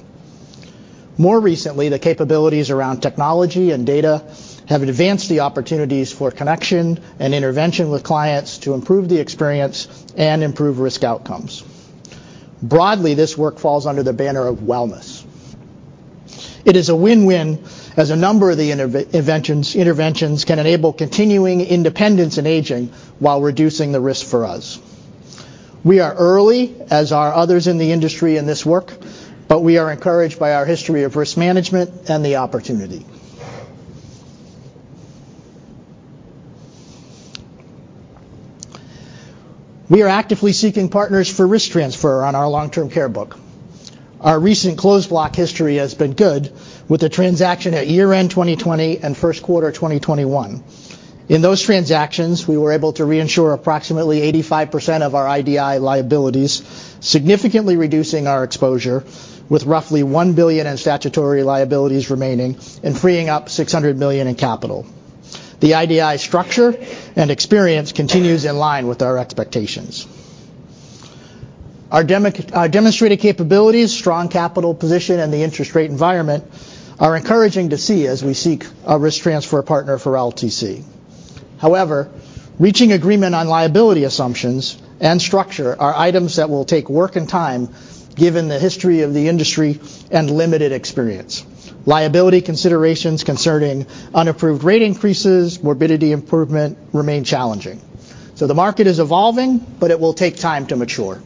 More recently, the capabilities around technology and data have advanced the opportunities for connection and intervention with clients to improve the experience and improve risk outcomes. Broadly, this work falls under the banner of wellness. It is a win-win as a number of the interventions can enable continuing independence in aging while reducing the risk for us. We are early, as are others in the industry in this work, but we are encouraged by our history of risk management and the opportunity. We are actively seeking partners for risk transfer on our long-term care book. Our recent closed block history has been good, with a transaction at year-end 2020 and first quarter 2021. In those transactions, we were able to reinsure approximately 85% of our IDI liabilities, significantly reducing our exposure with roughly $1 billion in statutory liabilities remaining and freeing up $600 million in capital. The IDI structure and experience continues in line with our expectations. Our demonstrated capabilities, strong capital position, and the interest rate environment are encouraging to see as we seek a risk transfer partner for LTC. Reaching agreement on liability assumptions and structure are items that will take work and time, given the history of the industry and limited experience. Liability considerations concerning unapproved rate increases, morbidity improvement remain challenging. The market is evolving, but it will take time to mature.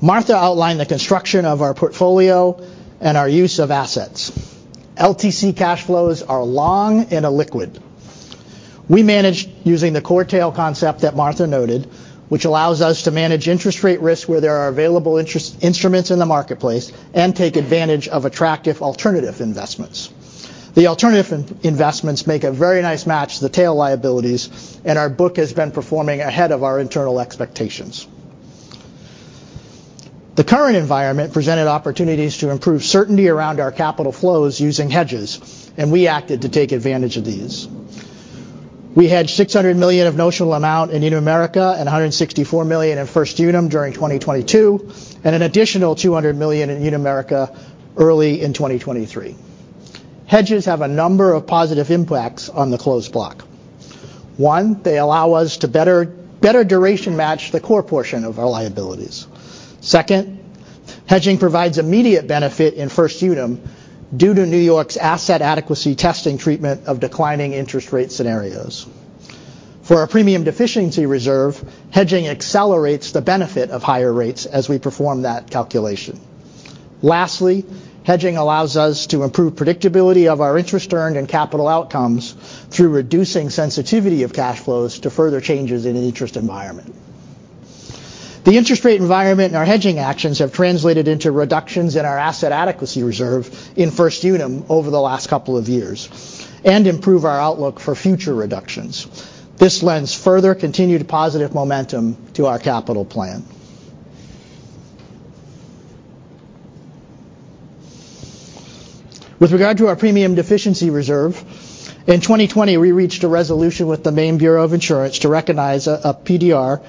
Martha outlined the construction of our portfolio and our use of assets. LTC cash flows are long and illiquid. We manage using the core tail concept that Martha noted, which allows us to manage interest rate risk where there are available interest instruments in the marketplace and take advantage of attractive alternative investments. The alternative investments make a very nice match to the tail liabilities, and our book has been performing ahead of our internal expectations. The current environment presented opportunities to improve certainty around our capital flows using hedges, and we acted to take advantage of these. We hedged $600 million of notional amount in Unum America and $164 million in First Unum during 2022 and an additional $200 million in Unum America early in 2023. Hedges have a number of positive impacts on the closed block. One, they allow us to better duration match the core portion of our liabilities. Second, hedging provides immediate benefit in First Unum due to New York's asset adequacy testing treatment of declining interest rate scenarios. For our premium deficiency reserve, hedging accelerates the benefit of higher rates as we perform that calculation. Lastly, hedging allows us to improve predictability of our interest earned and capital outcomes through reducing sensitivity of cash flows to further changes in an interest environment. The interest rate environment and our hedging actions have translated into reductions in our asset adequacy reserve in First Unum over the last couple of years and improve our outlook for future reductions. This lends further continued positive momentum to our capital plan. With regard to our premium deficiency reserve, in 2020, we reached a resolution with the Maine Bureau of Insurance to recognize a PDR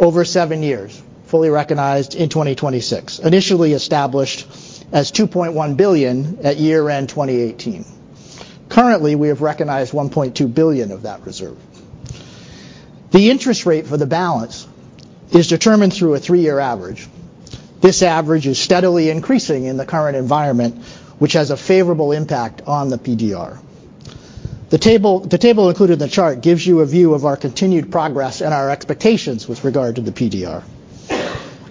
over seven years, fully recognized in 2026, initially established as $2.1 billion at year-end 2018. Currently, we have recognized $1.2 billion of that reserve. The interest rate for the balance is determined through a three-year average. This average is steadily increasing in the current environment, which has a favorable impact on the PDR. The table included in the chart gives you a view of our continued progress and our expectations with regard to the PDR.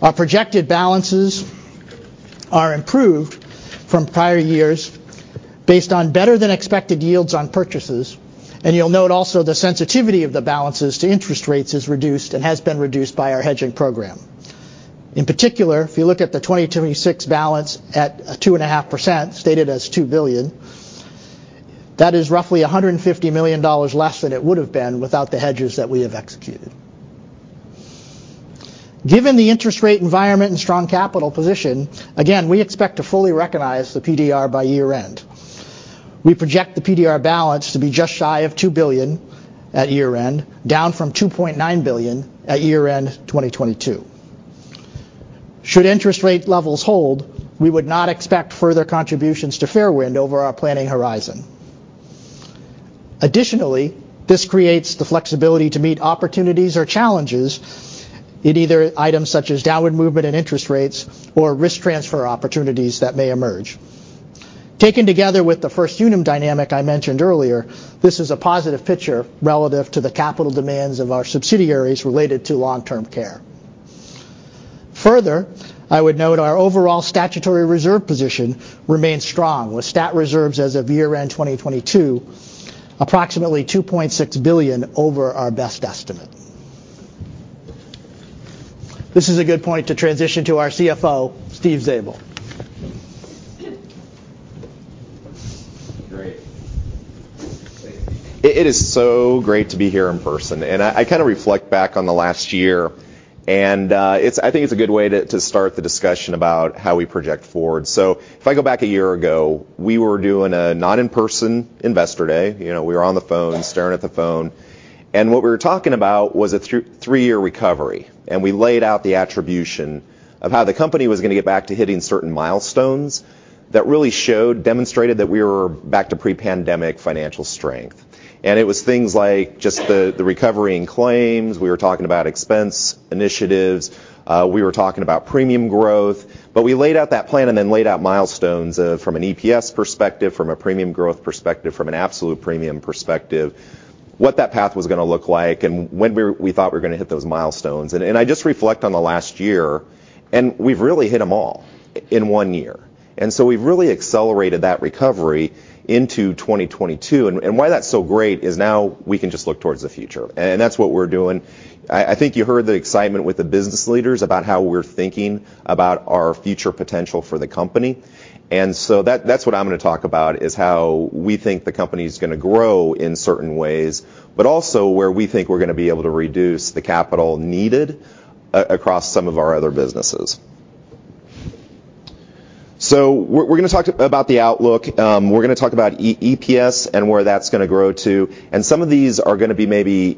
Our projected balances are improved from prior years based on better-than-expected yields on purchases. You'll note also the sensitivity of the balances to interest rates is reduced and has been reduced by our hedging program. In particular, if you look at the 2026 balance at 2.5%, stated as $2 billion, that is roughly $150 million less than it would have been without the hedges that we have executed. Given the interest rate environment and strong capital position, again, we expect to fully recognize the PDR by year-end. We project the PDR balance to be just shy of $2 billion at year-end, down from $2.9 billion at year-end 2022. Should interest rate levels hold, we would not expect further contributions to Fairwind over our planning horizon. Additionally, this creates the flexibility to meet opportunities or challenges in either items such as downward movement and interest rates or risk transfer opportunities that may emerge. Taken together with the first Unum dynamic I mentioned earlier, this is a positive picture relative to the capital demands of our subsidiaries related to long-term care. Further, I would note our overall stat reserves position remains strong, with stat reserves as of year-end 2022 approximately $2.6 billion over our best estimate. This is a good point to transition to our CFO, Steve Zabel. Great. It is so great to be here in person. I kinda reflect back on the last year, and it's, I think it's a good way to start the discussion about how we project forward. If I go back a year ago, we were doing a not in-person investor day. You know, we were on the phone, staring at the phone, and what we were talking about was a three-year recovery. We laid out the attribution of how the company was gonna get back to hitting certain milestones that really showed, demonstrated that we were back to pre-pandemic financial strength. It was things like just the recovery in claims. We were talking about expense initiatives. We were talking about premium growth. We laid out that plan and then laid out milestones, from an EPS perspective, from a premium growth perspective, from an absolute premium perspective, what that path was gonna look like and when we thought we were gonna hit those milestones. I just reflect on the last year, and we've really hit 'em all in one year. So we've really accelerated that recovery into 2022. Why that's so great is now we can just look towards the future. That's what we're doing. I think you heard the excitement with the business leaders about how we're thinking about our future potential for the company. That's what I'm going to talk about, is how we think the company's going to grow in certain ways, but also where we think we're going to be able to reduce the capital needed across some of our other businesses. We're going to talk about the outlook. We're going to talk about EPS and where that's going to grow to. Some of these are going to be maybe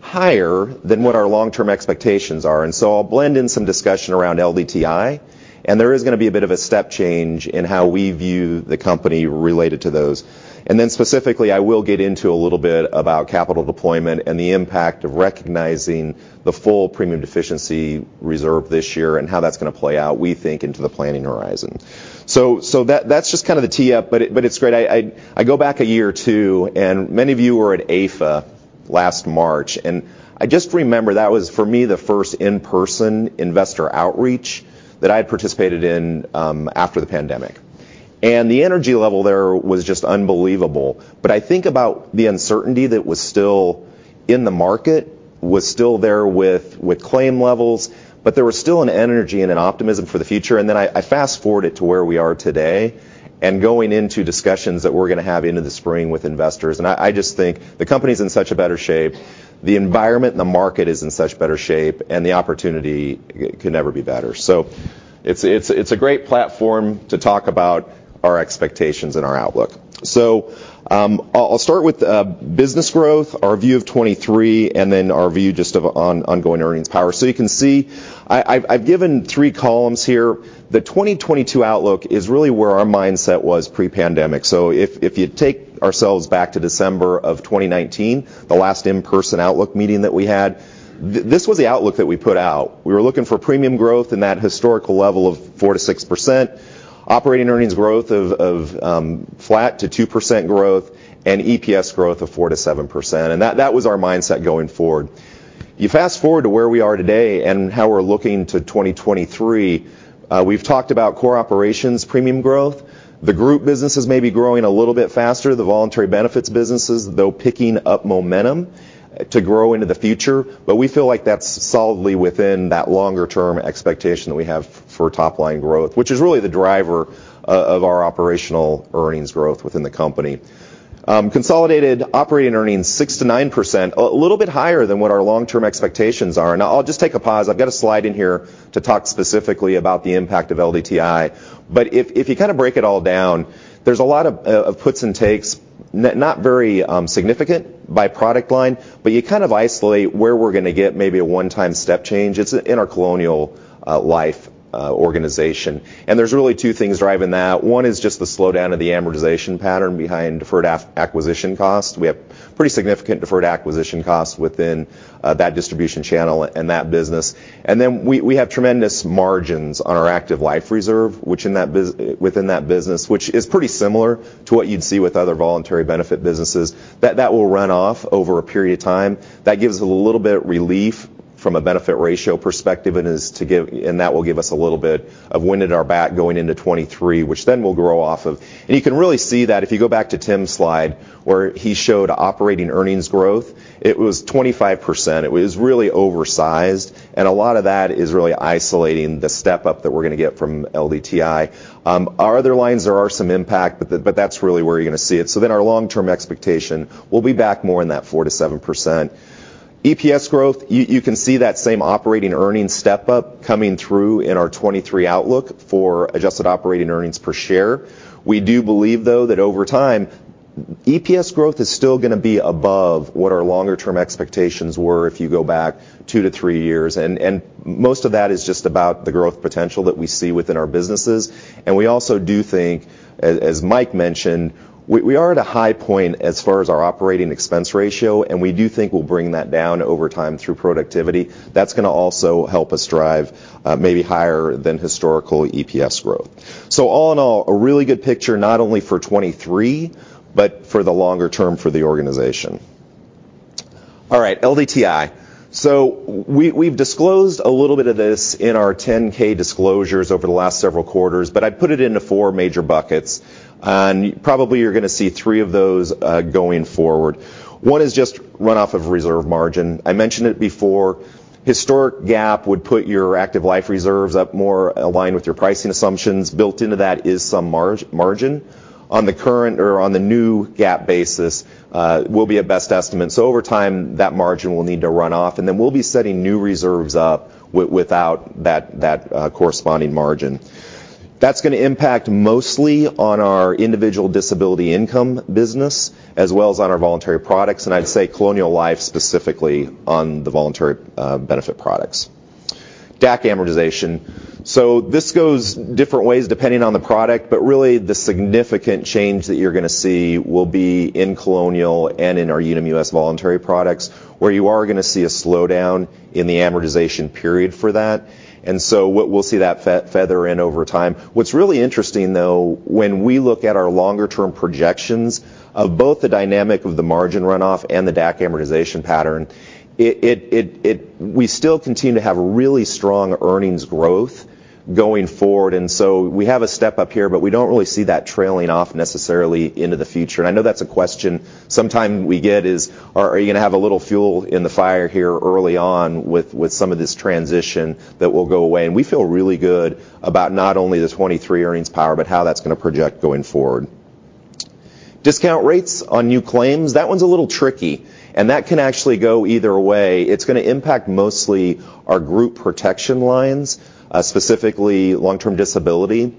higher than what our long-term expectations are, I will blend in some discussion around LDTI, there is going to be a bit of a step change in how we view the company related to those. Specifically, I will get into a little bit about capital deployment and the impact of recognizing the full premium deficiency reserve this year and how that's going to play out, we think, into the planning horizon. That's just kind of the tee up, but it's great. I go back a year or two. Many of you were at AFA last March. I just remember that was, for me, the first in-person investor outreach that I had participated in after the pandemic. The energy level there was just unbelievable. I think about the uncertainty that was still in the market, was still there with claim levels, but there was still an energy and an optimism for the future. I fast-forward it to where we are today and going into discussions that we're gonna have into the spring with investors. I just think the company's in such a better shape. The environment and the market is in such better shape, and the opportunity can never be better. It's a great platform to talk about our expectations and our outlook. I'll start with business growth, our view of 2023, and then our view just of ongoing earnings power. You can see I've given three columns here. The 2022 outlook is really where our mindset was pre-pandemic. If you take ourselves back to December of 2019, the last in-person outlook meeting that we had, this was the outlook that we put out. We were looking for premium growth in that historical level of 4%-6%, operating earnings growth of flat to 2% growth, and EPS growth of 4%-7%. That was our mindset going forward. You fast-forward to where we are today and how we're looking to 2023, we've talked about core operations premium growth. The group business is maybe growing a little bit faster. The voluntary benefits business is, though, picking up momentum to grow into the future. We feel like that's solidly within that longer-term expectation that we have for top-line growth, which is really the driver of our operational earnings growth within the company. Consolidated operating earnings 6%-9%. A little bit higher than what our long-term expectations are, I'll just take a pause. I've got a slide in here to talk specifically about the impact of LDTI. If you kind of break it all down, there's a lot of puts and takes. Not very significant by product line, but you kind of isolate where we're gonna get maybe a one-time step change. It's in our Colonial Life organization. There's really two things driving that. One is just the slowdown of the amortization pattern behind deferred acquisition costs. We have pretty significant deferred acquisition costs within that distribution channel and that business. Then we have tremendous margins on our active life reserve, which within that business, which is pretty similar to what you'd see with other voluntary benefit businesses. That will run off over a period of time. That gives a little bit relief from a benefit ratio perspective. That will give us a little bit of wind at our back going into 2023, which then we'll grow off of. You can really see that if you go back to Tim's slide where he showed operating earnings growth. It was 25%. It was really oversized, and a lot of that is really isolating the step-up that we're gonna get from LDTI. Our other lines, there are some impact, but that's really where you're gonna see it. Our long-term expectation will be back more in that 4%-7%. EPS growth, you can see that same operating earnings step-up coming through in our 2023 outlook for adjusted operating earnings per share. We do believe, though, that over time, EPS growth is still gonna be above what our longer term expectations were if you go back 2-3 years. Most of that is just about the growth potential that we see within our businesses. We also do think, as Mike mentioned, we are at a high point as far as our operating expense ratio, and we do think we'll bring that down over time through productivity. That's gonna also help us drive maybe higher than historical EPS growth. All in all, a really good picture, not only for 2023, but for the longer term for the organization. All right, LDTI. We've disclosed a little bit of this in our 10-K disclosures over the last several quarters, but I put it into four major buckets. Probably you're gonna see three of those going forward. One is just run off of reserve margin. I mentioned it before. Historic GAAP would put your active life reserves up more aligned with your pricing assumptions. Built into that is some margin. On the current or on the new GAAP basis, we'll be at best estimate. Over time, that margin will need to run off, and then we'll be setting new reserves up without that corresponding margin. That's gonna impact mostly on our individual disability income business as well as on our voluntary products, and I'd say Colonial Life specifically on the voluntary benefit products. DAC amortization. This goes different ways depending on the product, but really the significant change that you're gonna see will be in Colonial and in our Unum U.S. voluntary products, where you are gonna see a slowdown in the amortization period for that. We'll see that feather in over time. What's really interesting, though, when we look at our longer term projections of both the dynamic of the margin runoff and the DAC amortization pattern, we still continue to have really strong earnings growth going forward. We have a step up here, but we don't really see that trailing off necessarily into the future. I know that's a question sometime we get is, are you gonna have a little fuel in the fire here early on with some of this transition that will go away? We feel really good about not only the 2023 earnings power, but how that's gonna project going forward. Discount rates on new claims, that one's a little tricky, and that can actually go either way. It's gonna impact mostly our group protection lines, specifically long-term disability,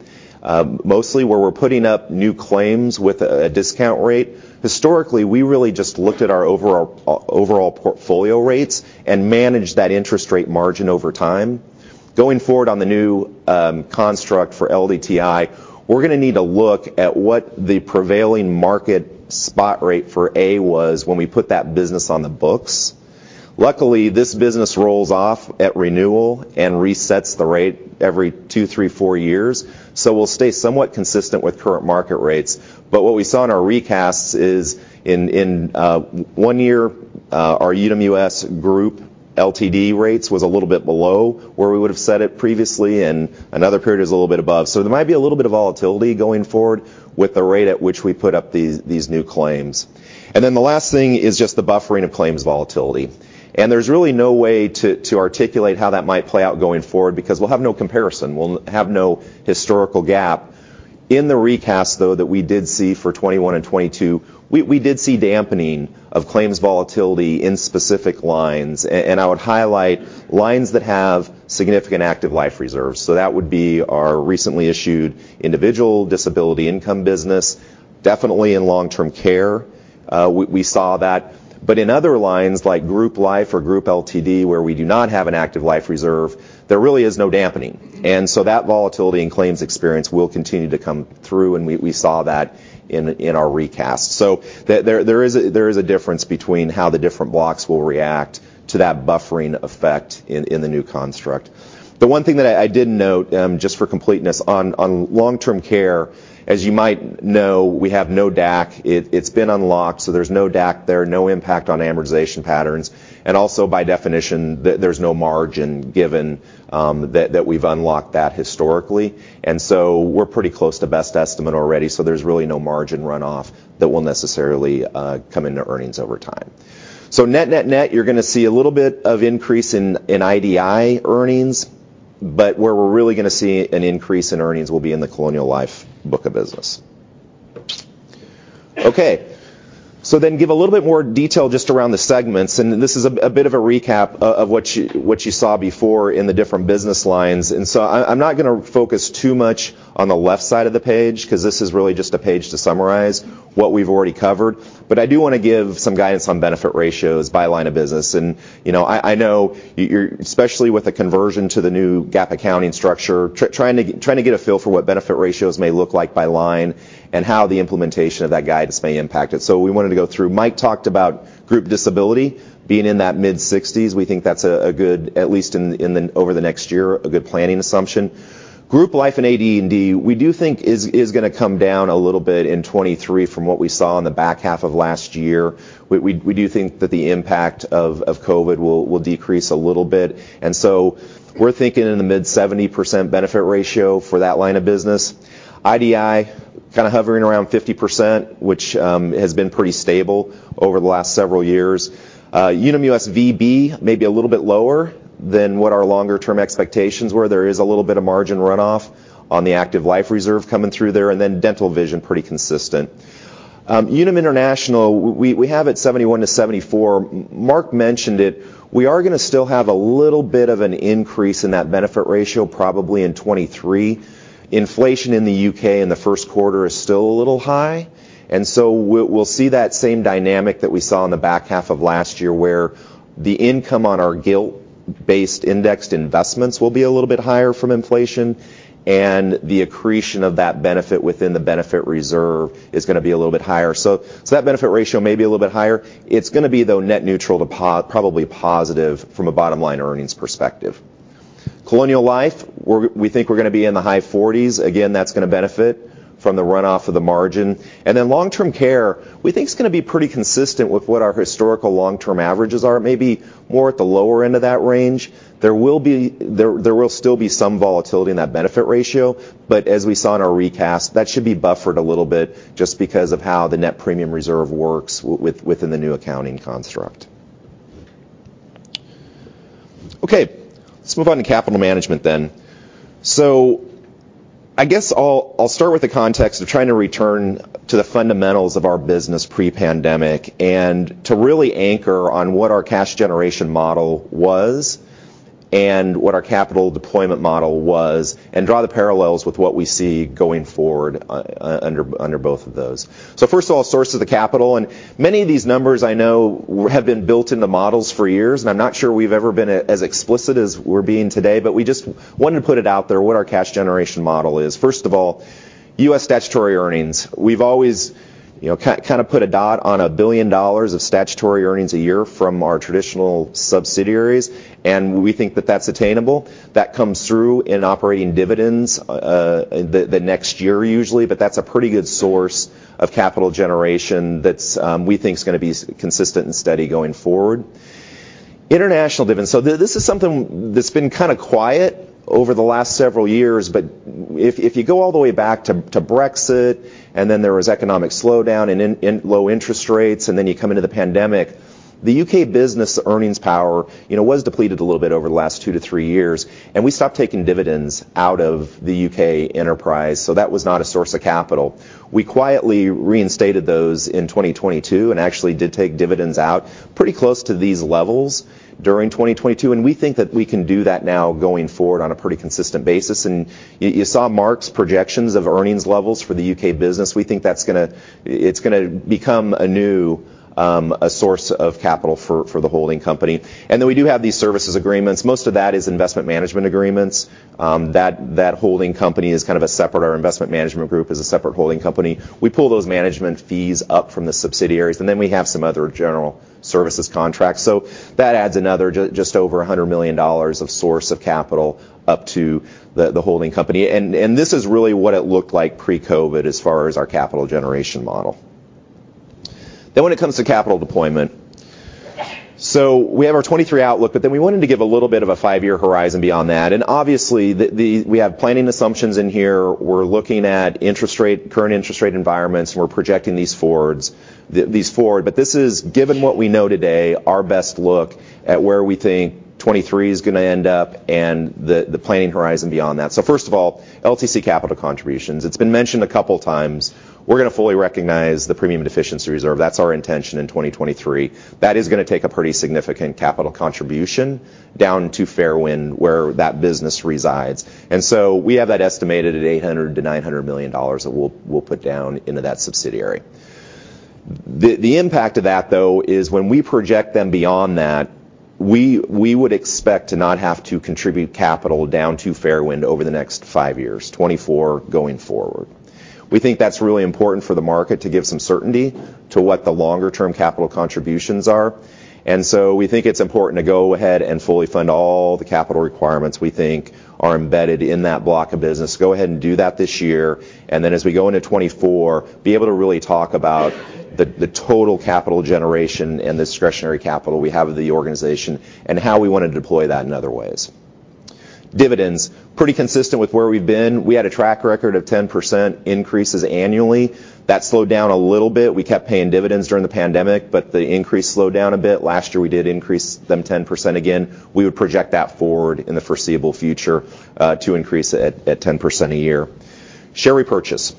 mostly where we're putting up new claims with a discount rate. Historically, we really just looked at our overall portfolio rates and managed that interest rate margin over time. Going forward on the new construct for LDTI, we're gonna need to look at what the prevailing market spot rate for A was when we put that business on the books. Luckily, this business rolls off at renewal and resets the rate every two, three, four years. We'll stay somewhat consistent with current market rates. What we saw in our recasts is in one year, our Unum U.S. Group LTD rates was a little bit below where we would've set it previously, and another period was a little bit above. There might be a little bit of volatility going forward with the rate at which we put up these new claims. The last thing is just the buffering of claims volatility. There's really no way to articulate how that might play out going forward because we'll have no comparison. We'll have no historical GAAP. In the recast, though, that we did see for 2021 and 2022, we did see dampening of claims volatility in specific lines and I would highlight lines that have significant active life reserves. That would be our recently issued individual disability income business, definitely in long-term care, we saw that. In other lines like group life or group LTD, where we do not have an active life reserve, there really is no dampening. That volatility and claims experience will continue to come through, and we saw that in our recast. There is a difference between how the different blocks will react to that buffering effect in the new construct. The one thing that I did note, just for completeness, on long-term care, as you might know, we have no DAC. It's been unlocked, so there's no DAC there, no impact on amortization patterns. Also by definition, there's no margin given, that we've unlocked that historically. We're pretty close to best estimate already, so there's really no margin runoff that will necessarily come into earnings over time. Net, you're gonna see a little bit of increase in IDI earnings, but where we're really gonna see an increase in earnings will be in the Colonial Life book of business. Okay. Give a little bit more detail just around the segments, and this is a bit of a recap of what you saw before in the different business lines. I'm not gonna focus too much on the left side of the page, 'cause this is really just a page to summarize what we've already covered, but I do wanna give some guidance on benefit ratios by line of business. You know, I know you're... especially with the conversion to the new GAAP accounting structure, trying to get a feel for what benefit ratios may look like by line and how the implementation of that guidance may impact it. We wanted to go through. Mike talked about group disability being in that mid-60s. We think that's a good, at least in the over the next year, a good planning assumption. Group life and AD&D, we do think is gonna come down a little bit in 2023 from what we saw in the back half of last year. We do think that the impact of COVID will decrease a little bit, and so we're thinking in the mid-70% benefit ratio for that line of business. IDI kinda hovering around 50%, which has been pretty stable over the last several years. Unum U.S. VB may be a little bit lower than what our longer term expectations were. There is a little bit of margin runoff on the active life reserve coming through there. Dental vision, pretty consistent. Unum International, we have it 71-74. Mark Till mentioned it. We are gonna still have a little bit of an increase in that benefit ratio probably in 2023. Inflation in the U.K. in the first quarter is still a little high, we'll see that same dynamic that we saw in the back half of last year, where the income on our gilt-based indexed investments will be a little bit higher from inflation, and the accretion of that benefit within the benefit reserve is gonna be a little bit higher. That benefit ratio may be a little bit higher. It's gonna be, though, net neutral to probably positive from a bottom line earnings perspective. Colonial Life, we think we're gonna be in the high 40s%. Again, that's gonna benefit from the runoff of the margin. Long-term care, we think it's gonna be pretty consistent with what our historical long-term averages are, maybe more at the lower end of that range. There will still be some volatility in that benefit ratio, but as we saw in our recast, that should be buffered a little bit just because of how the net premium reserve works within the new accounting construct. Okay. Let's move on to capital management then. I guess I'll start with the context of trying to return to the fundamentals of our business pre-pandemic, to really anchor on what our cash generation model was and what our capital deployment model was, draw the parallels with what we see going forward under both of those. First of all, source of the capital, many of these numbers I know have been built in the models for years, I'm not sure we've ever been as explicit as we're being today, but we just wanted to put it out there what our cash generation model is. First of all, U.S. statutory earnings. We've always, you know, kinda put a dot on $1 billion of statutory earnings a year from our traditional subsidiaries, we think that that's attainable. That comes through in operating dividends, the next year usually. That's a pretty good source of capital generation that's, we think is gonna be consistent and steady going forward. International dividends. This is something that's been kinda quiet over the last several years, but if you go all the way back to Brexit, and then there was economic slowdown and low interest rates, and then you come into the pandemic, the U.K. business earnings power, you know, was depleted a little bit over the last two to three years. We stopped taking dividends out of the U.K. enterprise, so that was not a source of capital. We quietly reinstated those in 2022 and actually did take dividends out pretty close to these levels during 2022, and we think that we can do that now going forward on a pretty consistent basis. You saw Mark's projections of earnings levels for the U.K. business. We think that's gonna become a new source of capital for the holding company. We do have these services agreements. Most of that is investment management agreements. That holding company is kind of a separate. Our investment management group is a separate holding company. We pull those management fees up from the subsidiaries, and then we have some other general services contracts, so that adds another just over $100 million of source of capital up to the holding company. This is really what it looked like pre-COVID as far as our capital generation model. When it comes to capital deployment, we have our 2023 outlook, but then we wanted to give a little bit of a five-year horizon beyond that, and obviously the, we have planning assumptions in here. We're looking at interest rate, current interest rate environments, and we're projecting these forwards, these forward. But this is, given what we know today, our best look at where we think 2023 is gonna end up and the planning horizon beyond that. First of all, LTC capital contributions. It's been mentioned a couple times. We're gonna fully recognize the premium deficiency reserve. That's our intention in 2023. That is gonna take a pretty significant capital contribution down to Fairwind, where that business resides. We have that estimated at $800 million-$900 million that we'll put down into that subsidiary. The impact of that, though, is when we project then beyond that, we would expect to not have to contribute capital down to Fairwind over the next five years, 2024 going forward. We think that's really important for the market to give some certainty to what the longer term capital contributions are. We think it's important to go ahead and fully fund all the capital requirements we think are embedded in that block of business, go ahead and do that this year, and then as we go into 2024, be able to really talk about the total capital generation and the discretionary capital we have of the organization and how we wanna deploy that in other ways. Dividends. Pretty consistent with where we've been. We had a track record of 10% increases annually. That slowed down a little bit. We kept paying dividends during the pandemic, but the increase slowed down a bit. Last year, we did increase them 10% again. We would project that forward in the foreseeable future, to increase at 10% a year. Share repurchase.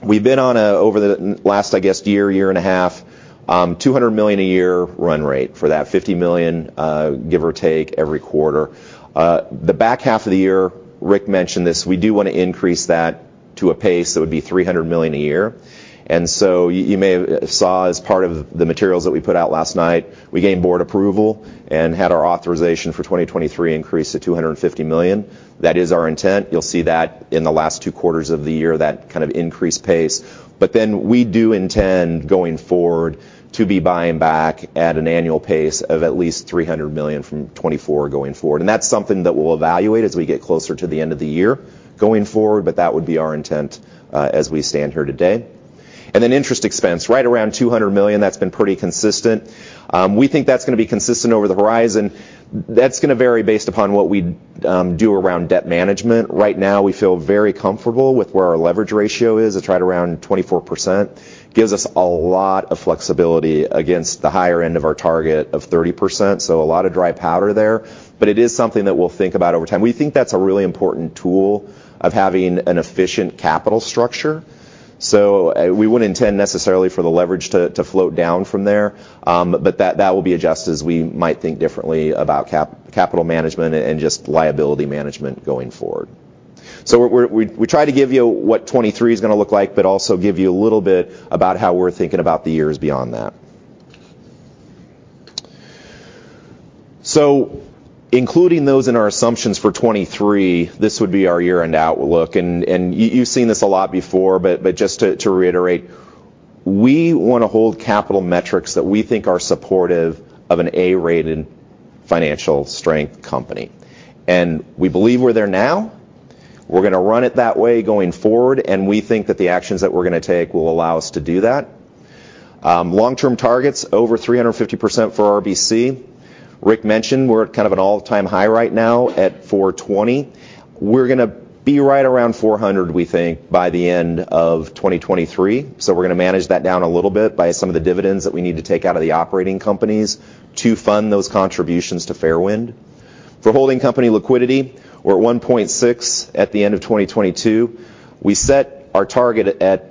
We've been on a over the last, I guess, year and a half, $200 million a year run rate for that $50 million, give or take every quarter. The back half of the year, Rick mentioned this, we do wanna increase that to a pace that would be $300 million a year. You may have saw as part of the materials that we put out last night, we gained board approval and had our authorization for 2023 increase to $250 million. That is our intent. You'll see that in the last 2 quarters of the year, that kind of increased pace. We do intend, going forward, to be buying back at an annual pace of at least $300 million from 2024 going forward. That's something that we'll evaluate as we get closer to the end of the year going forward, but that would be our intent as we stand here today. Interest expense, right around $200 million. That's been pretty consistent. We think that's gonna be consistent over the horizon. That's gonna vary based upon what we do around debt management. Right now, we feel very comfortable with where our leverage ratio is. It's right around 24%. Gives us a lot of flexibility against the higher end of our target of 30%, a lot of dry powder there. It is something that we'll think about over time. We think that's a really important tool of having an efficient capital structure. We wouldn't intend necessarily for the leverage to float down from there, but that will be adjusted as we might think differently about capital management and just liability management going forward. We try to give you what 2023 is gonna look like, but also give you a little bit about how we're thinking about the years beyond that. Including those in our assumptions for 2023, this would be our year-end outlook. You've seen this a lot before, just to reiterate, we wanna hold capital metrics that we think are supportive of an A-rated financial strength company. We believe we're there now. We're gonna run it that way going forward, and we think that the actions that we're gonna take will allow us to do that. Long-term targets, over 350% for RBC. Rick mentioned we're at kind of an all-time high right now at 420. We're gonna be right around 400, we think, by the end of 2023, so we're gonna manage that down a little bit by some of the dividends that we need to take out of the operating companies to fund those contributions to Fairwind. For holding company liquidity, we're at 1.6 at the end of 2022. We set our target at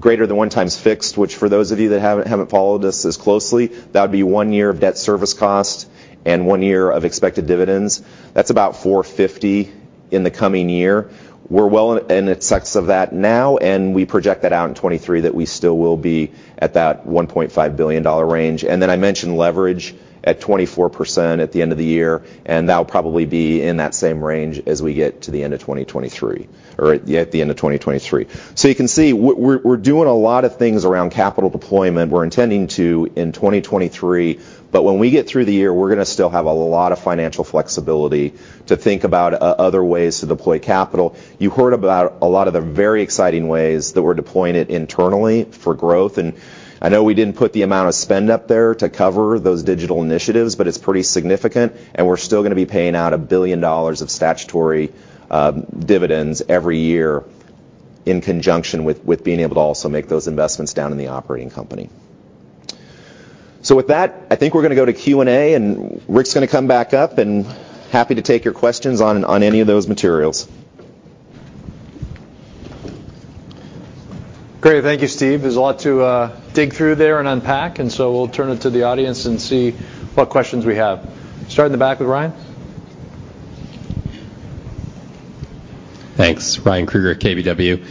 greater than one times fixed, which for those of you that haven't followed us as closely, that would be one year of debt service cost and one year of expected dividends. That's about $450 in the coming year. We're well in excess of that now, we project that out in 2023 that we still will be at that $1.5 billion range. I mentioned leverage at 24% at the end of the year, that'll probably be in that same range as we get to the end of 2023. You can see, we're doing a lot of things around capital deployment. We're intending to in 2023, but when we get through the year, we're gonna still have a lot of financial flexibility to think about other ways to deploy capital. You heard about a lot of the very exciting ways that we're deploying it internally for growth. I know we didn't put the amount of spend up there to cover those digital initiatives, but it's pretty significant, and we're still gonna be paying out $1 billion of statutory dividends every year in conjunction with being able to also make those investments down in the operating company. With that, I think we're gonna go to Q&A, and Rick's gonna come back up and happy to take your questions on any of those materials. Great. Thank you, Steve. There's a lot to dig through there and unpack. We'll turn it to the audience and see what questions we have. Start in the back with Ryan. Thanks. Ryan Krueger at KBW.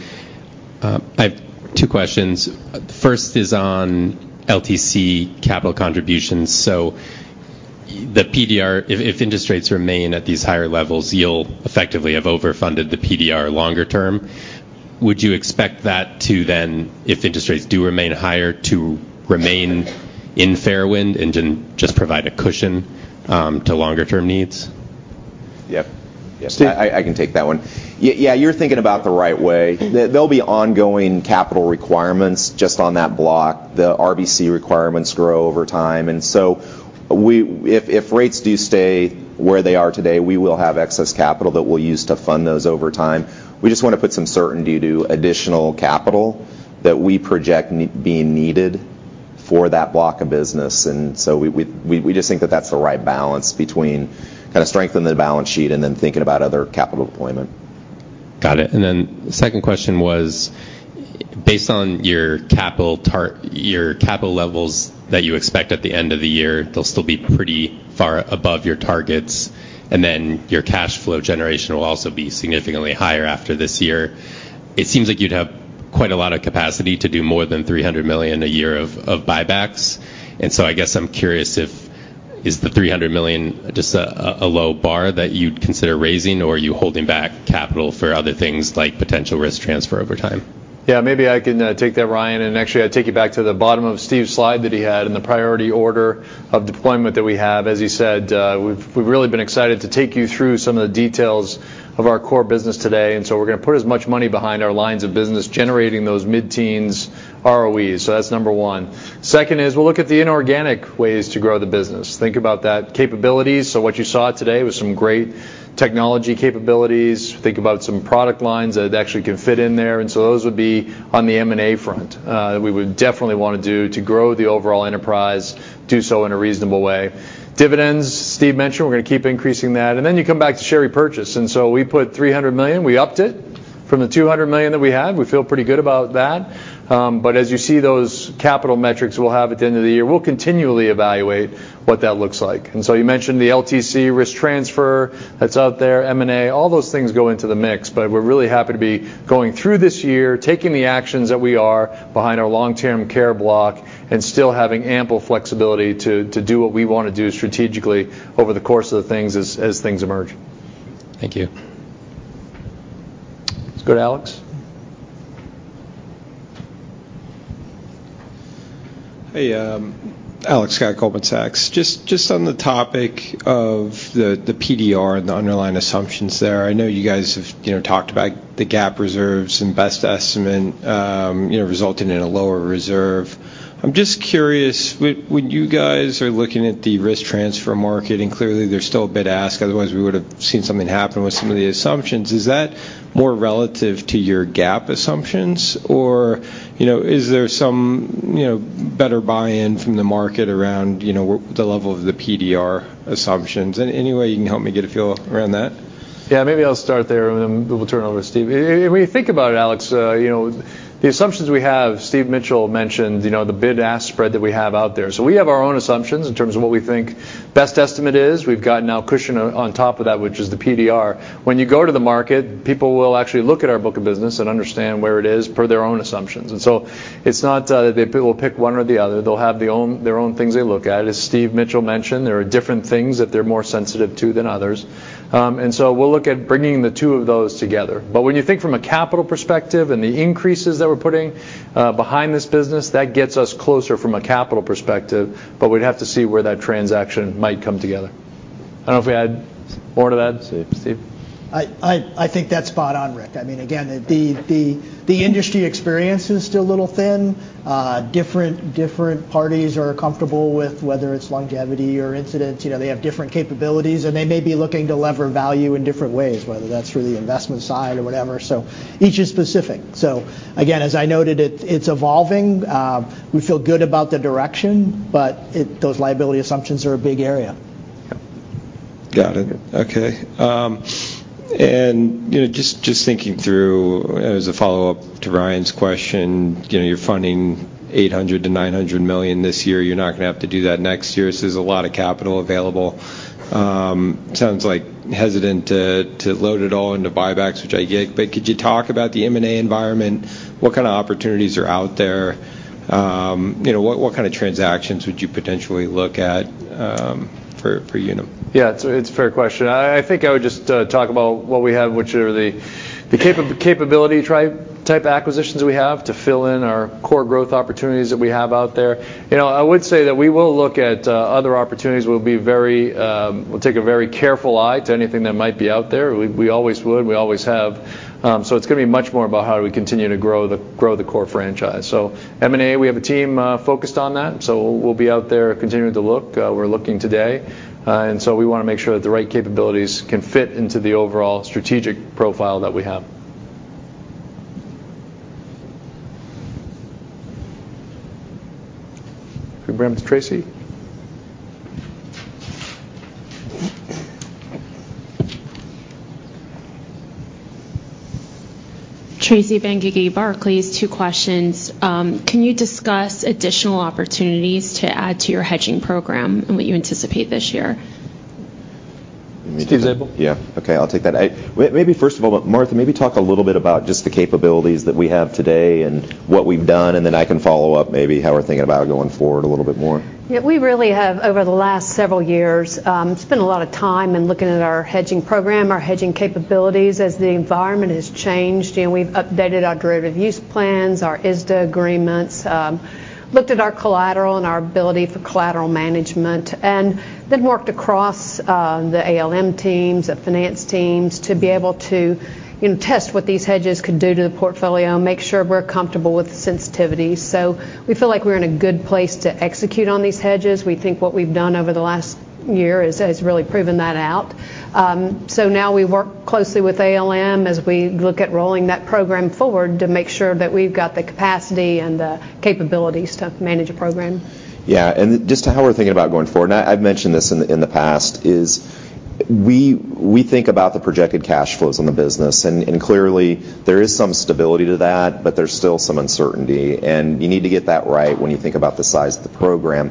I have two questions. First is on LTC capital contributions. The PDR, if interest rates remain at these higher levels, you'll effectively have overfunded the PDR longer term. Would you expect that to then, if interest rates do remain higher, to remain in Fairwind and then just provide a cushion to longer term needs? Yep. Yep. Steve? I can take that one. Yeah, you're thinking about the right way. There'll be ongoing capital requirements just on that block. The RBC requirements grow over time, and so we if rates do stay where they are today, we will have excess capital that we'll use to fund those over time. We just wanna put some certainty to additional capital that we project being needed for that block of business. We just think that that's the right balance between kinda strengthening the balance sheet and then thinking about other capital deployment. Got it. Second question was, based on your capital levels that you expect at the end of the year, they'll still be pretty far above your targets, your cash flow generation will also be significantly higher after this year. It seems like you'd have quite a lot of capacity to do more than $300 million a year of buybacks. I guess I'm curious if is the $300 million just a low bar that you'd consider raising, or are you holding back capital for other things like potential risk transfer over time? Yeah, maybe I can take that, Ryan. I'd take you back to the bottom of Steve's slide that he had and the priority order of deployment that we have. As you said, we've really been excited to take you through some of the details of our core business today, we're gonna put as much money behind our lines of business generating those mid-teens ROEs. That's number 1. Second is we'll look at the inorganic ways to grow the business. Think about that capabilities. What you saw today was some great technology capabilities. Think about some product lines that actually can fit in there. Those would be on the M&A front that we would definitely want to do to grow the overall enterprise, do so in a reasonable way. Dividends, Steve mentioned, we're going to keep increasing that. You come back to share repurchase. We put $300 million, we upped it from the $200 million that we had. We feel pretty good about that. As you see those capital metrics we'll have at the end of the year, we'll continually evaluate what that looks like. You mentioned the LTC risk transfer that's out there, M&A, all those things go into the mix. We're really happy to be going through this year, taking the actions that we are behind our long-term care block and still having ample flexibility to do what we want to do strategically over the course of things as things emerge. Thank you. Let's go to Alex. Alex Scott, Goldman Sachs. Just on the topic of the PDR and the underlying assumptions there, I know you guys have, you know, talked about the GAAP reserves and best estimate, you know, resulting in a lower reserve. I'm just curious, when you guys are looking at the risk transfer market, clearly there's still a bid ask, otherwise we would have seen something happen with some of the assumptions, is that more relative to your GAAP assumptions? You know, is there some, you know, better buy-in from the market around, you know, the level of the PDR assumptions? Any way you can help me get a feel around that? Maybe I'll start there, then we'll turn it over to Steve. When you think about it, Alex, you know, the assumptions we have, Steve Mitchell mentioned, you know, the bid-ask spread that we have out there. We have our own assumptions in terms of what we think best estimate is. We've got now cushion on top of that, which is the PDR. When you go to the market, people will actually look at our book of business and understand where it is per their own assumptions. It's not that people will pick one or the other. They'll have their own things they look at. As Steve Mitchell mentioned, there are different things that they're more sensitive to than others. We'll look at bringing the two of those together. When you think from a capital perspective and the increases that we're putting behind this business, that gets us closer from a capital perspective, but we'd have to see where that transaction might come together. I don't know if we add more to that, Steve. Steve? I think that's spot on, Rick. I mean, again, the industry experience is still a little thin. Different parties are comfortable with whether it's longevity or incidence. You know, they have different capabilities, and they may be looking to lever value in different ways, whether that's through the investment side or whatever. Each is specific. Again, as I noted, it's evolving. We feel good about the direction, but those liability assumptions are a big area. Got it. Okay. You know, just thinking through as a follow-up to Ryan's question, you know, you're funding $800 million-$900 million this year. You're not going to have to do that next year. There's a lot of capital available. Sounds like hesitant to load it all into buybacks, which I get. Could you talk about the M&A environment? What kind of opportunities are out there? You know, what kind of transactions would you potentially look at for Unum? Yeah, it's a fair question. I think I would just talk about what we have, which are the capability type acquisitions we have to fill in our core growth opportunities that we have out there. You know, I would say that we will look at other opportunities. We'll be very... We'll take a very careful eye to anything that might be out there. We always would, we always have. It's going to be much more about how do we continue to grow the core franchise. M&A, we have a team focused on that. We'll be out there continuing to look. We're looking today. We want to make sure that the right capabilities can fit into the overall strategic profile that we have. We bring up to Tracy. Tracy Benguigui, Barclays. Two questions. Can you discuss additional opportunities to add to your hedging program and what you anticipate this year? Steve Zabel. Yeah. Okay. I'll take that. Maybe first of all, Martha, maybe talk a little bit about just the capabilities that we have today and what we've done, and then I can follow up maybe how we're thinking about going forward a little bit more. Yeah. We really have, over the last several years, spent a lot of time in looking at our hedging program, our hedging capabilities as the environment has changed. You know, we've updated our derivative use plans, our ISDA agreements, looked at our collateral and our ability for collateral management, and then worked across the ALM teams, the finance teams to be able to, you know, test what these hedges could do to the portfolio, make sure we're comfortable with the sensitivity. We feel like we're in a good place to execute on these hedges. We think what we've done over the last year has really proven that out. Now we work closely with ALM as we look at rolling that program forward to make sure that we've got the capacity and the capabilities to manage a program. Yeah. Just how we're thinking about going forward, and I've mentioned this in the, in the past, is we think about the projected cash flows in the business. Clearly, there is some stability to that, but there's still some uncertainty. You need to get that right when you think about the size of the program.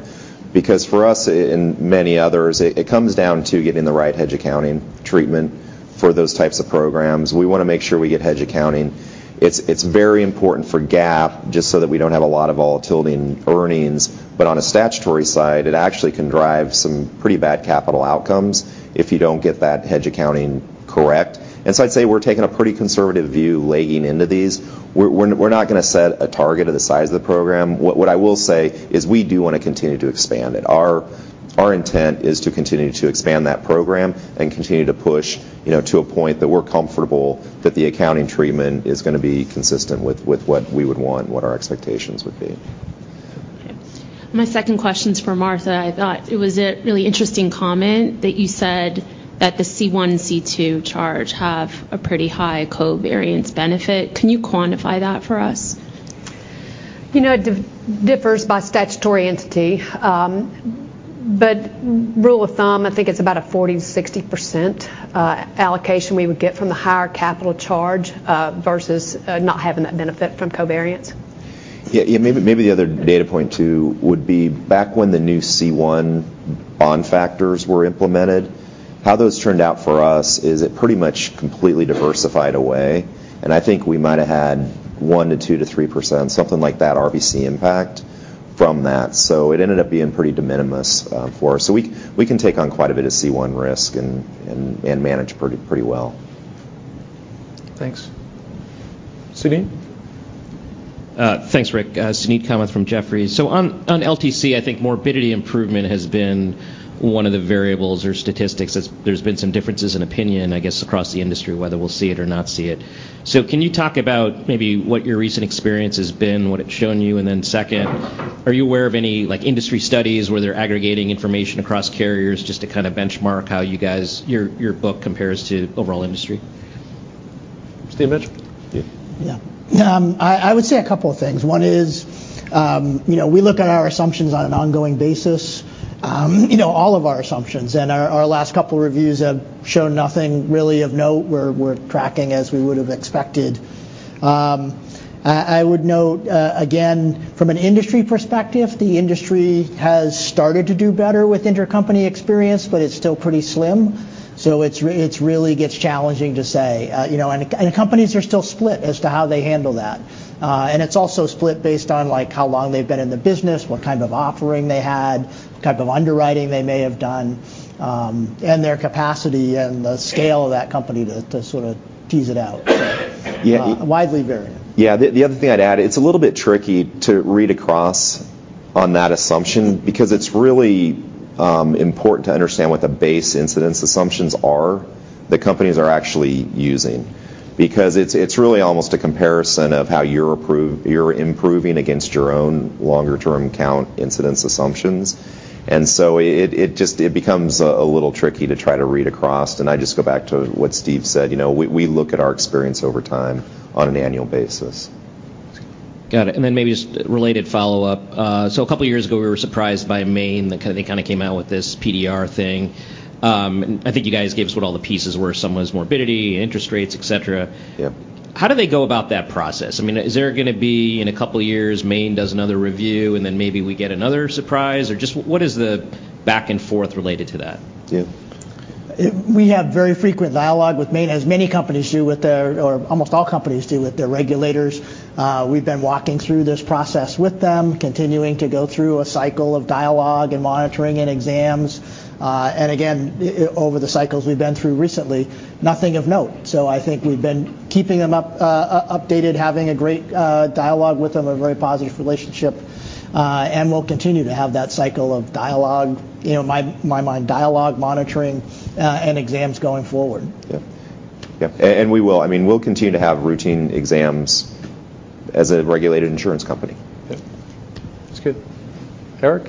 For us and many others, it comes down to getting the right hedge accounting treatment for those types of programs. We want to make sure we get hedge accounting. It's, it's very important for GAAP just so that we don't have a lot of volatility in earnings. On a statutory side, it actually can drive some pretty bad capital outcomes if you don't get that hedge accounting correct. I'd say we're taking a pretty conservative view legging into these. We're not going to set a target of the size of the program. What I will say is we do want to continue to expand it. Our intent is to continue to expand that program and continue to push, you know, to a point that we're comfortable that the accounting treatment is going to be consistent with what we would want, what our expectations would be. My second question's for Martha. I thought it was a really interesting comment that you said that the C1, C2 charge have a pretty high covariance benefit. Can you quantify that for us? You know, it differs by statutory entity, but rule of thumb, I think it's about a 40%-60% allocation we would get from the higher capital charge versus not having that benefit from covariance. Yeah. maybe the other data point too would be back when the new C1 bond factors were implemented, how those turned out for us is it pretty much completely diversified away, and I think we might have had 1%-3%, something like that RBC impact from that. It ended up being pretty de minimis for us. We can take on quite a bit of C1 risk and manage pretty well. Thanks. Suneet? Thanks, Rick. Suneet Kamath from Jefferies. On, on LTC, I think morbidity improvement has been one of the variables or statistics. There's been some differences in opinion, I guess, across the industry, whether we'll see it or not see it. Can you talk about maybe what your recent experience has been, what it's shown you? Then second, are you aware of any, like, industry studies where they're aggregating information across carriers just to kind of benchmark how you guys, your book compares to overall industry? Steve Mitchell? Steve. Yeah. I would say a couple of things. One is, you know, we look at our assumptions on an ongoing basis, you know, all of our assumptions. Our last couple of reviews have shown nothing really of note. We're tracking as we would have expected. I would note, again, from an industry perspective, the industry has started to do better with intercompany experience, but it's still pretty slim. It really gets challenging to say. You know, companies are still split as to how they handle that. It's also split based on, like, how long they've been in the business, what kind of offering they had, what type of underwriting they may have done, and their capacity and the scale of that company to sort of tease it out. Yeah. Widely varying. Yeah. The, the other thing I'd add, it's a little bit tricky to read across on that assumption because it's really important to understand what the base incidence assumptions are the companies are actually using. Because it's really almost a comparison of how you're improving against your own longer term count incidence assumptions. It, it just, it becomes a little tricky to try to read across. I just go back to what Steve said. You know, we look at our experience over time on an annual basis. Got it. Maybe just related follow-up. Two years ago, we were surprised by Maine. They kind of came out with this PDR thing. I think you guys gave us what all the pieces were. Some was morbidity, interest rates, et cetera. Yeah. How do they go about that process? I mean, is there gonna be in a couple of years, Maine does another review, and then maybe we get another surprise? Just what is the back and forth related to that? Steve. We have very frequent dialogue with Maine, as many companies do with their or almost all companies do with their regulators. We've been walking through this process with them, continuing to go through a cycle of dialogue and monitoring and exams. Again, over the cycles we've been through recently, nothing of note. I think we've been keeping them updated, having a great dialogue with them, a very positive relationship. We'll continue to have that cycle of dialogue, you know, my mind dialogue, monitoring and exams going forward. Yeah. Yeah. We will. I mean, we'll continue to have routine exams as a regulated insurance company. Yeah. That's good. Eric?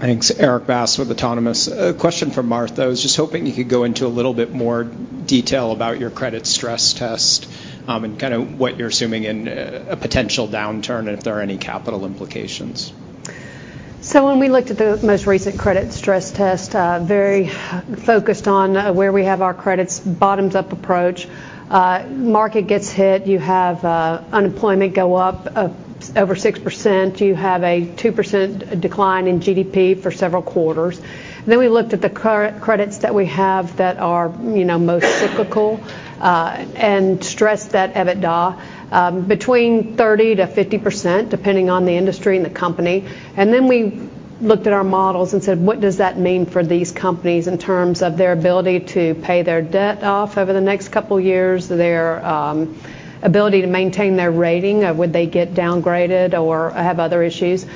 Thanks. Erik Bass with Autonomous. A question for Martha. I was just hoping you could go into a little bit more detail about your credit stress test, and kind of what you're assuming in a potential downturn and if there are any capital implications. When we looked at the most recent credit stress test, very focused on where we have our credits, bottoms-up approach. Market gets hit, you have unemployment go up over 6%. You have a 2% decline in GDP for several quarters. We looked at the credits that we have that are, you know, most cyclical, and stressed that EBITDA between 30%-50%, depending on the industry and the company. We looked at our models and said, "What does that mean for these companies in terms of their ability to pay their debt off over the next couple of years, their ability to maintain their rating?" Would they get downgraded or have other issues?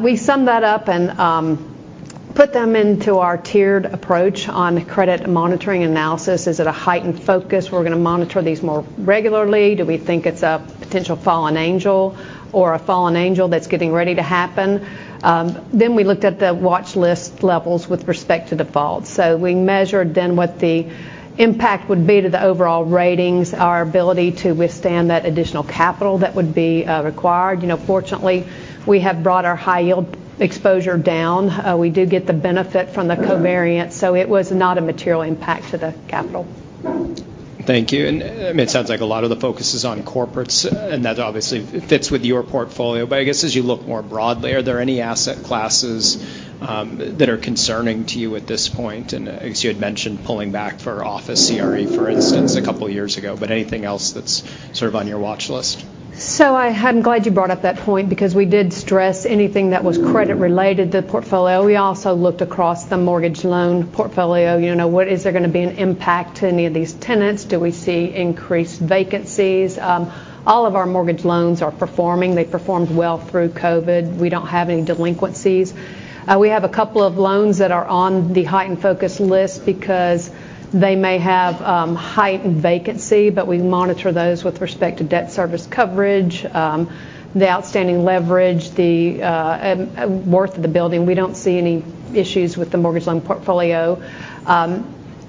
We summed that up and put them into our tiered approach on credit monitoring analysis. Is it a heightened focus? We're gonna monitor these more regularly. Do we think it's a potential fallen angel or a fallen angel that's getting ready to happen? We looked at the watchlist levels with respect to default. We measured then what the impact would be to the overall ratings, our ability to withstand that additional capital that would be required. You know, fortunately, we have brought our high yield exposure down. We do get the benefit from the covariance, it was not a material impact to the capital. Thank you. I mean, it sounds like a lot of the focus is on corporates, and that obviously fits with your portfolio. I guess as you look more broadly, are there any asset classes that are concerning to you at this point? I guess you had mentioned pulling back for office CRE, for instance, two years ago. Anything else that's sort of on your watchlist? I am glad you brought up that point because we did stress anything that was credit related to the portfolio. We also looked across the mortgage loan portfolio. You know, what is there gonna be an impact to any of these tenants? Do we see increased vacancies? All of our mortgage loans are performing. They performed well through COVID. We don't have any delinquencies. We have a couple of loans that are on the heightened focus list because they may have heightened vacancy, but we monitor those with respect to debt service coverage, the outstanding leverage, the worth of the building. We don't see any issues with the mortgage loan portfolio.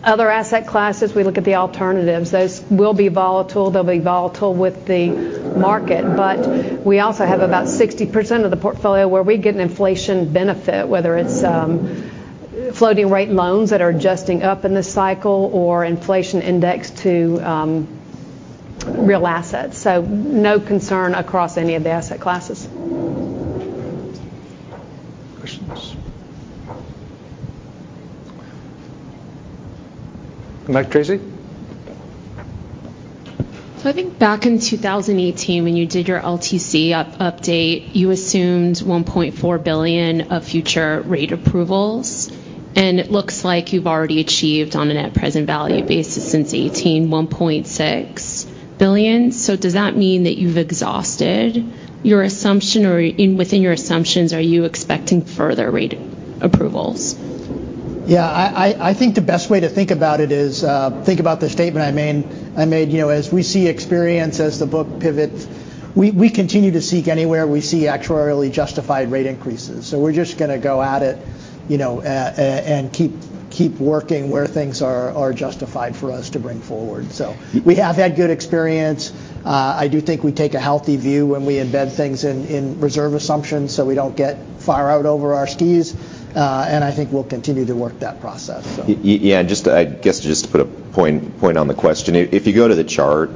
Other asset classes, we look at the alternatives. Those will be volatile, they'll be volatile with the market. We also have about 60% of the portfolio where we get an inflation benefit, whether it's floating rate loans that are adjusting up in this cycle or inflation indexed to real assets. No concern across any of the asset classes. Questions? Come back, Tracy. I think back in 2018 when you did your LTC update, you assumed $1.4 billion of future rate approvals. It looks like you've already achieved on a net present value basis since 2018, $1.6 billion. Does that mean that you've exhausted your assumption, or within your assumptions, are you expecting further rate approvals? Yeah. I think the best way to think about it is, think about the statement I made. You know, as we see experience as the book pivots, we continue to seek anywhere we see actuarially justified rate increases. We're just gonna go at it, you know, and keep working where things are justified for us to bring forward. We have had good experience. I do think we take a healthy view when we embed things in reserve assumptions, so we don't get far out over our skis. And I think we'll continue to work that process. Yeah. I guess just to put a point on the question, if you go to the chart,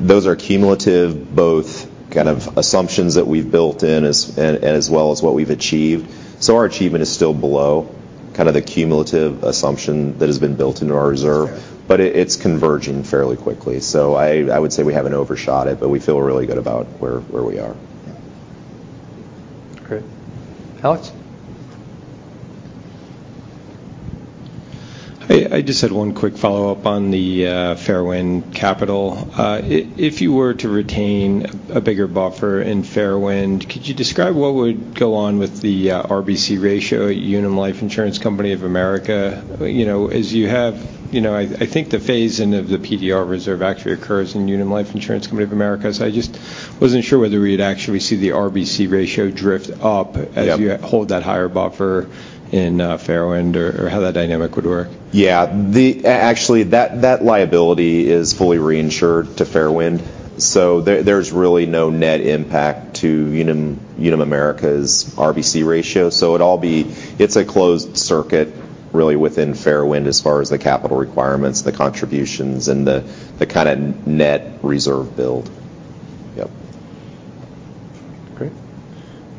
those are cumulative, both kind of assumptions that we've built in as well as what we've achieved. Our achievement is still below kind of the cumulative assumption that has been built into our reserve. It's converging fairly quickly. I would say we haven't overshot it, but we feel really good about where we are. Yeah. Great. Alex? I just had one quick follow-up on the Fairwind capital. If you were to retain a bigger buffer in Fairwind, could you describe what would go on with the RBC ratio at Unum Life Insurance Company of America? You know, as you have... You know, I think the phase-in of the PDR reserve actually occurs in Unum Life Insurance Company of America. I just wasn't sure whether we'd actually see the RBC ratio drift up. Yeah. as you hold that higher buffer in, Fairwind or how that dynamic would work. Yeah. Actually, that liability is fully reinsured to Fairwind. There's really no net impact to Unum America's RBC ratio. It's a closed circuit really within Fairwind as far as the capital requirements, the contributions, and the net reserve build.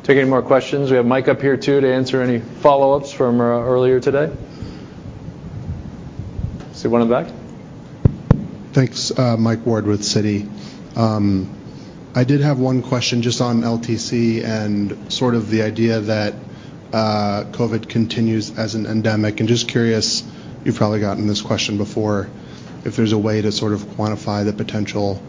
Yep. Great. Take any more questions. We have Mike up here too to answer any follow-ups from earlier today. See one in the back. Thanks. Michael Ward with Citi. I did have one question just on LTC and sort of the idea that COVID continues as an endemic. I'm just curious, you've probably gotten this question before, if there's a way to sort of quantify the potential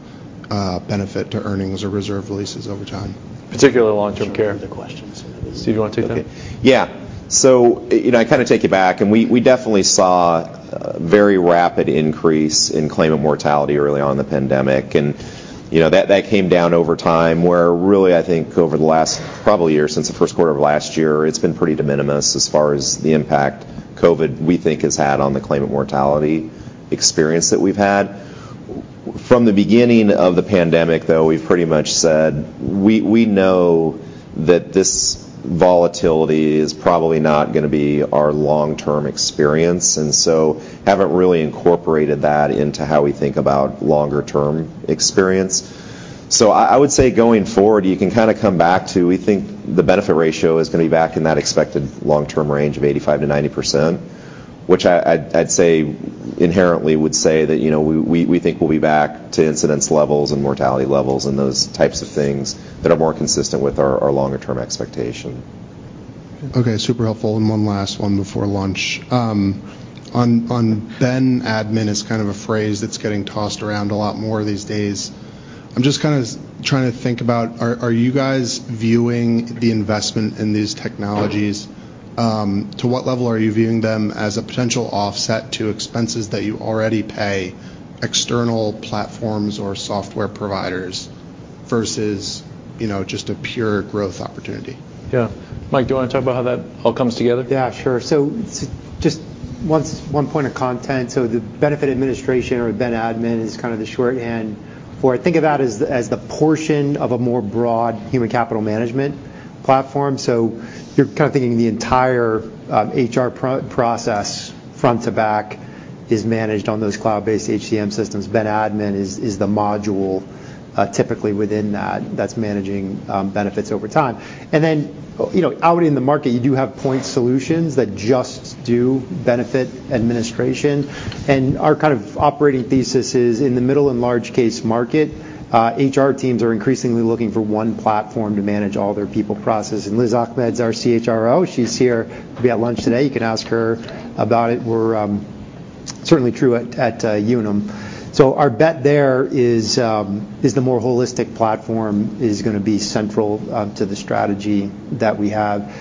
benefit to earnings or reserve releases over time. Particularly long-term care. Other questions. Do you wanna take that? Okay. Yeah. You know, I kinda take you back, and we definitely saw a very rapid increase in claimant mortality early on in the pandemic. You know, that came down over time, where really I think over the last probably year, since the first quarter of last year, it's been pretty de minimis as far as the impact COVID, we think, has had on the claimant mortality experience that we've had. From the beginning of the pandemic, though, we've pretty much said we know that this volatility is probably not gonna be our long-term experience. Haven't really incorporated that into how we think about longer term experience. I would say going forward, you can kinda come back to we think the benefit ratio is gonna be back in that expected long-term range of 85%-90%, which I'd say inherently would say that, you know, we think we'll be back to incidence levels and mortality levels and those types of things that are more consistent with our longer term expectation. Okay. Super helpful. One last one before lunch. On Benefits administration is kind of a phrase that's getting tossed around a lot more these days. I'm just kind of trying to think about are you guys viewing the investment in these technologies to what level are you viewing them as a potential offset to expenses that you already pay external platforms or software providers versus, you know, just a pure growth opportunity? Yeah. Mike, do you wanna talk about how that all comes together? Yeah, sure. Just one point of content. The Benefits administration or ben admin is kind of the shorthand for think about as the portion of a more broad human capital management platform. You're kind of thinking the entire HR process front to back is managed on those cloud-based HCM systems. Ben admin is the module typically within that's managing benefits over time. Then, you know, out in the market, you do have point solutions that just do Benefits administration. Our kind of operating thesis is in the middle and large case market, HR teams are increasingly looking for one platform to manage all their people process. Liz Ahmed's our CHRO. She's here. We have lunch today. You can ask her about it. We're certainly true at Unum. Our bet there is the more holistic platform is gonna be central to the strategy that we have.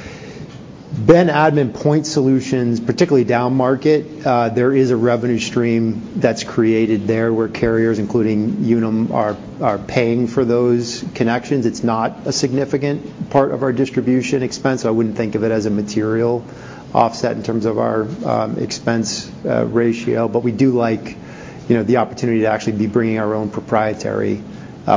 Ben admin point solutions, particularly downmarket, there is a revenue stream that's created there where carriers, including Unum, are paying for those connections. It's not a significant part of our distribution expense. I wouldn't think of it as a material offset in terms of our expense ratio. We do like, you know, the opportunity to actually be bringing our own proprietary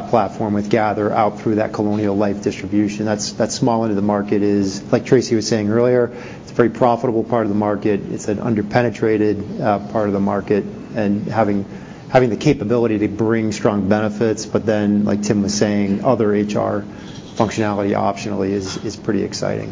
platform with Gather out through that Colonial Life distribution. That small end of the market is, like Tracy was saying earlier, it's a very profitable part of the market. It's an under-penetrated part of the market and having the capability to bring strong benefits. Like Tim was saying, other HR functionality optionally is pretty exciting.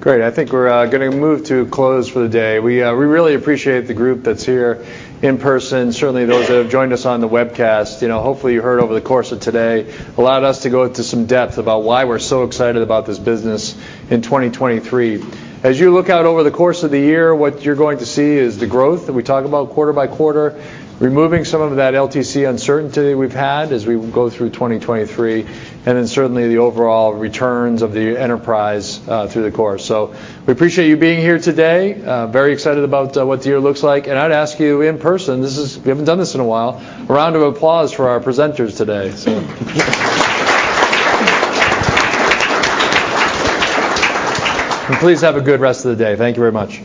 Great. I think we're gonna move to close for the day. We really appreciate the group that's here in person, certainly those that have joined us on the webcast. You know, hopefully you heard over the course of today allowed us to go into some depth about why we're so excited about this business in 2023. As you look out over the course of the year, what you're going to see is the growth that we talk about quarter by quarter, removing some of that LTC uncertainty we've had as we go through 2023, and then certainly the overall returns of the enterprise through the course. We appreciate you being here today. Very excited about what the year looks like. I'd ask you in person, this is... We haven't done this in a while, a round of applause for our presenters today. Please have a good rest of the day. Thank you very much.